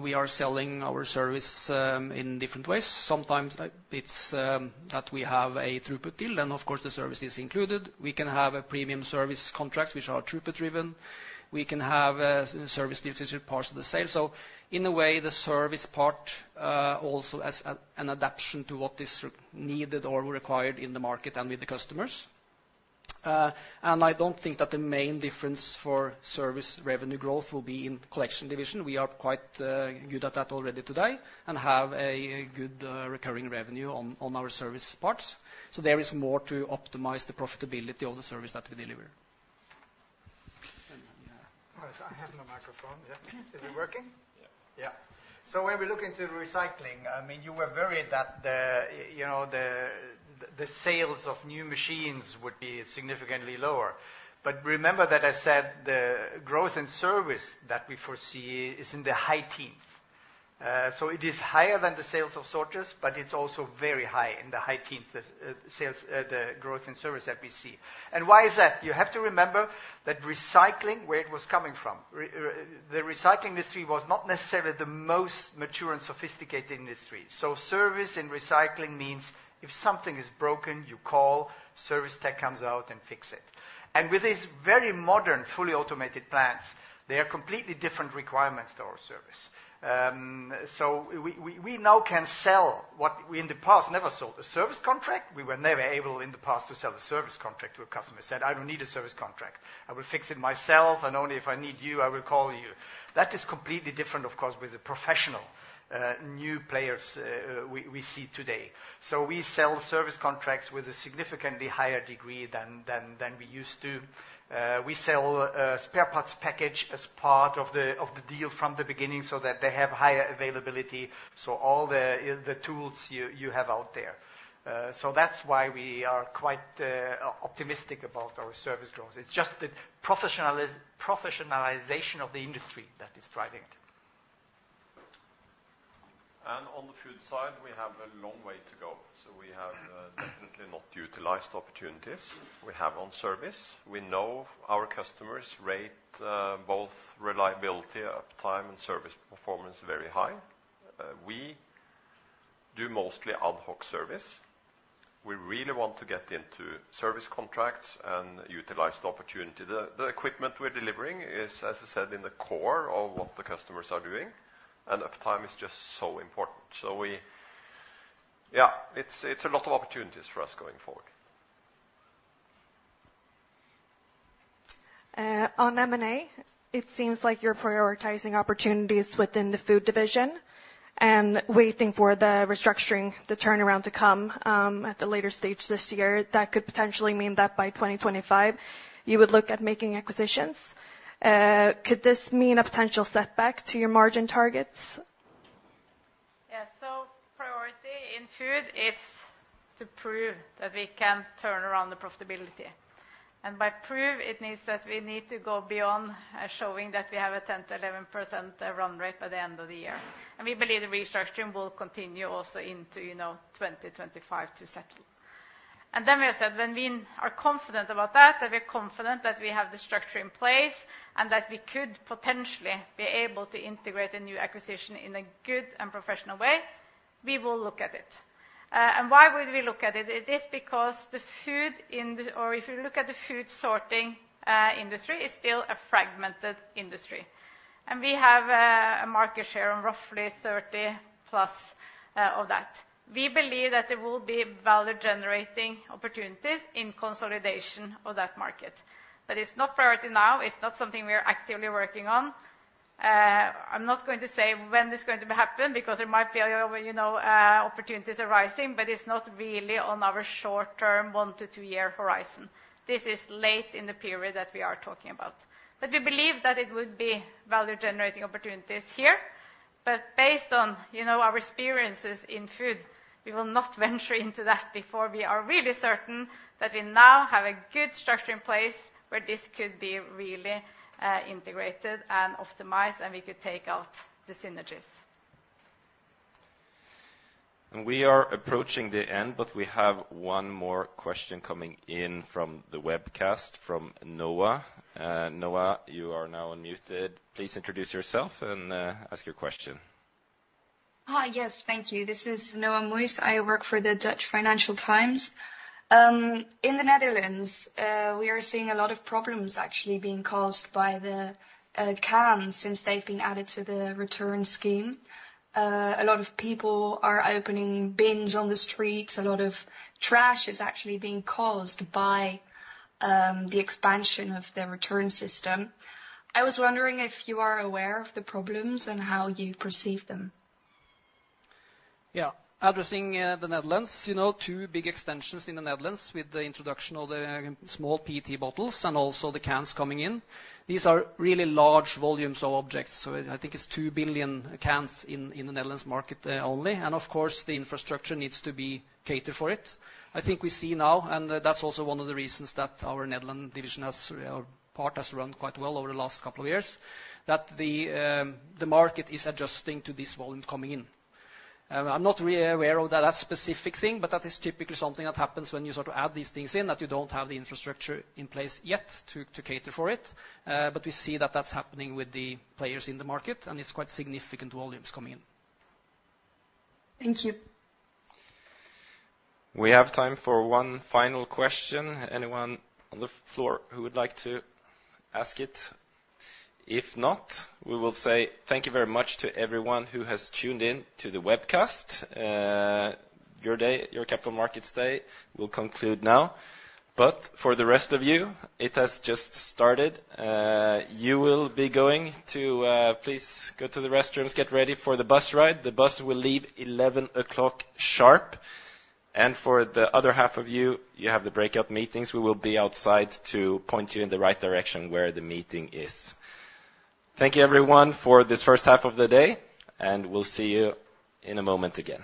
We are selling our service in different ways. Sometimes, like, it's that we have a throughput deal, and, of course, the service is included. We can have a premium service contracts, which are throughput driven. We can have service parts of the sale. So in a way, the service part also as an adaptation to what is needed or required in the market and with the customers. And I don't think that the main difference for service revenue growth will be in Collection division. We are quite good at that already today and have a good recurring revenue on our service parts. So there is more to optimize the profitability of the service that we deliver. I have no microphone. Yeah. Is it working? Yeah. Yeah. So when we look into recycling, I mean, you were worried that, you know, the sales of new machines would be significantly lower. But remember that I said the growth in service that we foresee is in the high teens. So it is higher than the sales of sorters, but it's also very high in the high teens, the sales, the growth in service that we see. And why is that? You have to remember that recycling, where it was coming from. The recycling industry was not necessarily the most mature and sophisticated industry. So service in recycling means if something is broken, you call, service tech comes out and fix it. And with these very modern, fully automated plants, they are completely different requirements to our service. So we now can sell what we in the past never sold. A service contract? We were never able in the past to sell a service contract to a customer. Said, "I don't need a service contract. I will fix it myself, and only if I need you, I will call you." That is completely different, of course, with the professional new players we see today. So we sell service contracts with a significantly higher degree than we used to. We sell a spare parts package as part of the deal from the beginning so that they have higher availability, so all the tools you have out there. So that's why we are quite optimistic about our service growth. It's just the professionalization of the industry that is driving it. On the food side, we have a long way to go, so we have definitely not utilized opportunities we have on service. We know our customers rate both reliability, uptime, and service performance very high. We do mostly ad hoc service. We really want to get into service contracts and utilize the opportunity. The equipment we're delivering is, as I said, in the core of what the customers are doing, and uptime is just so important. It's a lot of opportunities for us going forward. On M&A, it seems like you're prioritizing opportunities within the food division and waiting for the restructuring, the turnaround to come, at the later stage this year. That could potentially mean that by 2025, you would look at making acquisitions. Could this mean a potential setback to your margin targets? Yeah. So priority in Food is to prove that we can turn around the profitability. And by prove, it means that we need to go beyond showing that we have a 10%-11% run rate by the end of the year. And we believe the restructuring will continue also into, you know, 2025 to settle. And then we have said, when we are confident about that, and we're confident that we have the structure in place and that we could potentially be able to integrate a new acquisition in a good and professional way, we will look at it. And why would we look at it? It is because the food ind- or if you look at the food sorting industry, it's still a fragmented industry, and we have a market share on roughly 30+ of that. We believe that there will be value-generating opportunities in consolidation of that market. That is not priority now. It's not something we are actively working on. I'm not going to say when it's going to be happen, because there might be, you know, opportunities arising, but it's not really on our short term, one- to two-year horizon. This is late in the period that we are talking about. But we believe that it would be value-generating opportunities here, but based on, you know, our experiences in Food, we will not venture into that before we are really certain that we now have a good structure in place where this could be really, integrated and optimized, and we could take out the synergies. We are approaching the end, but we have one more question coming in from the webcast, from Noa. Noa, you are now unmuted. Please introduce yourself and ask your question. Hi, yes. Thank you. This is Noa Mooij. I work for the Dutch Financial Times. In the Netherlands, we are seeing a lot of problems actually being caused by the cans since they've been added to the return scheme. A lot of people are opening bins on the streets. A lot of trash is actually being caused by the expansion of the return system. I was wondering if you are aware of the problems and how you perceive them. Yeah. Addressing the Netherlands, you know, two big extensions in the Netherlands with the introduction of the small PET bottles and also the cans coming in. These are really large volumes of objects, so I think it's two billion cans in the Netherlands market only. And, of course, the infrastructure needs to be catered for it. I think we see now, and that's also one of the reasons that our Netherlands division has run quite well over the last couple of years, that the market is adjusting to this volume coming in. I'm not really aware of that specific thing, but that is typically something that happens when you sort of add these things in, that you don't have the infrastructure in place yet to cater for it. But we see that that's happening with the players in the market, and it's quite significant volumes coming in. Thank you. We have time for one final question. Anyone on the floor who would like to ask it? If not, we will say thank you very much to everyone who has tuned in to the webcast. Your day, your Capital Markets Day will conclude now, but for the rest of you, it has just started. You will be going to... Please go to the restrooms, get ready for the bus ride. The bus will leave 11:00 A.M. sharp. And for the other half of you, you have the breakout meetings. We will be outside to point you in the right direction where the meeting is. Thank you, everyone, for this first half of the day, and we'll see you in a moment again.